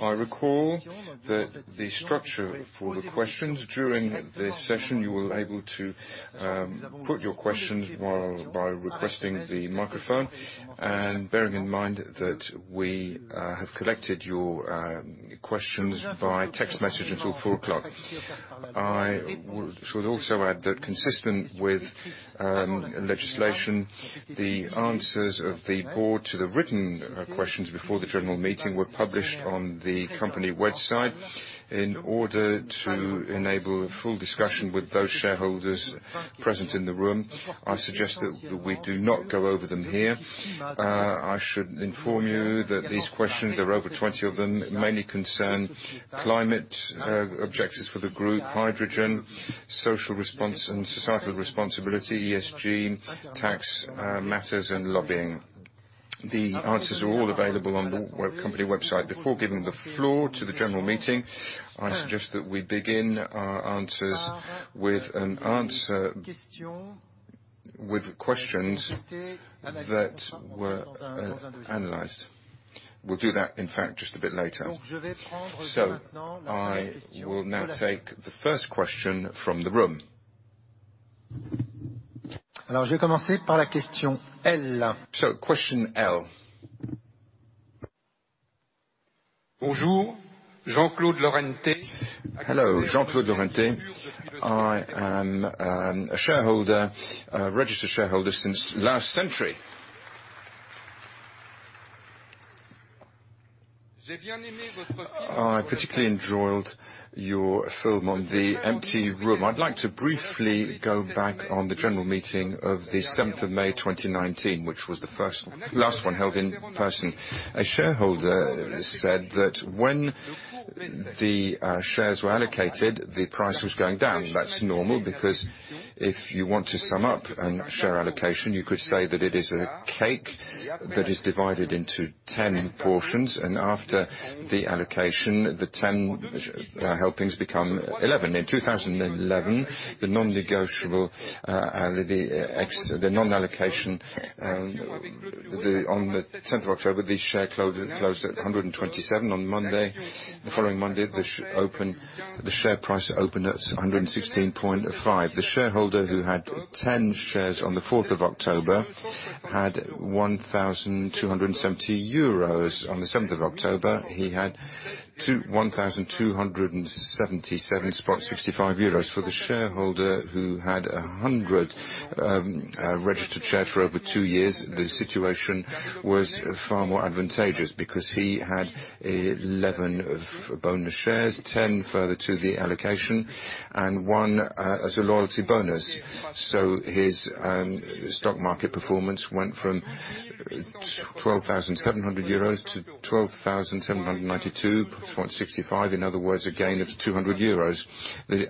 I recall that the structure for the questions during this session, you will able to put your questions by requesting the microphone. Bearing in mind that we have collected your questions via text message until 4:00 P.M. Should also add that consistent with legislation, the answers of the board to the written questions before the general meeting were published on the company website. In order to enable full discussion with those shareholders present in the room, I suggest that we do not go over them here. I should inform you that these questions, there are over 20 of them, mainly concern climate objectives for the group, hydrogen, social response and societal responsibility, ESG, tax matters, and lobbying. The answers are all available on the company website. Before giving the floor to the general meeting, I suggest that we begin our answers with questions that were analyzed. We'll do that, in fact, just a bit later. I will now take the first question from the room. Je vais commencer par la question L. Question L. Bonjour, Jean-Claude Lorente. Hello, Jean-Claude Lorente. I am a shareholder, a registered shareholder since last century. J'ai bien aimé votre. I particularly enjoyed your film on the empty room. I'd like to briefly go back on the general meeting of the 7th of May 2019, which was the last one held in person. A shareholder said that when the shares were allocated, the price was going down. That's normal because if you want to sum up a share allocation, you could say that it is a cake that is divided into 10 portions, and after the allocation, the 10 helpings become 11. In 2011, on the 10th of October, the share closed at 127. On the following Monday, the share price opened at 116.5. The shareholder who had 10 shares on the 4th of October had 1,270 euros. On the 7th of October, he had 1,277.65 euros. For the shareholder who had 100 registered share for over two years, the situation was far more advantageous because he had 11 bonus shares, 10 further to the allocation, and one as a loyalty bonus. His stock market performance went from 12,700-12,792.65 euros. In other words, a gain of 200 euros. The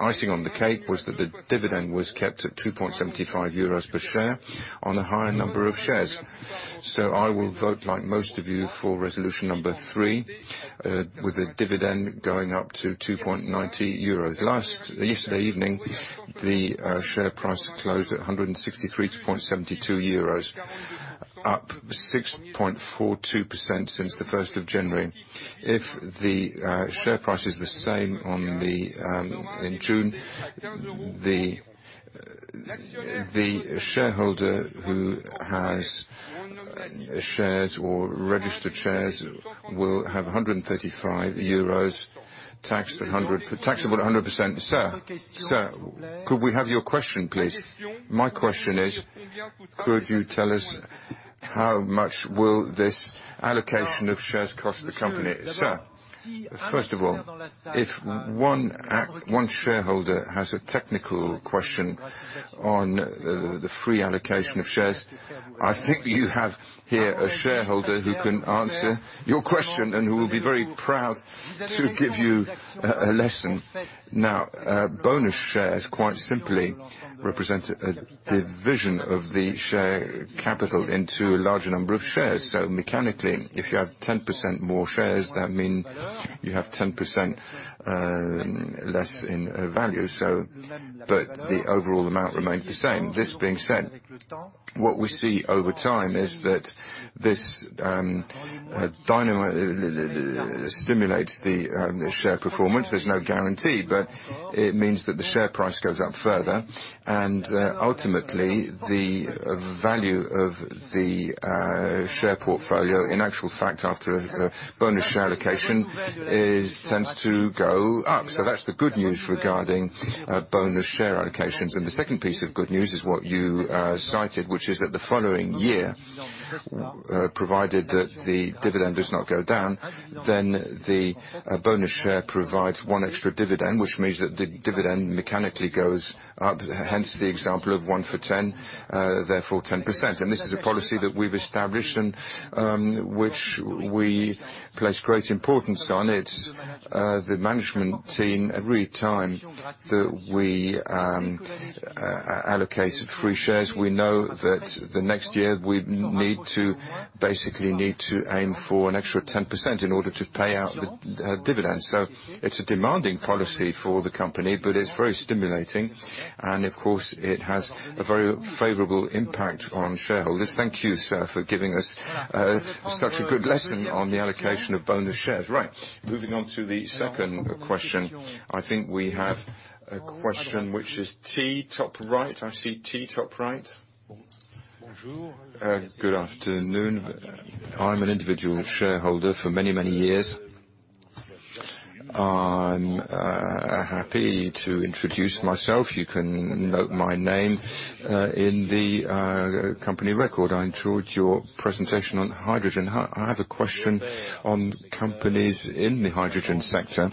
icing on the cake was that the dividend was kept at 2.75 euros per share on a higher number of shares. I will vote like most of you for Resolution number 3, with a dividend going up to 2.90 euros. Yesterday evening, the share price closed at 163.72 euros, up 6.42% since the 1st of January. If the share price is the same on the in June, the shareholder who has shares or registered shares will have 135 euros taxable at 100%. Sir, could we have your question please? My question is could you tell us how much will this allocation of shares cost the company? Sir, first of all, if one shareholder has a technical question on the free allocation of shares, I think you have here a shareholder who can answer your question and who will be very proud to give you a lesson. Now, bonus shares quite simply represent a division of the share capital into a larger number of shares. Mechanically, if you have 10% more shares, that mean you have 10% less in value, but the overall amount remains the same. This being said, what we see over time is that this dynamism stimulates the share performance. There's no guarantee, but it means that the share price goes up further and ultimately the value of the share portfolio in actual fact after a bonus share allocation it tends to go up. That's the good news regarding bonus share allocations. The second piece of good news is what you cited, which is that the following year, provided that the dividend does not go down, then the bonus share provides one extra dividend, which means that the dividend mechanically goes up. Hence, the example of one for 10, therefore 10%. This is a policy that we've established and which we place great importance on. It's the management team every time that we allocate free shares, we know that the next year we need to basically aim for an extra 10% in order to pay out the dividends. It's a demanding policy for the company, but it's very stimulating and of course it has a very favorable impact on shareholders. Thank you, sir, for giving us such a good lesson on the allocation of bonus shares. Right. Moving on to the second question. I think we have a question which is T, top right. I see T, top right. Good afternoon. I'm an individual shareholder for many, many years. I'm happy to introduce myself. You can note my name in the company record. I enjoyed your presentation on hydrogen. I have a question on companies in the hydrogen sector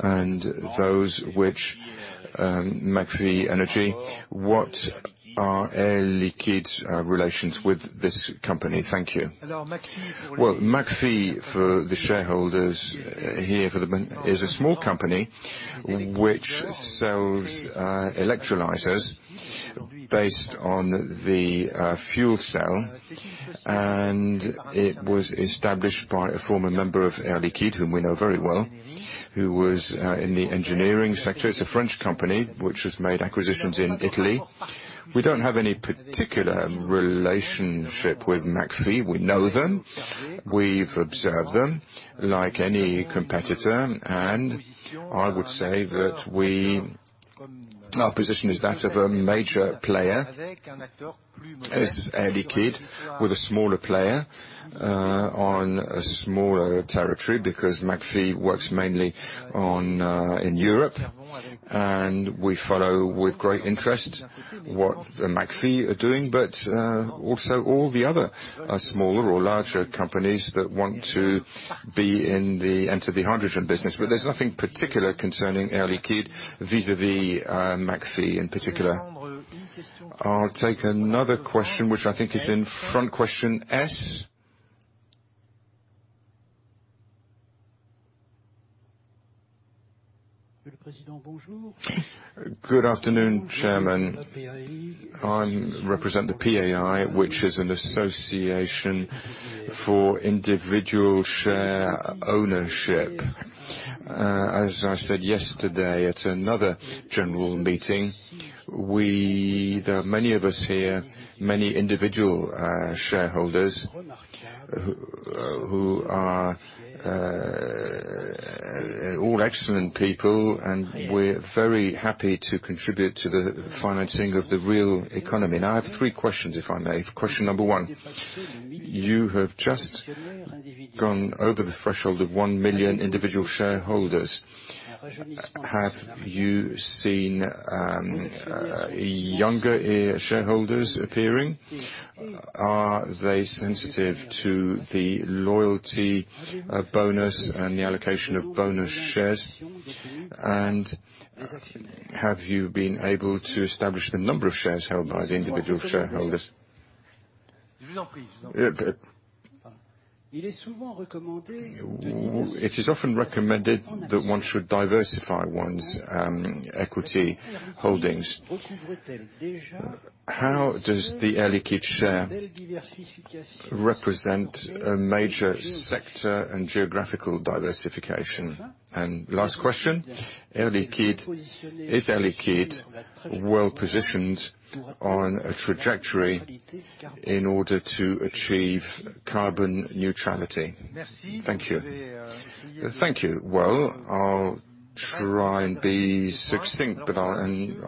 and those which McPhy Energy, what are Air Liquide's relations with this company? Thank you. Well, McPhy for the shareholders here is a small company which sells electrolyzers based on the fuel cell, and it was established by a former member of Air Liquide, whom we know very well, who was in the engineering sector. It's a French company which has made acquisitions in Italy. We don't have any particular relationship with McPhy. We know them. We've observed them like any competitor, and I would say that Our position is that of a major player as Air Liquide with a smaller player, on a smaller territory because McPhy works mainly in Europe, and we follow with great interest what McPhy are doing, but also all the other, smaller or larger companies that want to enter the hydrogen business, but there's nothing particular concerning Air Liquide vis-à-vis McPhy in particular. I'll take another question, which I think is in front, question S. Good afternoon, Chairman. I represent the PAI, which is an association for individual share ownership. As I said yesterday at another general meeting, we... There are many of us here, many individual shareholders who are all excellent people, and we're very happy to contribute to the financing of the real economy. Now I have three questions, if I may. Question number one, you have just gone over the threshold of 1 million individual shareholders. Have you seen younger shareholders appearing? Are they sensitive to the loyalty of bonus and the allocation of bonus shares? And have you been able to establish the number of shares held by the individual shareholders? It is often recommended that one should diversify one's equity holdings. How does the Air Liquide share represent a major sector and geographical diversification? And last question, Air Liquide. Is Air Liquide well-positioned on a trajectory in order to achieve carbon neutrality? Thank you. Thank you. Well, I'll try and be succinct, but I'll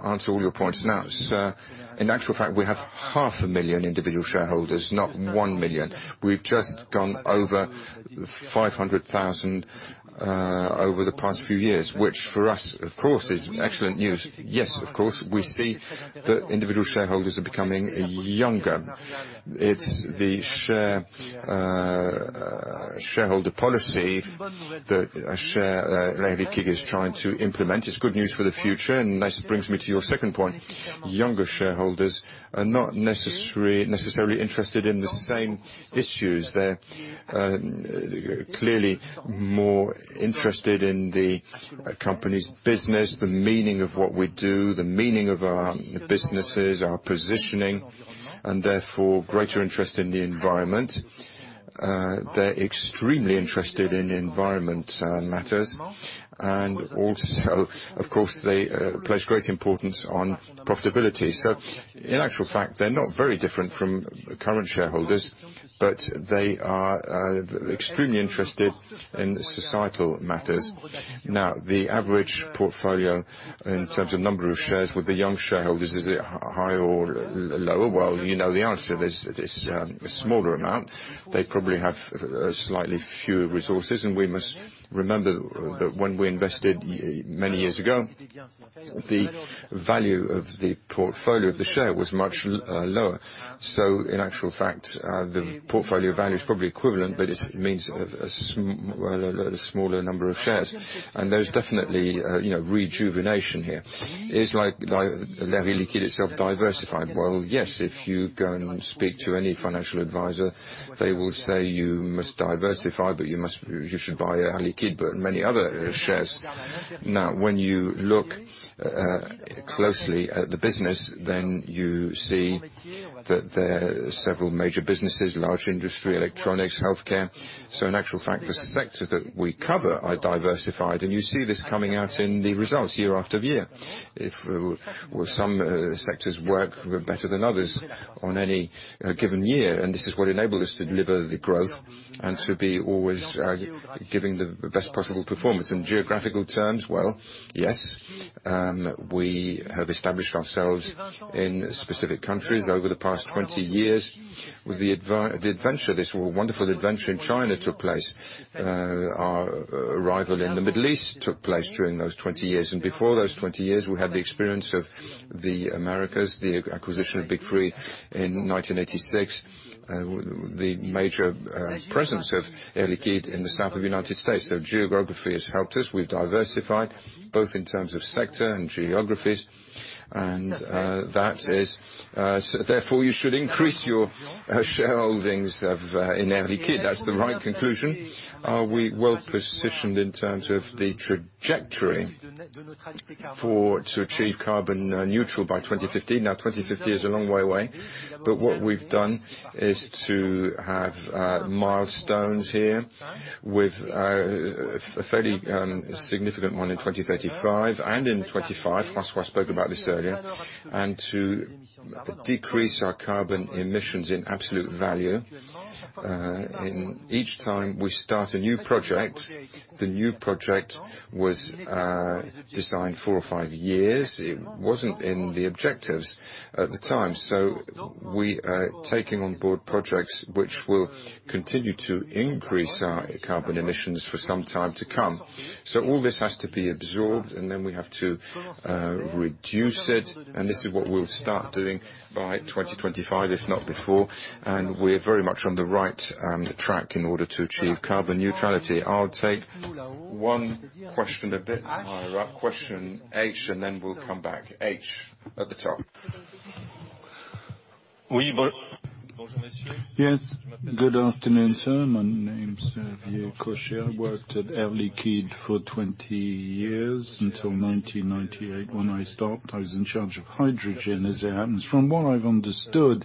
answer all your points. Now, sir, in actual fact, we have 500,000 individual shareholders, not 1 million. We've just gone over 500,000 over the past few years, which for us, of course, is excellent news. Yes, of course, we see the individual shareholders are becoming younger. It's the shareholder policy that Air Liquide is trying to implement. It's good news for the future. This brings me to your second point. Younger shareholders are not necessarily interested in the same issues. They're clearly more interested in the company's business, the meaning of what we do, the meaning of our businesses, our positioning, and therefore, greater interest in the environment. They're extremely interested in environmental matters, and also of course, they place great importance on profitability. In actual fact, they're not very different from current shareholders, but they are extremely interested in societal matters. Now, the average portfolio in terms of number of shares with the young shareholders, is it higher or lower? The answer, there's this smaller amount. They probably have slightly fewer resources, and we must remember that when we invested many years ago, the value of the portfolio of the share was much lower. In actual fact, the portfolio value is probably equivalent, but it means a smaller number of shares. There's definitely rejuvenation here. It's like Air Liquide itself diversified. Yes, if you go and speak to any financial advisor, they will say you must diversify, but you should buy Air Liquide, but many other shares. Now, when you look closely at the business, then you see that there are several major businesses, Large Industry, Electronics, Healthcare. In actual fact, the sectors that we cover are diversified, and you see this coming out in the results year-after-year. Well, some sectors work better than others on any given year, and this is what enabled us to deliver the growth and to be always giving the best possible performance. In geographical terms, well, yes, we have established ourselves in specific countries over the past 20 years. With the adventure, this wonderful adventure in China took place. Our arrival in the Middle East took place during those 20 years. Before those 20 years, we had the experience of the Americas, the acquisition of Big Three Industries in 1986, the major presence of Air Liquide in the south of the U.S. Geography has helped us. We've diversified both in terms of sector and geographies. That is, therefore, you should increase your shareholdings in Air Liquide. That's the right conclusion. Are we well-positioned in terms of the trajectory for to achieve carbon neutral by 2050? 2050 is a long way away, but what we've done is to have milestones here with a fairly significant one in 2035 and in 2025. François spoke about this earlier. To decrease our carbon emissions in absolute value, every time we start a new project, the new project was designed four or five years. It wasn't in the objectives at the time. We are taking on board projects which will continue to increase our carbon emissions for some time to come. All this has to be absorbed, and then we have to reduce it. This is what we'll start doing by 2025, if not before. We're very much on the right track in order to achieve carbon neutrality. I'll take one question a bit higher up. Question H, and then we'll come back. H at the top. Yes. Good afternoon, sir. My name's Xavier Kocher. I worked at Air Liquide for 20 years until 1998 when I stopped. I was in charge of hydrogen as it happens. From what I've understood,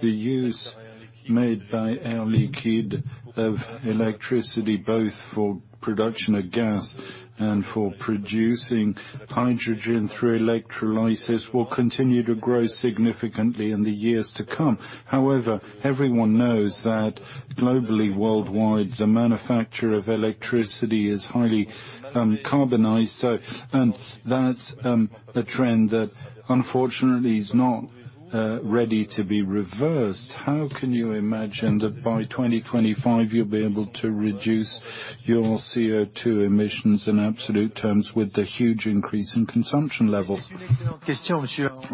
the use made by Air Liquide of electricity, both for production of gas and for producing hydrogen through electrolysis, will continue to grow significantly in the years to come. However, everyone knows that globally, worldwide, the manufacture of electricity is highly carbonized. That's a trend that unfortunately is not ready to be reversed. How can you imagine that by 2025 you'll be able to reduce your CO₂ emissions in absolute terms with the huge increase in consumption levels?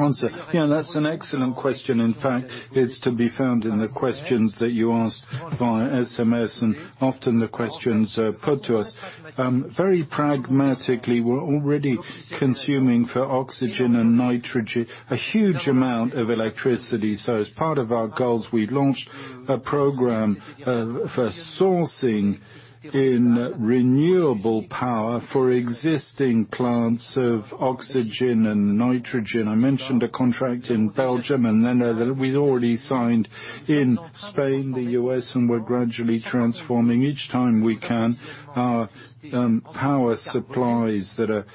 Answer. Yeah, that's an excellent question. In fact, it's to be found in the questions that you asked via SMS and often the questions put to us. Very pragmatically, we're already consuming for oxygen and nitrogen a huge amount of electricity. As part of our goals, we've launched a program for sourcing in renewable power for existing plants of oxygen and nitrogen. I mentioned a contract in Belgium, and then we'd already signed in Spain, the U.S., and we're gradually transforming each time we can our, power supplies that are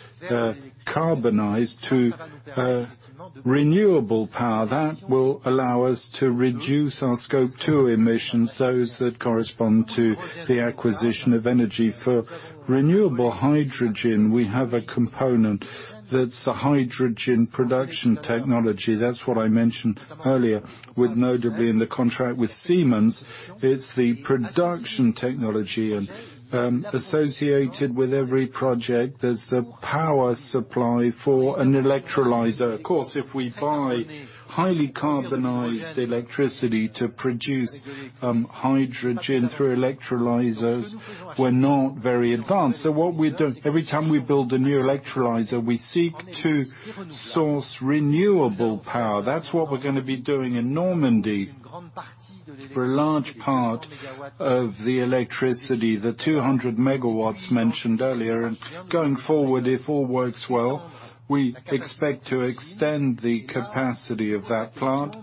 carbon-intensive to renewable power. That will allow us to reduce our Scope 2 emissions, those that correspond to the acquisition of energy. For renewable hydrogen, we have a component that's a hydrogen production technology. That's what I mentioned earlier with, notably, the contract with Siemens Energy. It's the production technology. Associated with every project, there's the power supply for an electrolyzer. Of course, if we buy highly carbon-intensive electricity to produce hydrogen through electrolyzers, we're not very advanced. What we do, every time we build a new electrolyzer, we seek to source renewable power. That's what we're gonna be doing in Normandy for a large part of the electricity, the 200 MW mentioned earlier. Going forward, if all works well, we expect to extend the capacity of that plant.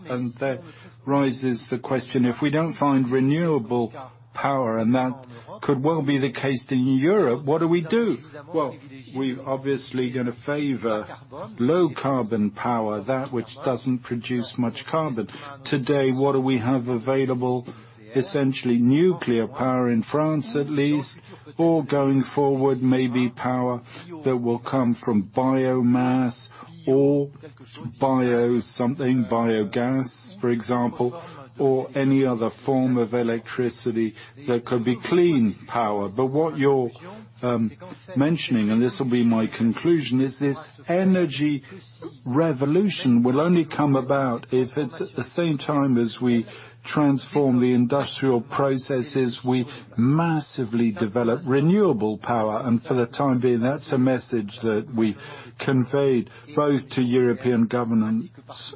That raises the question, if we don't find renewable power, and that could well be the case in Europe, what do we do? Well, we're obviously gonna favor low carbon power, that which doesn't produce much carbon. Today, what do we have available? Essentially nuclear power in France, at least, or going forward, maybe power that will come from biomass or bio something, biogas, for example, or any other form of electricity that could be clean power. What you're mentioning, and this will be my conclusion, is this energy revolution will only come about if it's at the same time as we transform the industrial processes, we massively develop renewable power. For the time being, that's a message that we conveyed both to European governments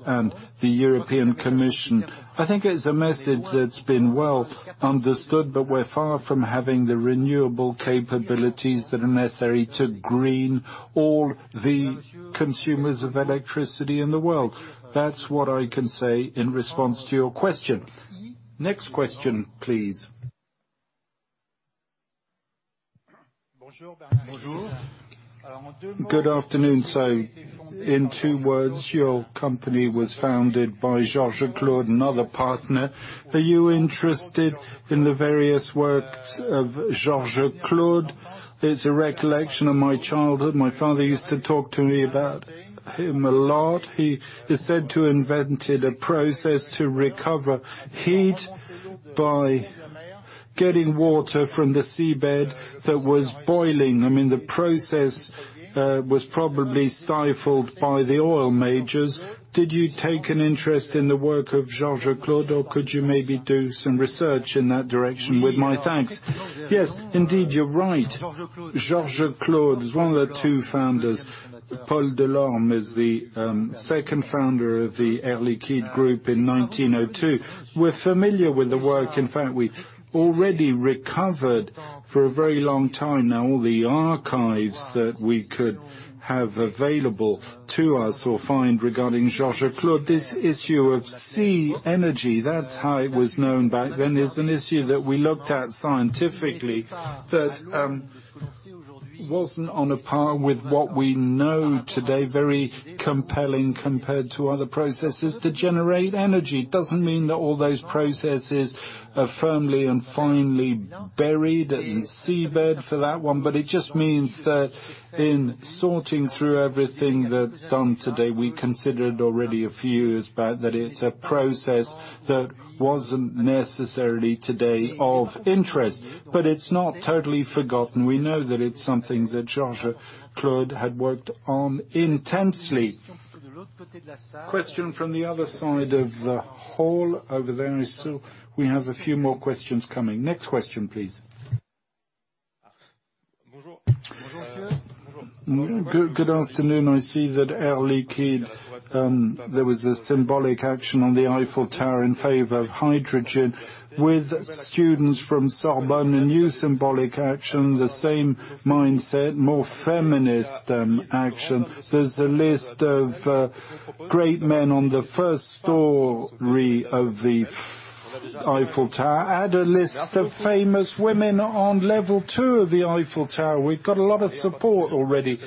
and the European Commission. I think it's a message that's been well understood, but we're far from having the renewable capabilities that are necessary to green all the consumers of electricity in the world. That's what I can say in response to your question. Next question, please. Bonjour. Bonjour. Good afternoon. In two words, your company was founded by Georges Claude, another partner. Are you interested in the various works of Georges Claude? It's a recollection of my childhood. My father used to talk to me about him a lot. He is said to invented a process to recover heat by getting water from the seabed that was boiling. I mean, the process was probably stifled by the oil majors. Did you take an interest in the work of Georges Claude, or could you maybe do some research in that direction? With my thanks. Yes, indeed, you're right. Georges Claude is one of the two founders. Paul Delorme is the second founder of the Air Liquide group in 1902. We're familiar with the work. In fact, we already recovered for a very long time now all the archives that we could have available to us or find regarding Georges Claude. This issue of sea energy, that's how it was known back then, is an issue that we looked at scientifically that wasn't on a par with what we know today, very compelling compared to other processes to generate energy. It doesn't mean that all those processes are firmly and finally buried in seabed for that one, but it just means that in sorting through everything that's done today, we considered already a few years back that it's a process that wasn't necessarily today of interest. It's not totally forgotten. We know that it's something that Georges Claude had worked on intensely. Question from the other side of the hall over there, so we have a few more questions coming. Next question, please. Bonjour. Good afternoon. I see that Air Liquide, there was the symbolic action on the Eiffel Tower in favor of hydrogen. With students from Sorbonne, a new symbolic action, the same mindset, more feminist, action. There's a list of great men on the first story of the Eiffel Tower. Add a list of famous women on level two of the Eiffel Tower. We've got a lot of support already.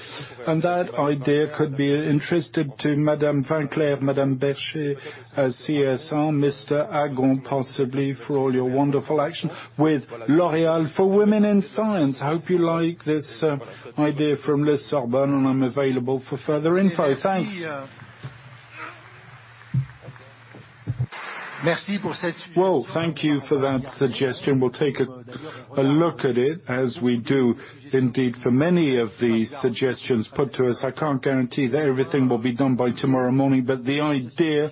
That idea could be interesting to Madame Winkler, Madame Berger as CSR, Mr. Agon, possibly for all your wonderful action with L'Oréal for Women in Science. Hope you like this, idea from La Sorbonne, and I'm available for further info. Thanks. Well, thank you for that suggestion. We'll take a look at it as we do indeed for many of these suggestions put to us. I can't guarantee that everything will be done by tomorrow morning. The idea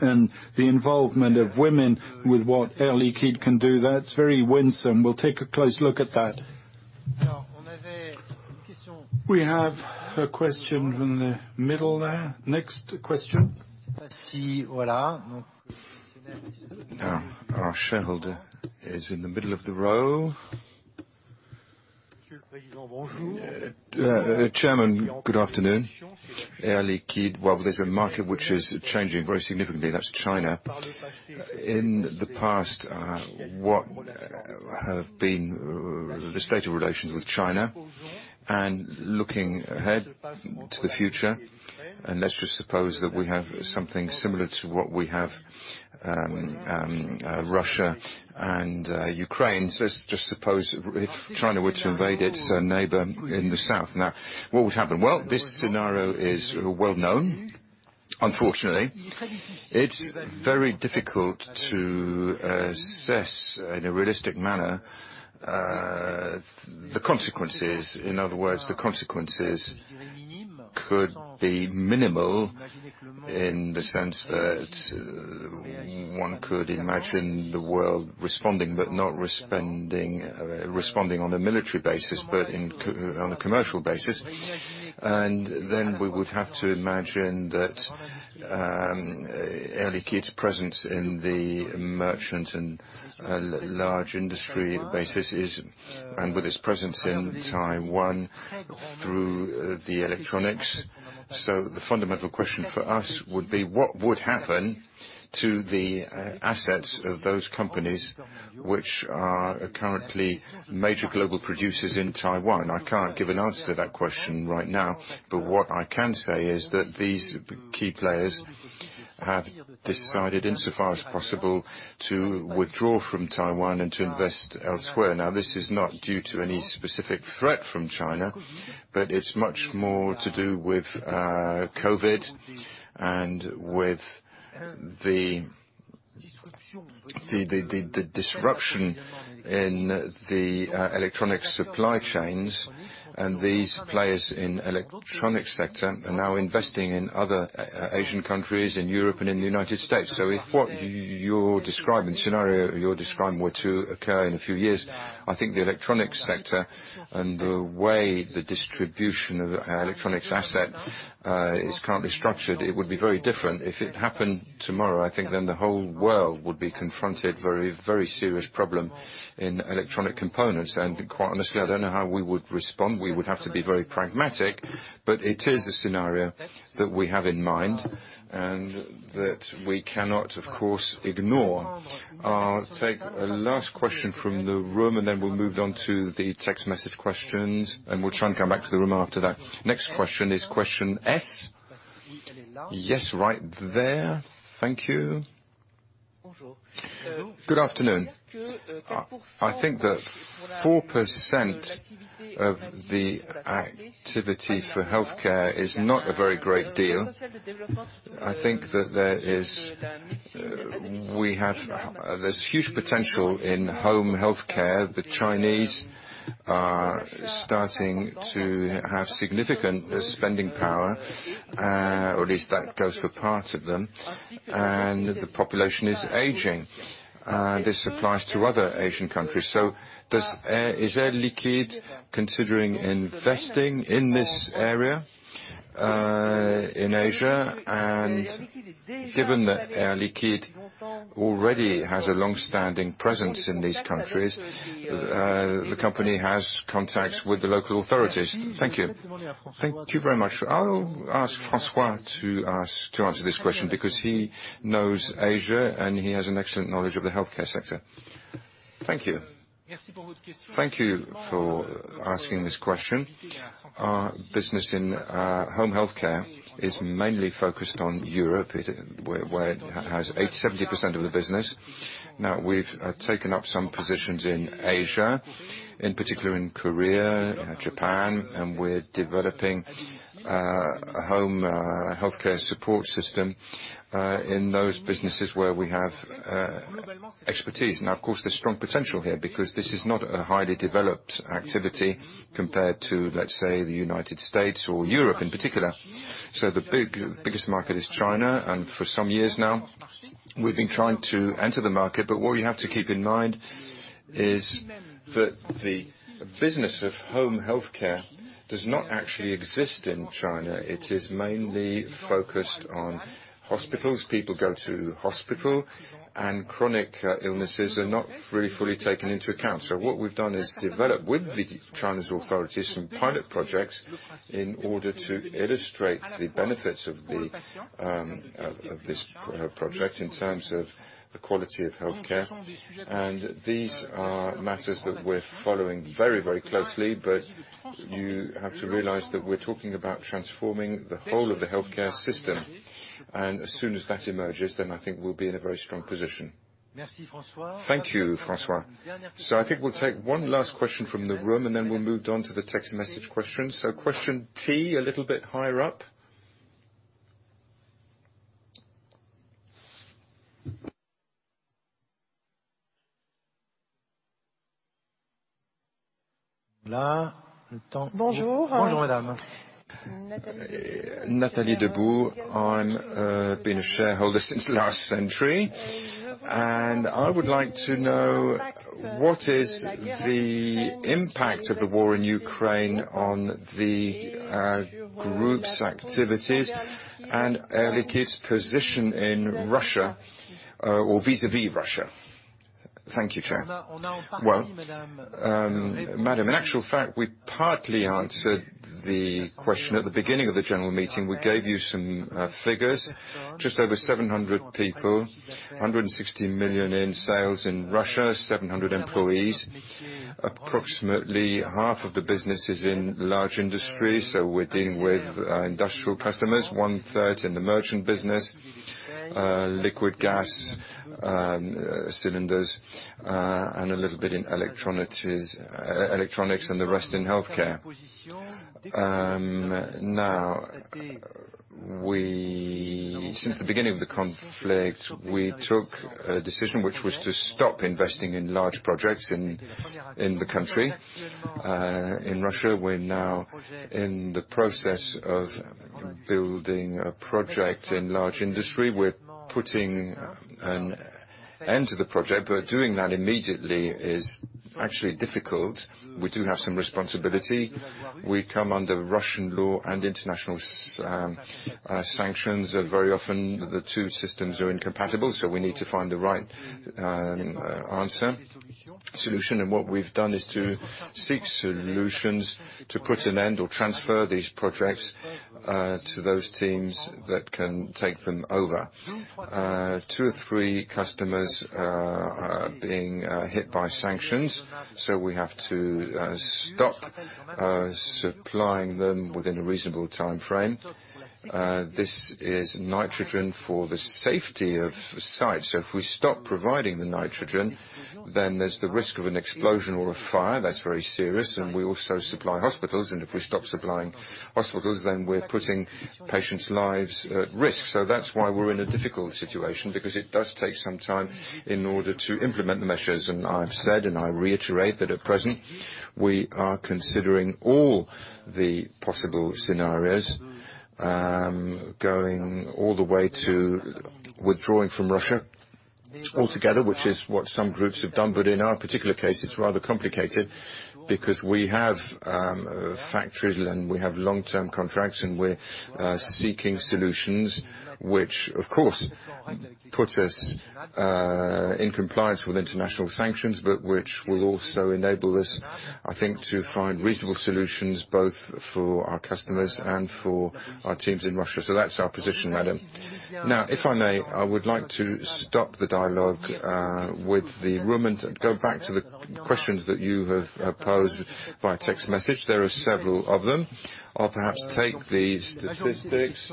and the involvement of women with what Air Liquide can do, that's very winsome. We'll take a close look at that. We have a question from the middle there. Next question. Our shareholder is in the middle of the row. Chairman, good afternoon. Air Liquide, well, there's a market which is changing very significantly. That's China. In the past, what have been the state of relations with China and looking ahead to the future, and let's just suppose that we have something similar to what we have, Russia and Ukraine. Let's just suppose if China were to invade its neighbor in the south. Now, what would happen? Well, this scenario is well-known, unfortunately. It's very difficult to assess in a realistic manner, the consequences. In other words, the consequences could be minimal in the sense that one could imagine the world responding, but not responding on a military basis, but on a commercial basis. We would have to imagine that, Air Liquide's presence in the merchant and large industry basis is. With its presence in Taiwan through the electronics. The fundamental question for us would be, what would happen to the assets of those companies which are currently major global producers in Taiwan? I can't give an answer to that question right now, but what I can say is that these key players have decided, insofar as possible, to withdraw from Taiwan and to invest elsewhere. Now, this is not due to any specific threat from China, but it's much more to do with COVID and with the disruption in the electronic supply chains. These players in electronic sector are now investing in other Asian countries, in Europe and in the U.S. If what you're describing, scenario you're describing were to occur in a few years, I think the electronics sector and the way the distribution of electronics assets is currently structured, it would be very different. If it happened tomorrow, I think then the whole world would be confronted very, very serious problem in electronic components. Quite honestly, I don't know how we would respond. We would have to be very pragmatic. It is a scenario that we have in mind and that we cannot, of course, ignore. I'll take a last question from the room, and then we'll move on to the text message questions, and we'll try and come back to the room after that. Next question is question S. Yes, right there. Thank you. Good afternoon. I think that 4% of the activity for healthcare is not a very great deal. I think that there is huge potential in home health care. The Chinese are starting to have significant spending power, or at least that goes for part of them, and the population is aging. This applies to other Asian countries. Is Air Liquide considering investing in this area, in Asia? And given that Air Liquide already has a long-standing presence in these countries, the company has contacts with the local authorities. Thank you. Thank you very much. I'll ask François to answer this question because he knows Asia, and he has an excellent knowledge of the healthcare sector. Thank you. Thank you for asking this question. Our business in home healthcare is mainly focused on Europe, where it has 70% of the business. We've taken up some positions in Asia, in particular in Korea, Japan, and we're developing a home healthcare support system in those businesses where we have expertise. Of course, there's strong potential here because this is not a highly developed activity compared to, let's say, the U.S. or Europe in particular. The biggest market is China, and for some years now, we've been trying to enter the market. What you have to keep in mind is that the business of home healthcare does not actually exist in China. It is mainly focused on hospitals. People go to hospital, and chronic illnesses are not very fully taken into account. What we've done is develop with the Chinese authorities some pilot projects in order to illustrate the benefits of the of this project in terms of the quality of healthcare. These are matters that we're following very closely. You have to realize that we're talking about transforming the whole of the healthcare system, and as soon as that emerges, then I think we'll be in a very strong position. Thank you, François. I think we'll take one last question from the room, and then we'll move on to the text message questions. Question T, a little bit higher up. Bonjour. Bonjour, madame. Nathalie Deboo. I've been a shareholder since last century. I would like to know what is the impact of the war in Ukraine on the group's activities and Air Liquide's position in Russia or vis-à-vis Russia. Thank you, Chair. Well, madam, in actual fact, we partly answered the question at the beginning of the general meeting. We gave you some figures, just over 700 people, 160 million in sales in Russia, 700 employees. Approximately half of the business is in large industry, so we're dealing with industrial customers, one-third in the merchant business, liquid gas, cylinders, and a little bit in electronics and the rest in healthcare. Now, since the beginning of the conflict, we took a decision, which was to stop investing in large projects in the country. In Russia, we're now in the process of building a project in large industry. We're putting an end to the project, but doing that immediately is actually difficult. We do have some responsibility. We come under Russian law and international sanctions, and very often, the two systems are incompatible, so we need to find the right answer, solution. What we've done is to seek solutions to put an end or transfer these projects to those teams that can take them over. Two or three customers are being hit by sanctions, so we have to stop supplying them within a reasonable timeframe. This is nitrogen for the safety of sites. If we stop providing the nitrogen, then there's the risk of an explosion or a fire. That's very serious. We also supply hospitals, and if we stop supplying hospitals, then we're putting patients' lives at risk. That's why we're in a difficult situation because it does take some time in order to implement the measures. I've said, and I reiterate that at present, we are considering all the possible scenarios, going all the way to withdrawing from Russia altogether, which is what some groups have done. In our particular case, it's rather complicated because we have, factories, and we have long-term contracts, and we're seeking solutions, which, of course, put us in compliance with international sanctions, but which will also enable us, I think, to find reasonable solutions both for our customers and for our teams in Russia. That's our position, madam. Now, if I may, I would like to stop the dialogue with the room and go back to the questions that you have posed via text message. There are several of them. I'll perhaps take the statistics.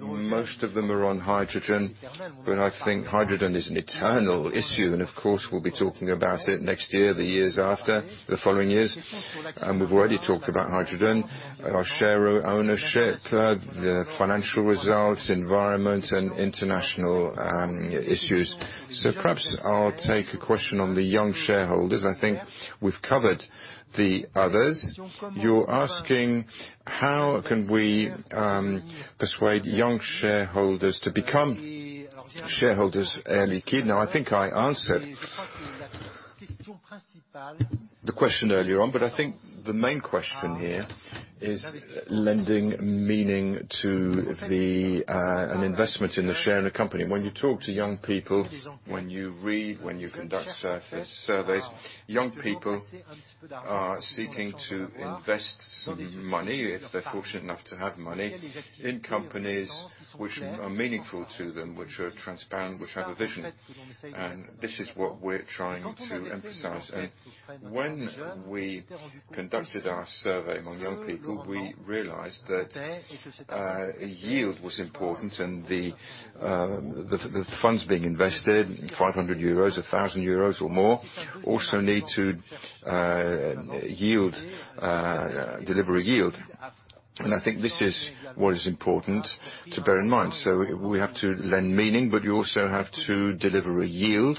Most of them are on hydrogen, but I think hydrogen is an eternal issue. Of course, we'll be talking about it next year, the years after, the following years. We've already talked about hydrogen, our share ownership, the financial results, environment, and international issues. Perhaps I'll take a question on the young shareholders. I think we've covered the others. You're asking, how can we persuade young shareholders to become shareholders of Air Liquide? Now, I think I answered the question earlier on, but I think the main question here is lending meaning to an investment in the share in the company. When you talk to young people, when you read, when you conduct surveys, young people are seeking to invest some money, if they're fortunate enough to have money, in companies which are meaningful to them, which are transparent, which have a vision. This is what we're trying to emphasize. When we conducted our survey among young people, we realized that yield was important and the funds being invested, 500 euros, 1,000 euros or more, also need to yield, deliver a yield. I think this is what is important to bear in mind. We have to lend meaning, but you also have to deliver a yield.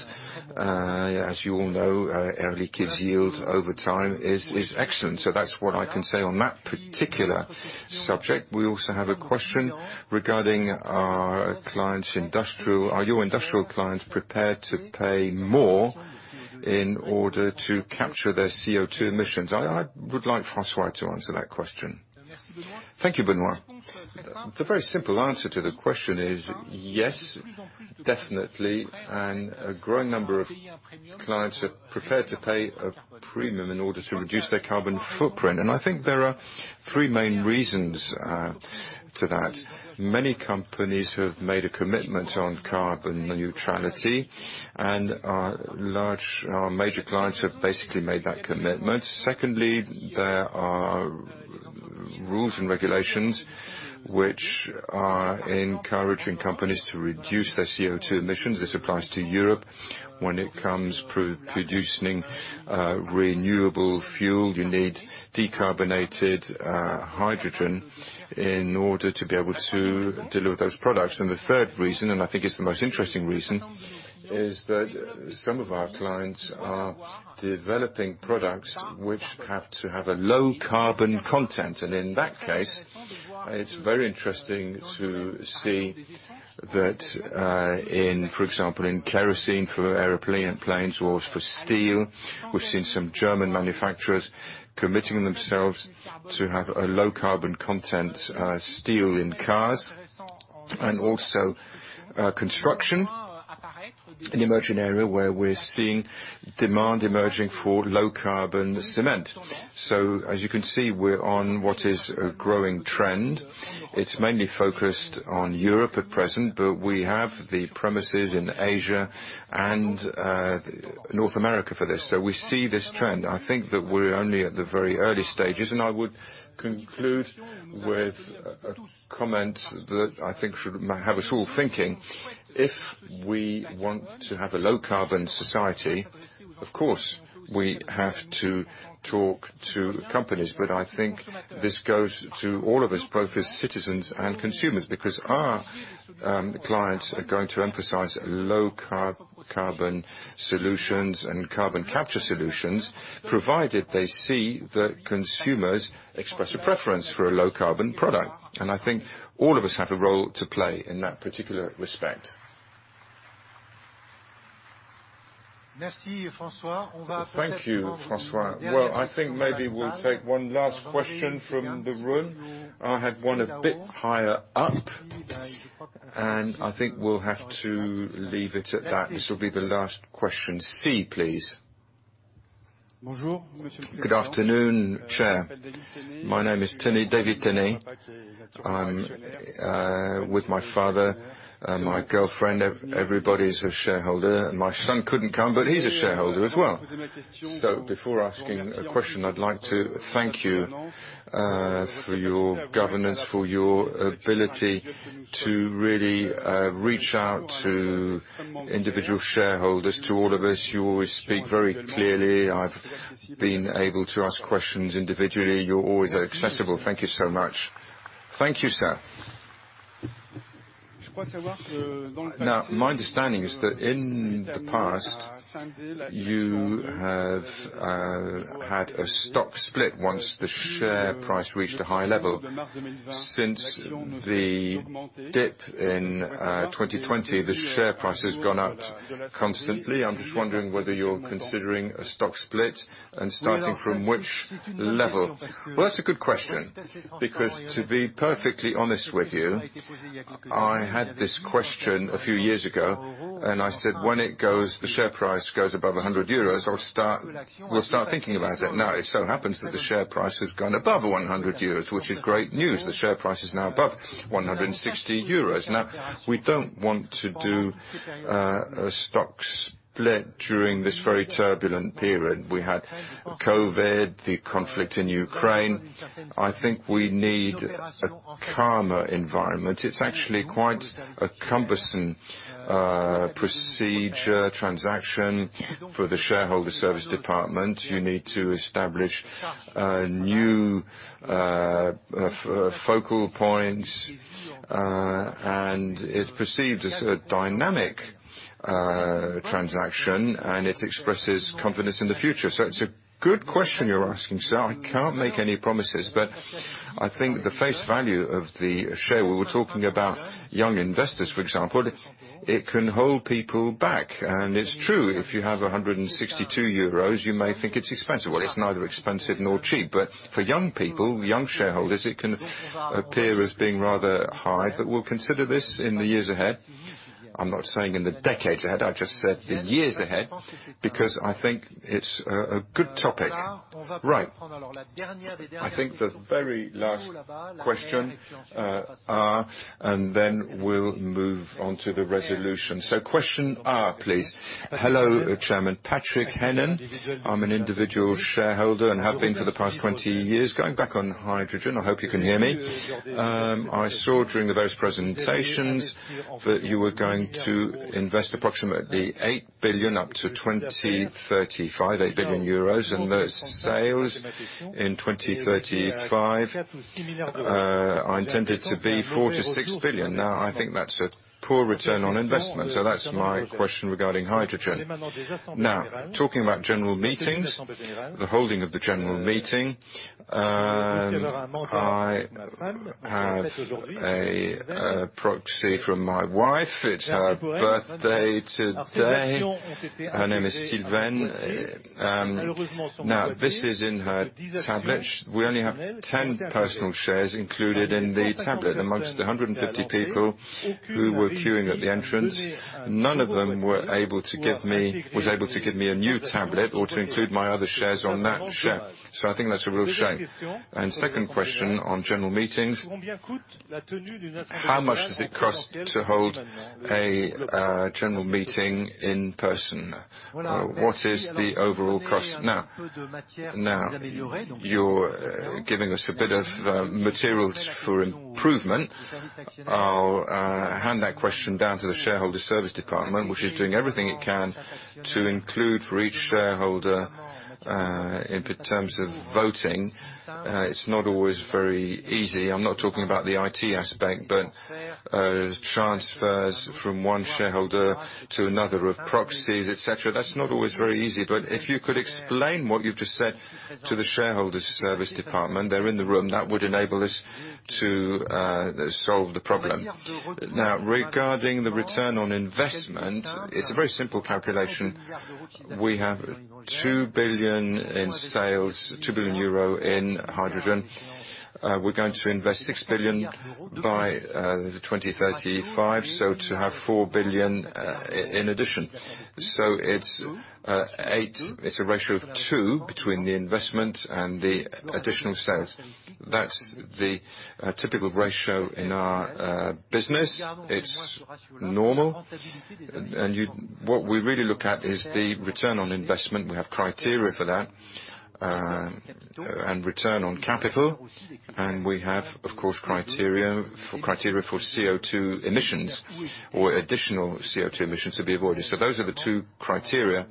As you all know, Air Liquide's yield over time is excellent. That's what I can say on that particular subject. We also have a question regarding our clients' industrial... Are your industrial clients prepared to pay more in order to capture their CO₂ emissions? I would like François to answer that question. Thank you, Benoît. The very simple answer to the question is yes, definitely, and a growing number of clients are prepared to pay a premium in order to reduce their carbon footprint. I think there are three main reasons to that. Many companies have made a commitment on carbon neutrality, and our major clients have basically made that commitment. Secondly, there are rules and regulations which are encouraging companies to reduce their CO₂ emissions. This applies to Europe. When it comes to producing renewable fuel, you need decarbonized hydrogen in order to be able to deliver those products. The third reason, and I think it's the most interesting reason, is that some of our clients are developing products which have to have a low carbon content. In that case, it's very interesting to see that, in, for example, in kerosene for airplane and planes or for steel, we've seen some German manufacturers committing themselves to have a low carbon content, steel in cars. Also, construction, an emerging area where we're seeing demand emerging for low carbon cement. As you can see, we're on what is a growing trend. It's mainly focused on Europe at present, but we have the premises in Asia and, North America for this. We see this trend. I think that we're only at the very early stages, and I would conclude with a comment that I think should have us all thinking. If we want to have a low carbon society, of course, we have to talk to companies. But I think this goes to all of us, both as citizens and consumers. Because our clients are going to emphasize low carbon solutions and carbon capture solutions, provided they see that consumers express a preference for a low carbon product. I think all of us have a role to play in that particular respect. Merci, François. Thank you, François. Well, I think maybe we'll take one last question from the room. I have one a bit higher up, and I think we'll have to leave it at that. This will be the last question. C, please. Good afternoon, Chair. My name is David Théni. I'm with my father and my girlfriend. Everybody is a shareholder, and my son couldn't come, but he's a shareholder as well. Before asking a question, I'd like to thank you for your governance, for your ability to really reach out to individual shareholders, to all of us. You always speak very clearly. I've been able to ask questions individually. You're always accessible. Thank you so much. Thank you, sir. Now, my understanding is that in the past, you have had a stock split once the share price reached a high level. Since the dip in 2020, the share price has gone up constantly. I'm just wondering whether you're considering a stock split and starting from which level. Well, that's a good question, because to be perfectly honest with you, I had this question a few years ago, and I said, "When the share price goes above 100 euros, we'll start thinking about it." Now, it so happens that the share price has gone above 100 euros, which is great news. The share price is now above 160 euros. Now, we don't want to do a stock split during this very turbulent period. We had COVID, the conflict in Ukraine. I think we need a calmer environment. It's actually quite a cumbersome procedure, transaction for the shareholder service department. You need to establish new focal points, and it's perceived as a dynamic transaction, and it expresses confidence in the future. It's a good question you're asking, sir. I can't make any promises, but I think the face value of the share, we were talking about young investors, for example, it can hold people back. It's true, if you have 162 euros, you may think it's expensive. Well, it's neither expensive nor cheap. For young people, young shareholders, it can appear as being rather high. We'll consider this in the years ahead. I'm not saying in the decades ahead, I just said the years ahead, because I think it's a good topic. Right. I think the very last question, R, and then we'll move on to the resolution. Question R, please. Hello, Chairman. Patrick Hannane. I'm an individual shareholder and have been for the past 20 years. Going back on hydrogen, I hope you can hear me. I saw during the various presentations that you were going to invest approximately 8 billion up to 2035, 8 billion euros. Those sales in 2035 are intended to be 4 billion-6 billion. Now, I think that's a poor return on investment. So that's my question regarding hydrogen. Now, talking about general meetings, the holding of the general meeting, I have a proxy from my wife. It's her birthday today. Her name is Sylvain. Now this is in her tablet. We only have 10 personal shares included in the tablet. Among the 150 people who were queuing at the entrance, none of them was able to give me a new tablet or to include my other shares on that share. I think that's a real shame. Second question on general meetings, how much does it cost to hold a general meeting in person? What is the overall cost? Now, you're giving us a bit of materials for improvement. I'll hand that question down to the shareholder service department, which is doing everything it can to include for each shareholder in terms of voting. It's not always very easy. I'm not talking about the IT aspect, but transfers from one shareholder to another of proxies, et cetera. That's not always very easy. If you could explain what you've just said to the shareholder service department, they're in the room, that would enable us to solve the problem. Now, regarding the return on investment, it's a very simple calculation. We have 2 billion in sales, 2 billion euro in hydrogen. We're going to invest 6 billion by 2035, so to have 4 billion in addition. It's a ratio of two between the investment and the additional sales. That's the typical ratio in our business. It's normal and you... What we really look at is the return on investment. We have criteria for that, and return on capital. We have, of course, criteria for CO₂ emissions or additional CO₂ emissions to be avoided. Those are the two criteria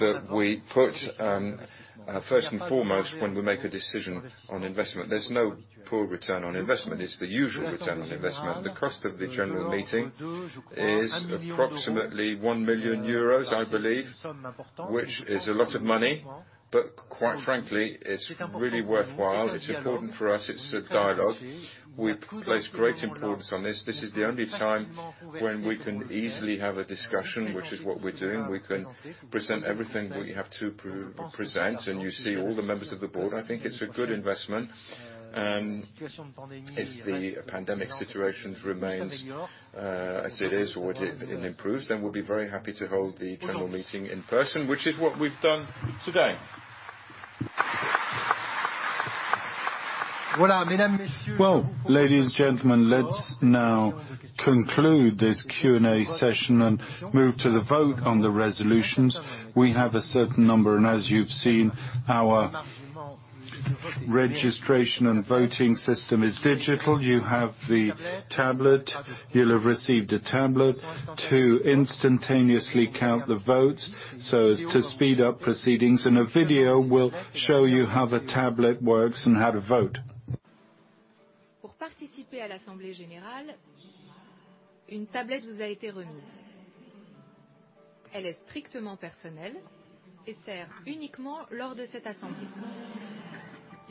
that we put first and foremost when we make a decision on investment. There's no poor return on investment. It's the usual return on investment. The cost of the general meeting is approximately 1 million euros, I believe, which is a lot of money, but quite frankly, it's really worthwhile. It's important for us. It's a dialogue. We place great importance on this. This is the only time when we can easily have a discussion, which is what we're doing. We can present everything we have to present, and you see all the members of the board. I think it's a good investment. If the pandemic situation remains as it is or it improves, then we'll be very happy to hold the general meeting in person, which is what we've done today. Well, ladies, and gentlemen, let's now conclude this Q&A session and move to the vote on the resolutions. We have a certain number, and as you've seen, our registration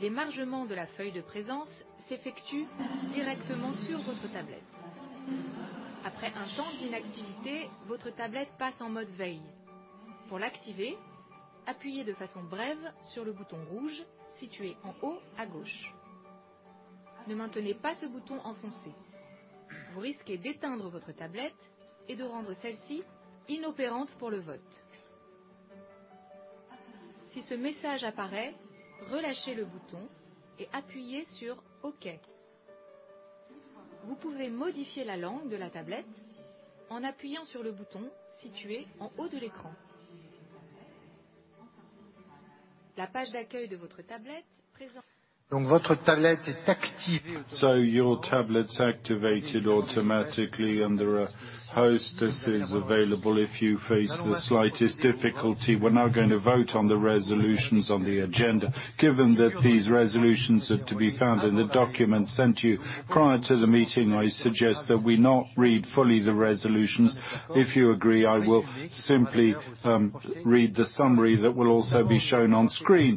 and voting system is digital. You have the tablet. You'll have received a tablet to instantaneously count the votes, so as to speed up proceedings, and a video will show you how the tablet works and how to vote. Your tablet's activated automatically, and there are hostesses available if you face the slightest difficulty. We're now going to vote on the resolutions on the agenda. Given that these resolutions are to be found in the document sent to you prior to the meeting, I suggest that we not read fully the resolutions. If you agree, I will simply read the summary that will also be shown on screen.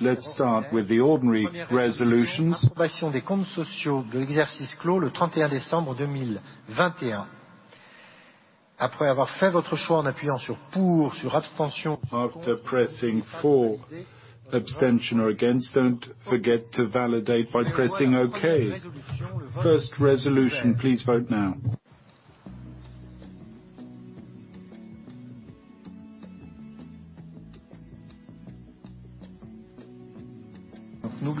Let's start with the ordinary resolutions. After pressing for abstention or against, don't forget to validate by pressing Okay. First resolution, please vote now. Don't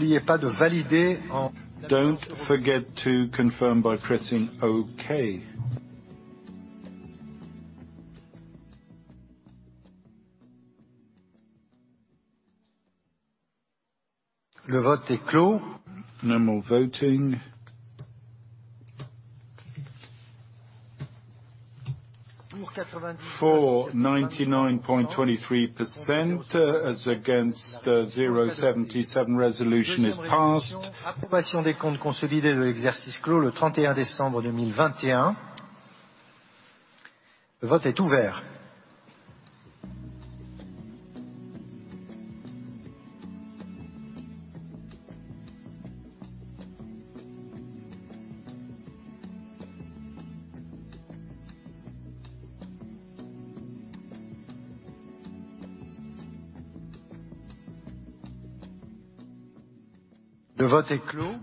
forget to confirm by pressing Okay. No more voting. For 99.23% as against 0.77% resolution is passed. Vote closed. For 99.98% as against 0.02%. Resolution passed. No more voting. For 99.78% against 0.22%. Resolution adopted. Fourth resolution. Le vote est clos. No more voting. Pour 96 For 98.39%, against 1.61%. Resolution is adopted. Fifth Resolution. Administrateur de Monsieur Benoît Potier. Le vote est ouvert. Le vote est clos.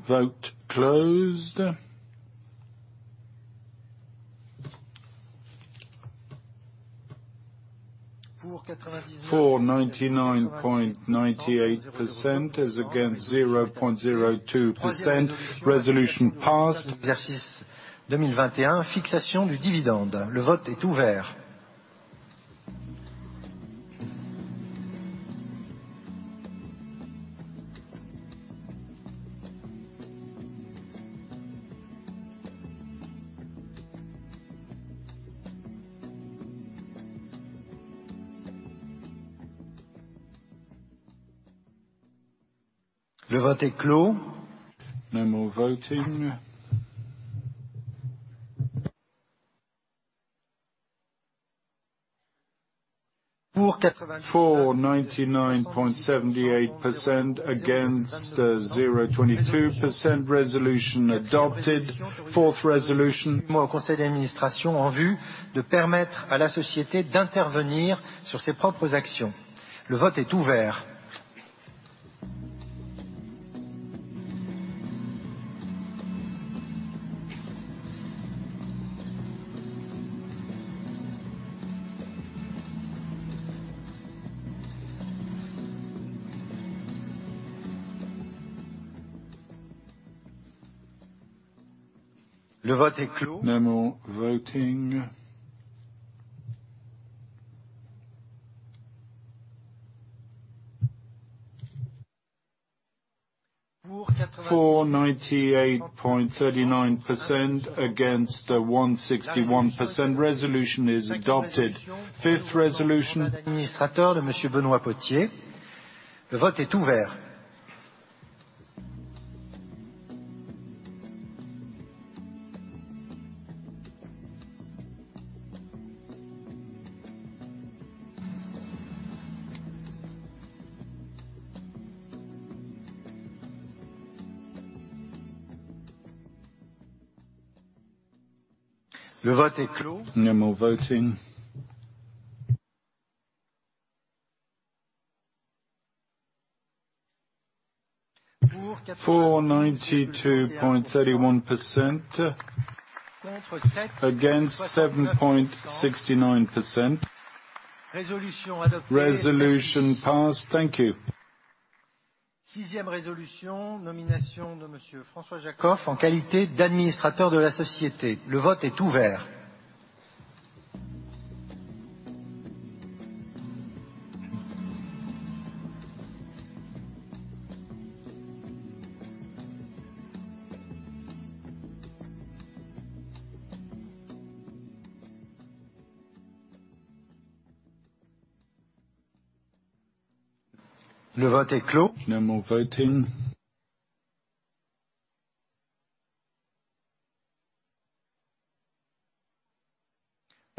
No more voting. Pour 92 For 92.31%. Contre sept. Against 7.69%. Résolution adoptée. Resolution passed. Thank you. Sixième résolution: nomination de Monsieur François Jackow en qualité d'administrateur de la société. Le vote est ouvert. Le vote est clos. No more voting.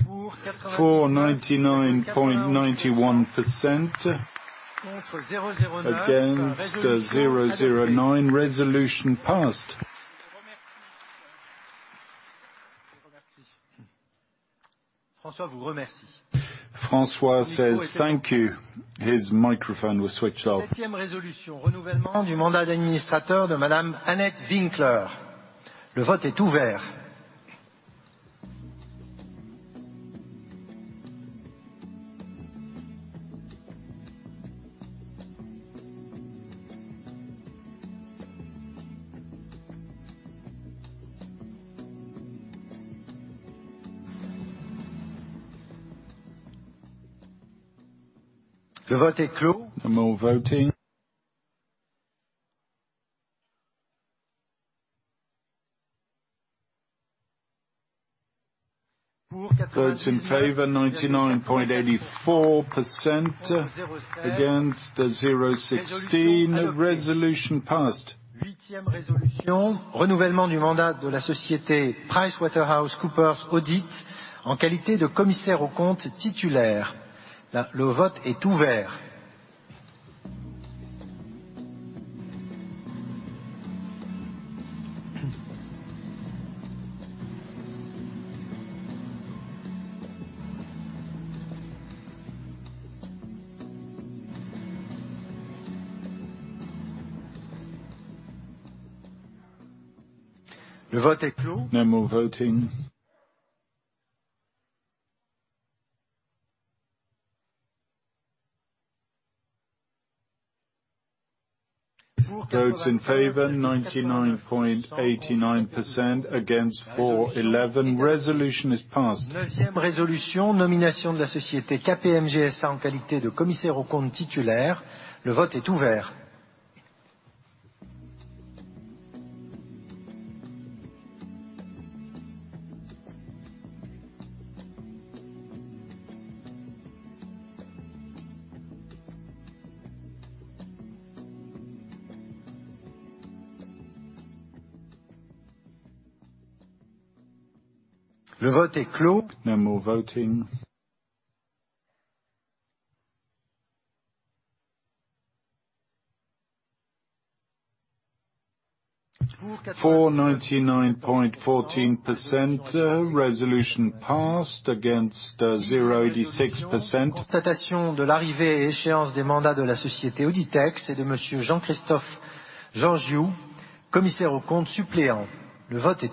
Pour 89 For 99.91%. Contre 0.9. Against 0.09%. Resolution passed. Je vous remercie. François vous remercie. François says thank you. His microphone was switched off. Septième résolution: renouvellement du mandat d'administrateur de Madame Annette Winkler. Le vote est ouvert. Le vote est clos. No more voting. Pour 96 Votes in favor 99.84%. Contre 0 16. Against 0.16%. Resolution passed. Huitième résolution: renouvellement du mandat de la société PricewaterhouseCoopers Audit en qualité de commissaire aux comptes titulaire. Le vote est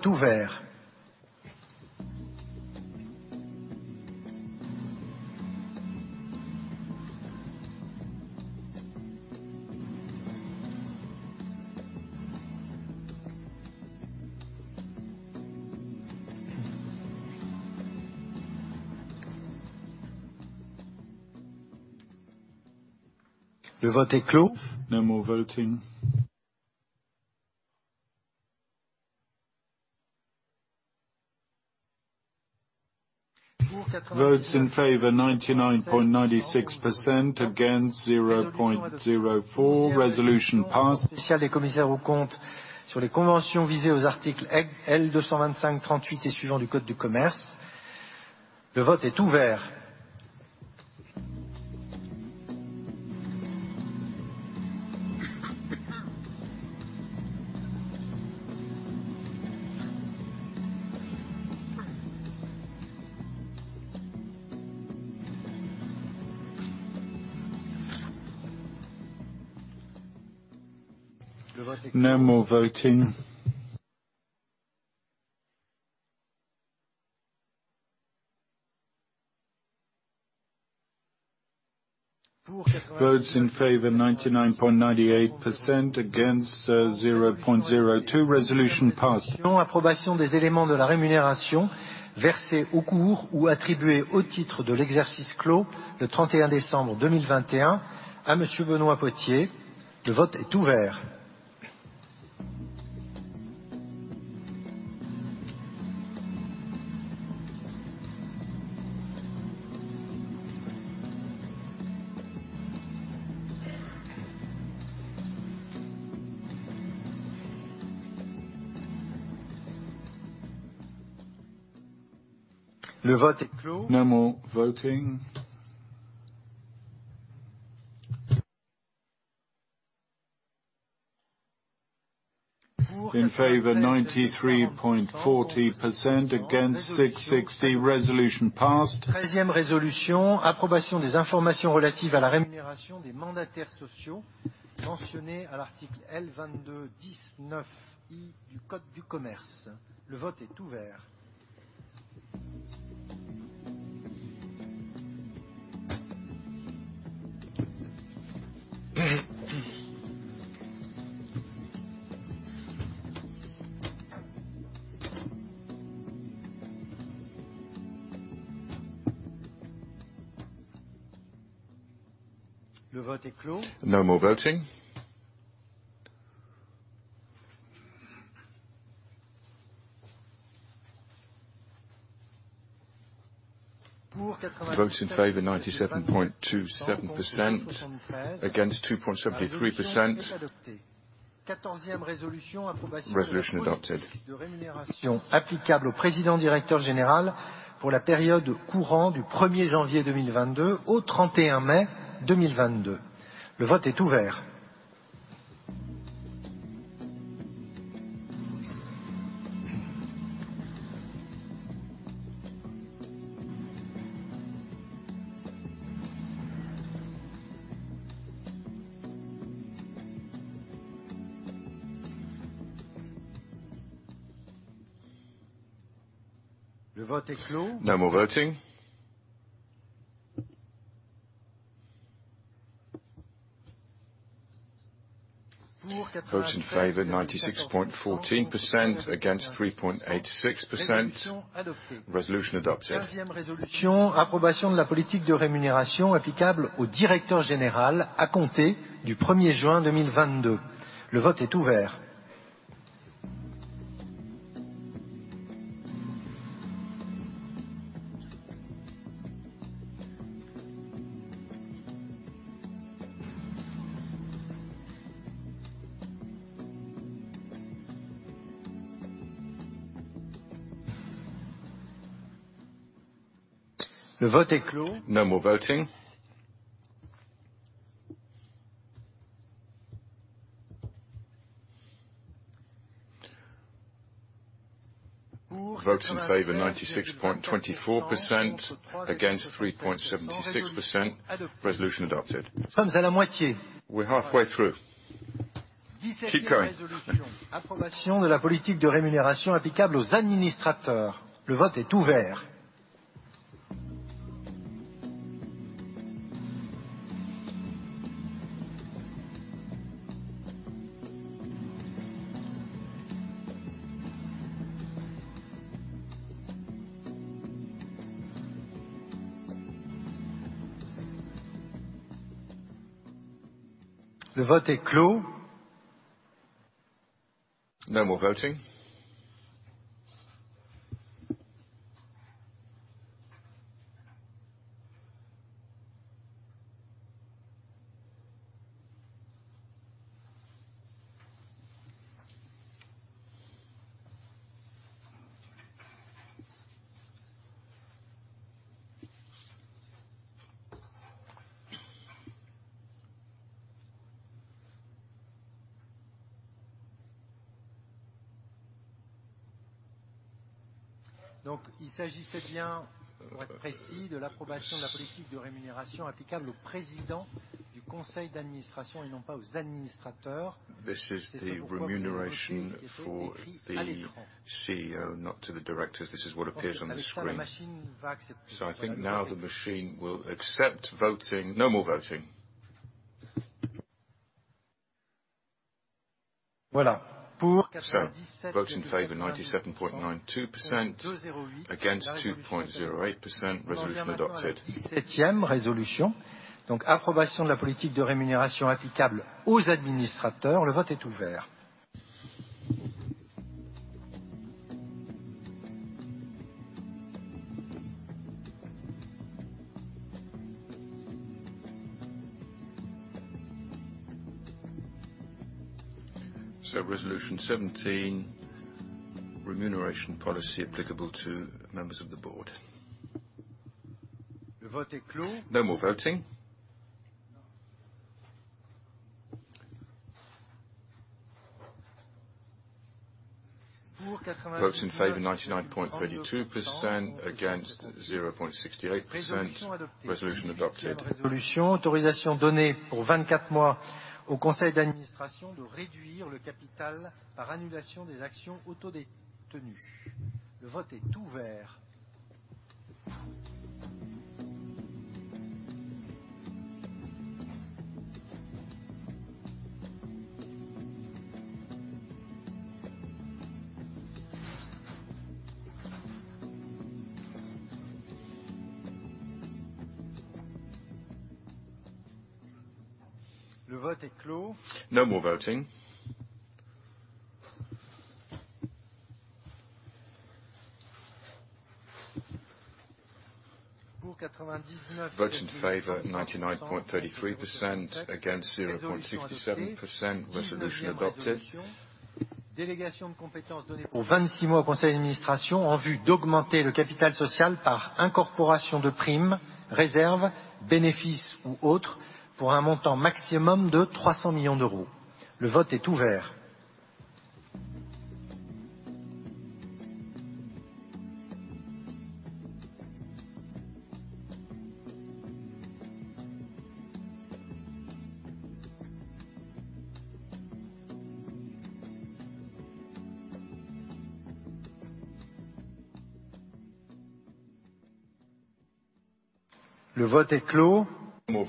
ouvert. Le vote est clos. No more voting. Votes in favor 99.89%. Against For 0.11%. Resolution is passed. Neuvième résolution: nomination de la société KPMG SA en qualité de commissaire aux comptes titulaire. Le vote est ouvert. Le vote est clos. No more voting. For 99.14%. Resolution passed against 0.86%. Constatation de l'arrivée et échéance des mandats de la société Auditex et de Monsieur Jean-Christophe Georgiou, commissaire aux comptes suppléants. Le vote est ouvert. Le vote est clos. No more voting. Votes in favor 99.96%. Against 0.04%. Resolution passed. spécial des commissaires aux comptes sur les conventions visées aux articles L. 225-38 et suivants du Code de commerce. Le vote est ouvert. No more voting. Votes in favor 99.98%, against 0.02%. Resolution passed. Approbation des éléments de la rémunération versés au cours ou attribués au titre de l'exercice clos le 31 décembre 2021 à Monsieur Benoît Potier. Le vote est ouvert. Le vote est clos. No more voting. In favor 93.40%, against 6.60%. Resolution passed. Treizième résolution: approbation des informations relatives à la rémunération des mandataires sociaux mentionnées à l'article L. 22-10-9 du Code de commerce. Le vote est ouvert. Le vote est clos. No more voting. Pour 87 Votes in favor 97.27%, against 2.73%. Est adoptée. Quatorzième résolution: approbation. Resolution adopted. De rémunération applicable au président directeur général pour la période courant du 1er janvier 2022 au 31 mai 2022. Le vote est ouvert. Le vote est clos. No more voting. Pour 93 Votes in favor 96.14%, against 3.86%. Adoptée. Resolution adopted. Cinquième résolution. Approbation de la politique de rémunération applicable au directeur général à compter du 1er juin 2022. Le vote est ouvert. Le vote est clos. No more voting. Votes in favor 96.24%, against 3.76%. Resolution adopted. Nous sommes à la moitié. We're halfway through. Keep going. Dix-septième résolution: approbation de la politique de rémunération applicable aux administrateurs. Le vote est ouvert. Le vote est clos. No more voting. Il s'agissait bien, pour être précis, de l'approbation de la politique de rémunération applicable au président du conseil d'administration et non pas aux administrateurs. This is the remuneration for the CEO, not to the directors. This is what appears on the screen. La machine va accepter. I think now the machine will accept voting. No more voting. Voilà. Pour 97- Votes in favor 97.92%, against 2.08%. Resolution adopted. Septième résolution. Donc approbation de la politique de rémunération applicable aux administrateurs. Le vote est ouvert. Resolution 17: remuneration policy applicable to members of the board. Le vote est clos. No more voting. Votes in favor 99.32%, against 0.68%. Resolution adopted. Résolution: autorisation donnée pour 24 mois au conseil d'administration de réduire le capital par annulation des actions autodétenues. Le vote est ouvert. Le vote est clos. No more voting. Pour 99 virgule Votes in favor 99.33%, against 0.67%. Resolution adopted. Résolution adoptée. 21e résolution: délégation de compétence donnée pour 26 mois au conseil d'administration en vue d'augmenter le capital social par incorporation de primes, réserves, bénéfices ou autres pour un montant maximum de 300 million. Le vote est ouvert. Le vote est clos. No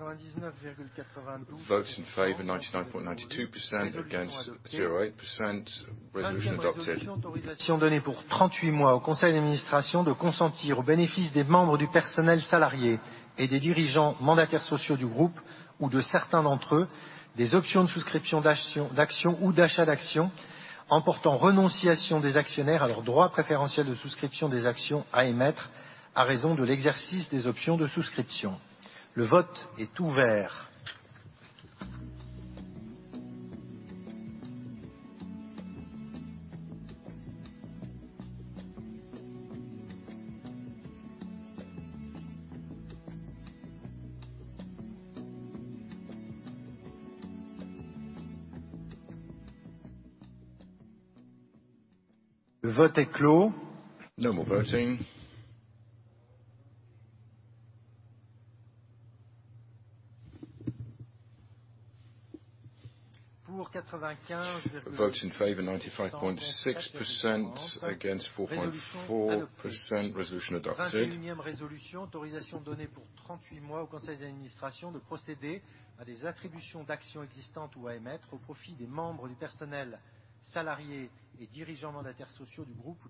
more voting. Pour 99.92 Votes in favor 99.92%, against 0.08%. Resolution adopted. 22e résolution: autorisation donnée pour 38 mois au conseil d'administration de consentir au bénéfice des membres du personnel salarié et des dirigeants mandataires sociaux du groupe ou de certains d'entre eux, des options de souscription d'action ou d'achat d'actions emportant renonciation des actionnaires à leur droit préférentiel de souscription des actions à émettre en raison de l'exercice des options de souscription. Le vote est ouvert. Le vote est clos. No more voting. Pour 95 virgule Votes in favor 95.6%, against 4.4%. Resolution adopted. 21e résolution: autorisation donnée pour 38 mois au conseil d'administration de procéder à des attributions d'actions existantes ou à émettre au profit des membres du personnel salarié et dirigeants mandataires sociaux du groupe ou de certains d'entre eux emportant renonciation des actions des actionnaires à leur droit préférentiel de souscription des actions à émettre. Le vote est ouvert. Le vote est clos. No more voting. Votes in favor 96.82%, against 3.18%. Resolution adopted. 22e résolution: délégation de compétence donnée pour 26 mois au conseil d'administration en vue de procéder à des augmentations de capital avec suppression du droit préférentiel de souscription réservé aux adhérents à un plan d'épargne d'entreprise ou de groupe.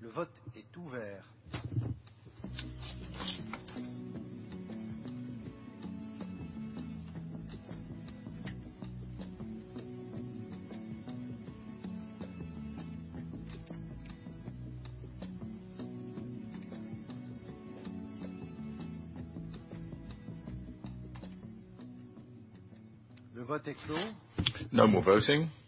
Le vote est ouvert. Le vote est clos. No more voting. Pour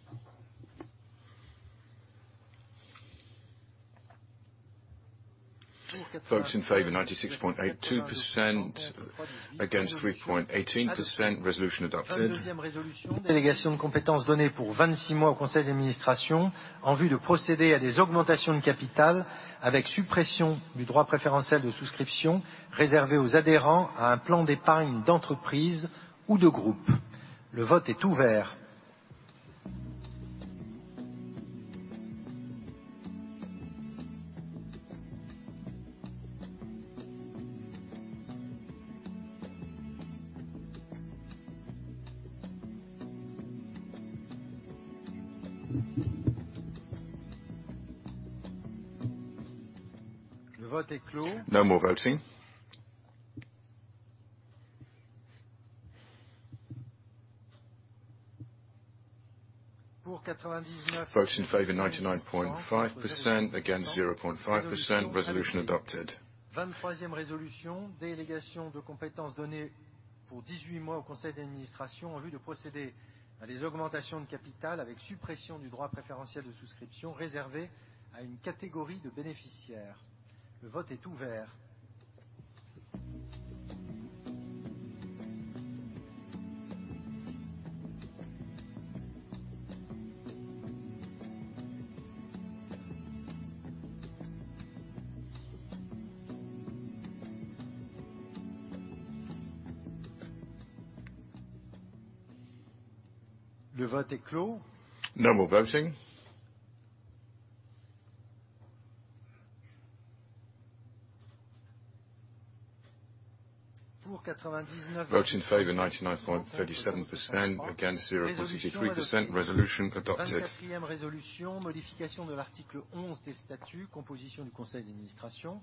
quatre-vingt-dix-neuf- Votes in favor 99.5%, against 0.5%. Resolution adopted. 23e résolution: délégation de compétence donnée pour 18 mois au conseil d'administration en vue de procéder à des augmentations de capital avec suppression du droit préférentiel de souscription réservé à une catégorie de bénéficiaires. Le vote est ouvert. Le vote est clos. No more voting. Pour quatre-vingt-dix-neuf- Votes in favor 99.37%, against 0.63%. Resolution adopted. 24e résolution: modification de l'article 11 des statuts composition du conseil d'administration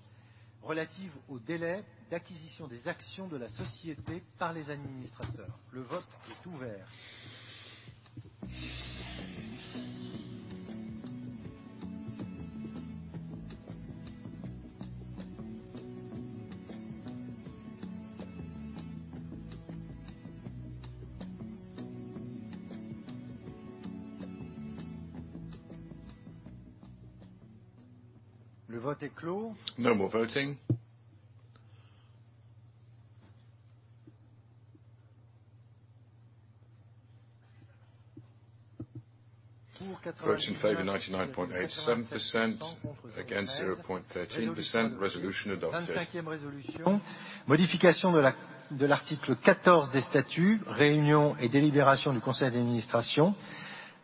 relative au délai d'acquisition des actions de la société par les administrateurs. Le vote est ouvert. Le vote est clos. No more voting. Pour 90 Votes in favor 99.87%, against 0.13%. Resolution adopted. 25e résolution: Modification de l'article 14 des statuts, Réunions et délibérations du conseil d'administration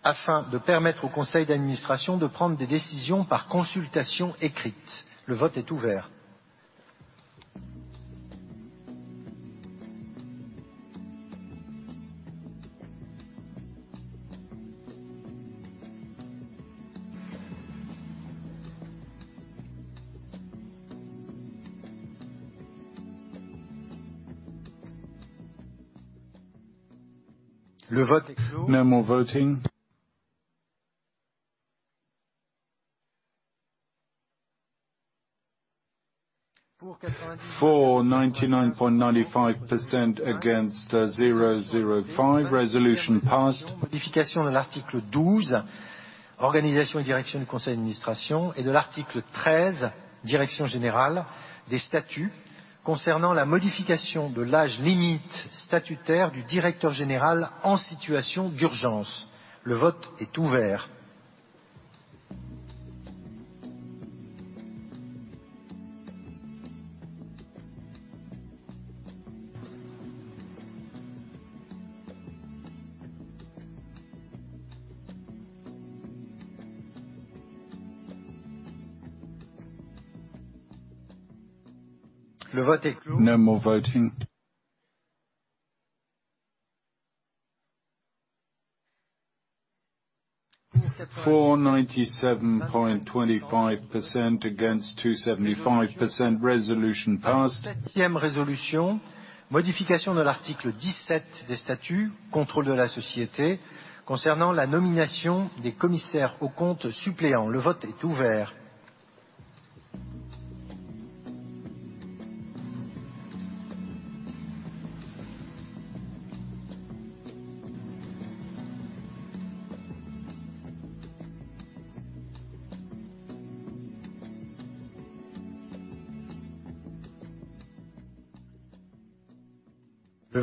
afin de permettre au conseil d'administration de prendre des décisions par consultation écrite. Le vote est ouvert. Le vote est clos. No more voting. Pour 90 For 99.95%, against 0.05%. Resolution passed. Modification de l'article 12 Organisation et direction du conseil d'administration et de l'article 13 Direction générale des statuts concernant la modification de l'âge limite statutaire du directeur général en situation d'urgence. Le vote est ouvert. Le vote est clos. No more voting. Pour 90 For 97.25%, against 2.75%. Resolution passed. Septième résolution: Modification de l'article 17 des statuts, Contrôle de la société concernant la nomination des commissaires aux comptes suppléants. Le vote est ouvert.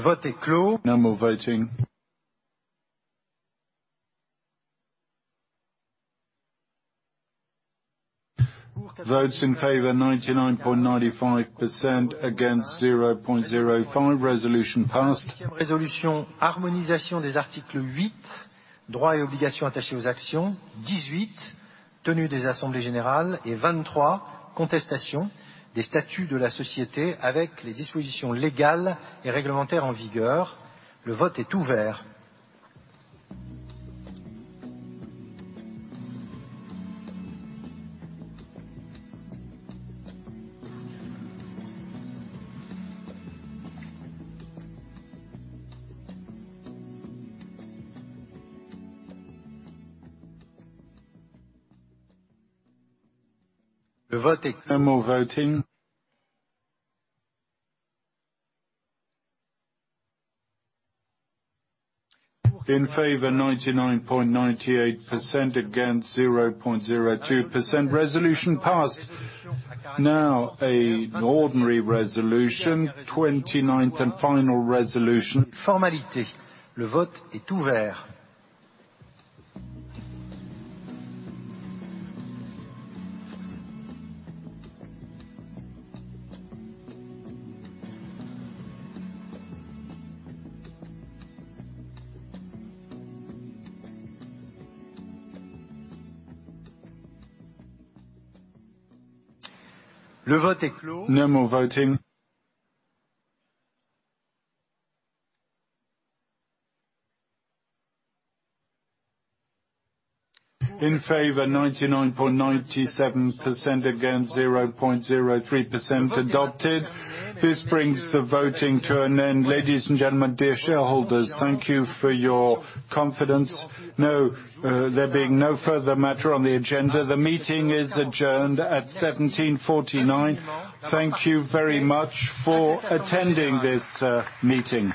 Le vote est clos. No more voting. Pour 90 Votes in favor 99.95%, against 0.05%. Resolution passed. Résolution: Harmonisation des articles 8 Droits et obligations attachés aux actions, 18 Tenue des assemblées générales et 23 Contestation des statuts de la société avec les dispositions légales et réglementaires en vigueur. Le vote est ouvert. Le vote est clos. No more voting. In favor 99.98%, against 0.02%. Resolution passed. Now, an ordinary resolution. 29th and final resolution. Formalités. Le vote est ouvert. Le vote est clos. No more voting. In favor 99.97%, against 0.03%. Adopted. This brings the voting to an end. Ladiesm and gentlemen, dear shareholders, thank you for your confidence. No, there being no further matter on the agenda. The meeting is adjourned at 5:49 P.M. Thank you very much for attending this meeting.